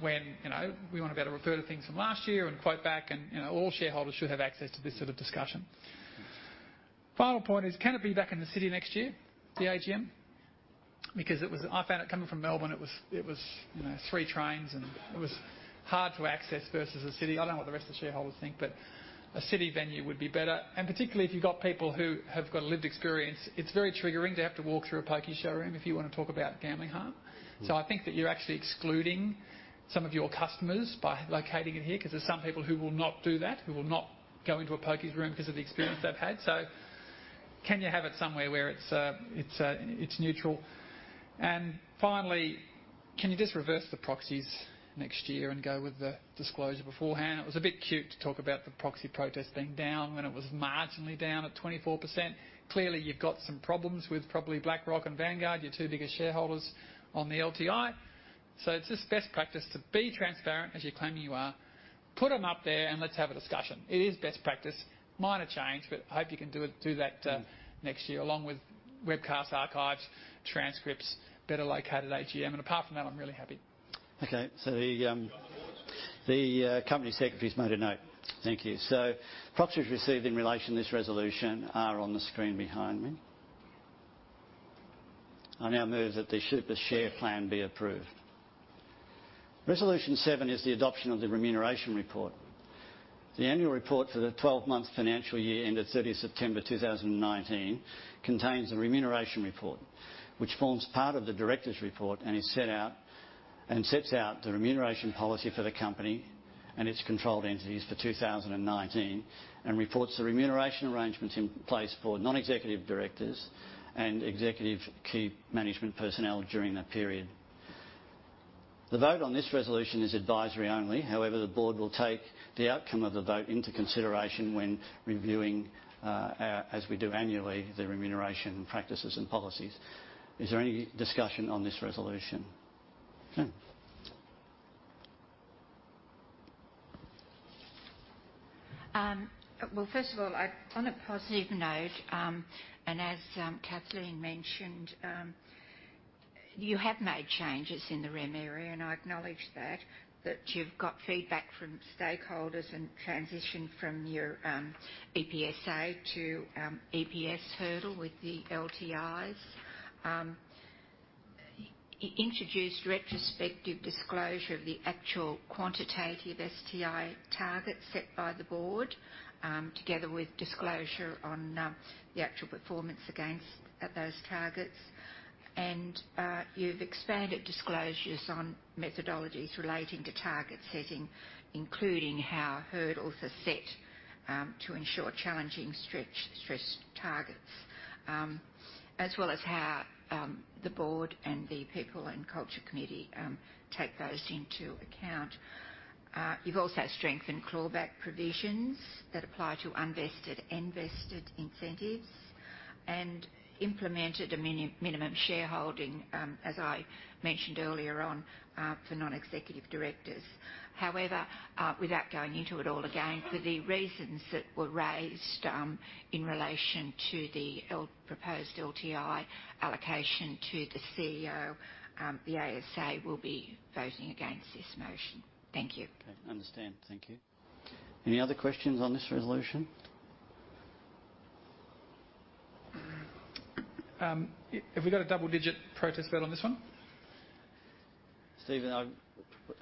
when, you know, we want to be able to refer to things from last year and quote back. You know, all shareholders should have access to this sort of discussion. Final point is, can it be back in the city next year, the AGM? Because I found it coming from Melbourne, it was, you know, three trains, and it was hard to access versus a city. I do not know what the rest of the shareholders think, but a city venue would be better. Particularly if you have people who have got lived experience, it is very triggering to have to walk through a pokey showroom if you want to talk about gambling harm. I think that you are actually excluding some of your customers by locating it here because there are some people who will not do that, who will not go into a pokey's room because of the experience they have had. Can you have it somewhere where it is neutral? Finally, can you just reverse the proxies next year and go with the disclosure beforehand? It was a bit cute to talk about the proxy protest being down when it was marginally down at 24%. Clearly, you've got some problems with probably BlackRock and Vanguard, your two biggest shareholders on the LTI. It is just best practice to be transparent as you're claiming you are. Put them up there and let's have a discussion. It is best practice. Minor change, but I hope you can do it, do that, next year along with webcast archives, transcripts, better located AGM. Apart from that, I'm really happy. Okay. The company secretary's made a note. Thank you. Proxies received in relation to this resolution are on the screen behind me. I now move that the Super Share Plan be approved. Resolution seven is the adoption of the remuneration report. The annual report for the 12-month financial year ended 30 September 2019 contains the remuneration report, which forms part of the director's report and is set out and sets out the remuneration policy for the company and its controlled entities for 2019 and reports the remuneration arrangements in place for non-executive directors and executive key management personnel during that period. The vote on this resolution is advisory only. However, the board will take the outcome of the vote into consideration when reviewing, as we do annually, the remuneration practices and policies. Is there any discussion on this resolution? Okay. First of all, on a positive note, and as Kathleen mentioned, you have made changes in the REM area, and I acknowledge that, that you've got feedback from stakeholders and transition from your EPSA to EPS hurdle with the LTIs. introduced retrospective disclosure of the actual quantitative STI target set by the board, together with disclosure on the actual performance against those targets. You have expanded disclosures on methodologies relating to target setting, including how hurdles are set, to ensure challenging stretch stress targets, as well as how the board and the People and Culture Committee take those into account. You have also strengthened clawback provisions that apply to unvested, vested incentives and implemented a minimum shareholding, as I mentioned earlier on, for non-executive directors. However, without going into it all again, for the reasons that were raised in relation to the proposed LTI allocation to the CEO, the ASA will be voting against this motion. Thank you. Okay. I understand. Thank you. Any other questions on this resolution? Have we got a double-digit protest vote on this one? Stephen, I'm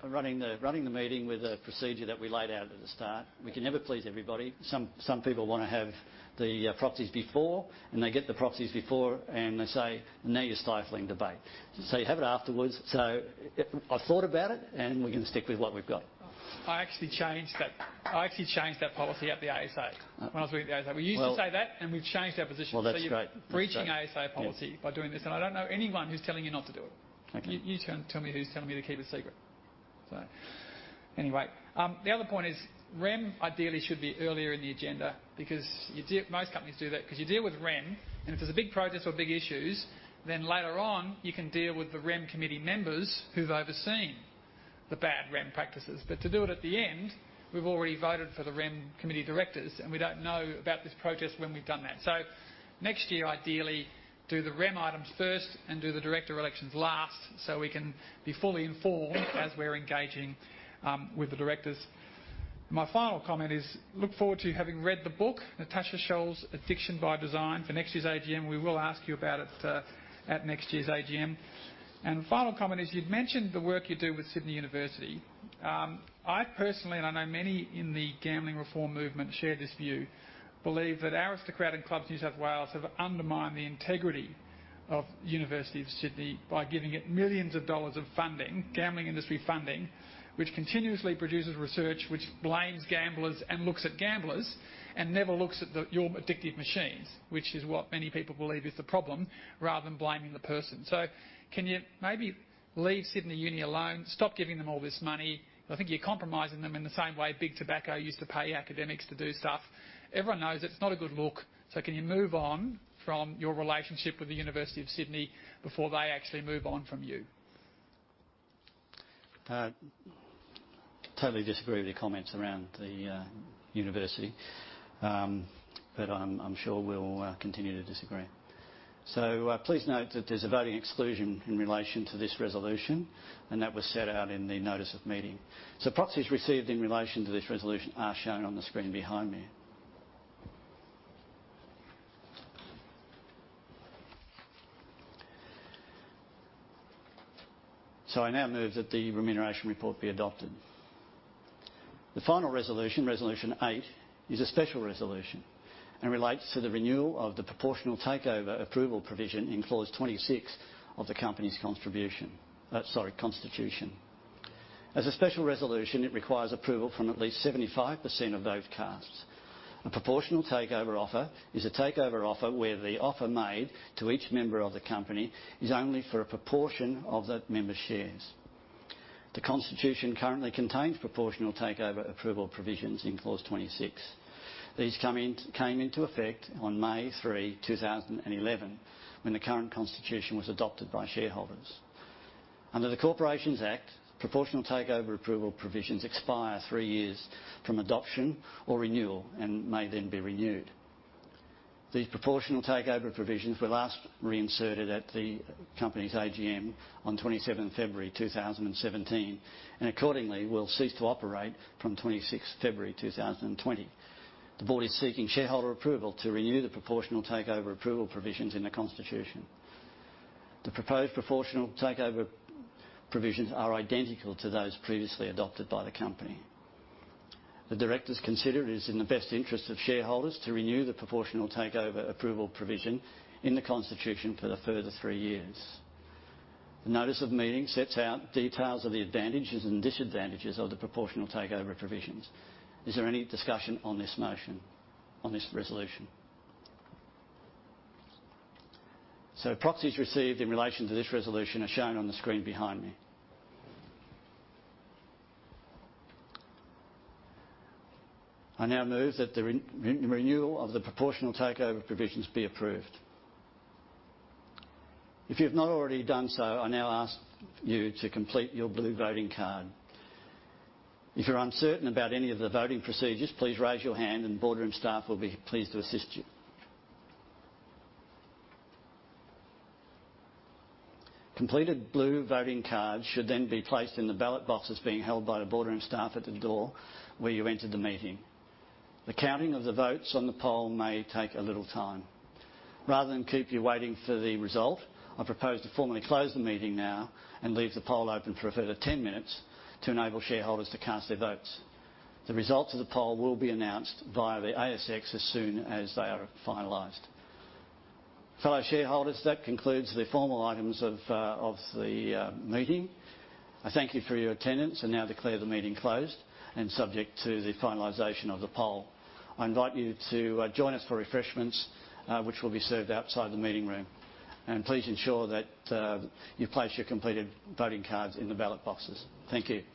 running the meeting with a procedure that we laid out at the start. We can never please everybody. Some people want to have the proxies before, and they get the proxies before, and they say, "Now you're stifling debate." You have it afterwards. I've thought about it, and we're going to stick with what we've got. I actually changed that. I actually changed that policy at the ASA when I was with the ASA. We used to say that, and we've changed our position. That's great. You're breaching ASA policy by doing this. I don't know anyone who's telling you not to do it. You tell me who's telling me to keep it secret. Anyway, the other point is REM ideally should be earlier in the agenda because most companies do that because you deal with REM. If there's a big protest or big issues, then later on, you can deal with the REM committee members who've overseen the bad REM practices. To do it at the end, we've already voted for the REM committee directors, and we don't know about this protest when we've done that. Next year, ideally, do the REM items first and do the director elections last so we can be fully informed as we're engaging with the directors. My final comment is, look forward to having read the book, Natasha Schüll's Addiction by Design. For next year's AGM, we will ask you about it at next year's AGM. The final comment is, you'd mentioned the work you do with Sydney University. I personally, and I know many in the gambling reform movement share this view, believe that Aristocrat and Clubs New South Wales have undermined the integrity of University of Sydney by giving it millions of dollars of funding, gambling industry funding, which continuously produces research, which blames gamblers and looks at gamblers and never looks at your addictive machines, which is what many people believe is the problem, rather than blaming the person. Can you maybe leave Sydney Uni alone? Stop giving them all this money. I think you're compromising them in the same way big tobacco used to pay academics to do stuff. Everyone knows it's not a good look. Can you move on from your relationship with the University of Sydney before they actually move on from you? I totally disagree with the comments around the university. I'm sure we'll continue to disagree. Please note that there's a voting exclusion in relation to this resolution, and that was set out in the notice of meeting. Proxies received in relation to this resolution are shown on the screen behind me. I now move that the remuneration report be adopted. The final resolution, Resolution 8, is a special resolution and relates to the renewal of the proportional takeover approval provision in clause 26 of the company's constitution. As a special resolution, it requires approval from at least 75% of those casts. A proportional takeover offer is a takeover offer where the offer made to each member of the company is only for a proportion of the member's shares. The constitution currently contains proportional takeover approval provisions in clause 26. These come into effect on May 3, 2011, when the current constitution was adopted by shareholders. Under the Corporations Act, proportional takeover approval provisions expire three years from adoption or renewal and may then be renewed. These proportional takeover provisions were last reinserted at the company's AGM on 27 February 2017, and accordingly, will cease to operate from 26 February 2020. The board is seeking shareholder approval to renew the proportional takeover approval provisions in the constitution. The proposed proportional takeover provisions are identical to those previously adopted by the company. The directors consider it is in the best interest of shareholders to renew the proportional takeover approval provision in the constitution for the further three years. The notice of meeting sets out details of the advantages and disadvantages of the proportional takeover provisions. Is there any discussion on this motion, on this resolution? Proxies received in relation to this resolution are shown on the screen behind me. I now move that the renewal of the proportional takeover provisions be approved. If you have not already done so, I now ask you to complete your blue voting card. If you're uncertain about any of the voting procedures, please raise your hand, and boardroom staff will be pleased to assist you. Completed blue voting cards should then be placed in the ballot boxes being held by the boardroom staff at the door where you entered the meeting. The counting of the votes on the poll may take a little time. Rather than keep you waiting for the result, I propose to formally close the meeting now and leave the poll open for a further 10 minutes to enable shareholders to cast their votes. The results of the poll will be announced via the ASX as soon as they are finalized. Fellow shareholders, that concludes the formal items of the meeting. I thank you for your attendance and now declare the meeting closed, subject to the finalization of the poll. I invite you to join us for refreshments, which will be served outside the meeting room. Please ensure that you place your completed voting cards in the ballot boxes. Thank you.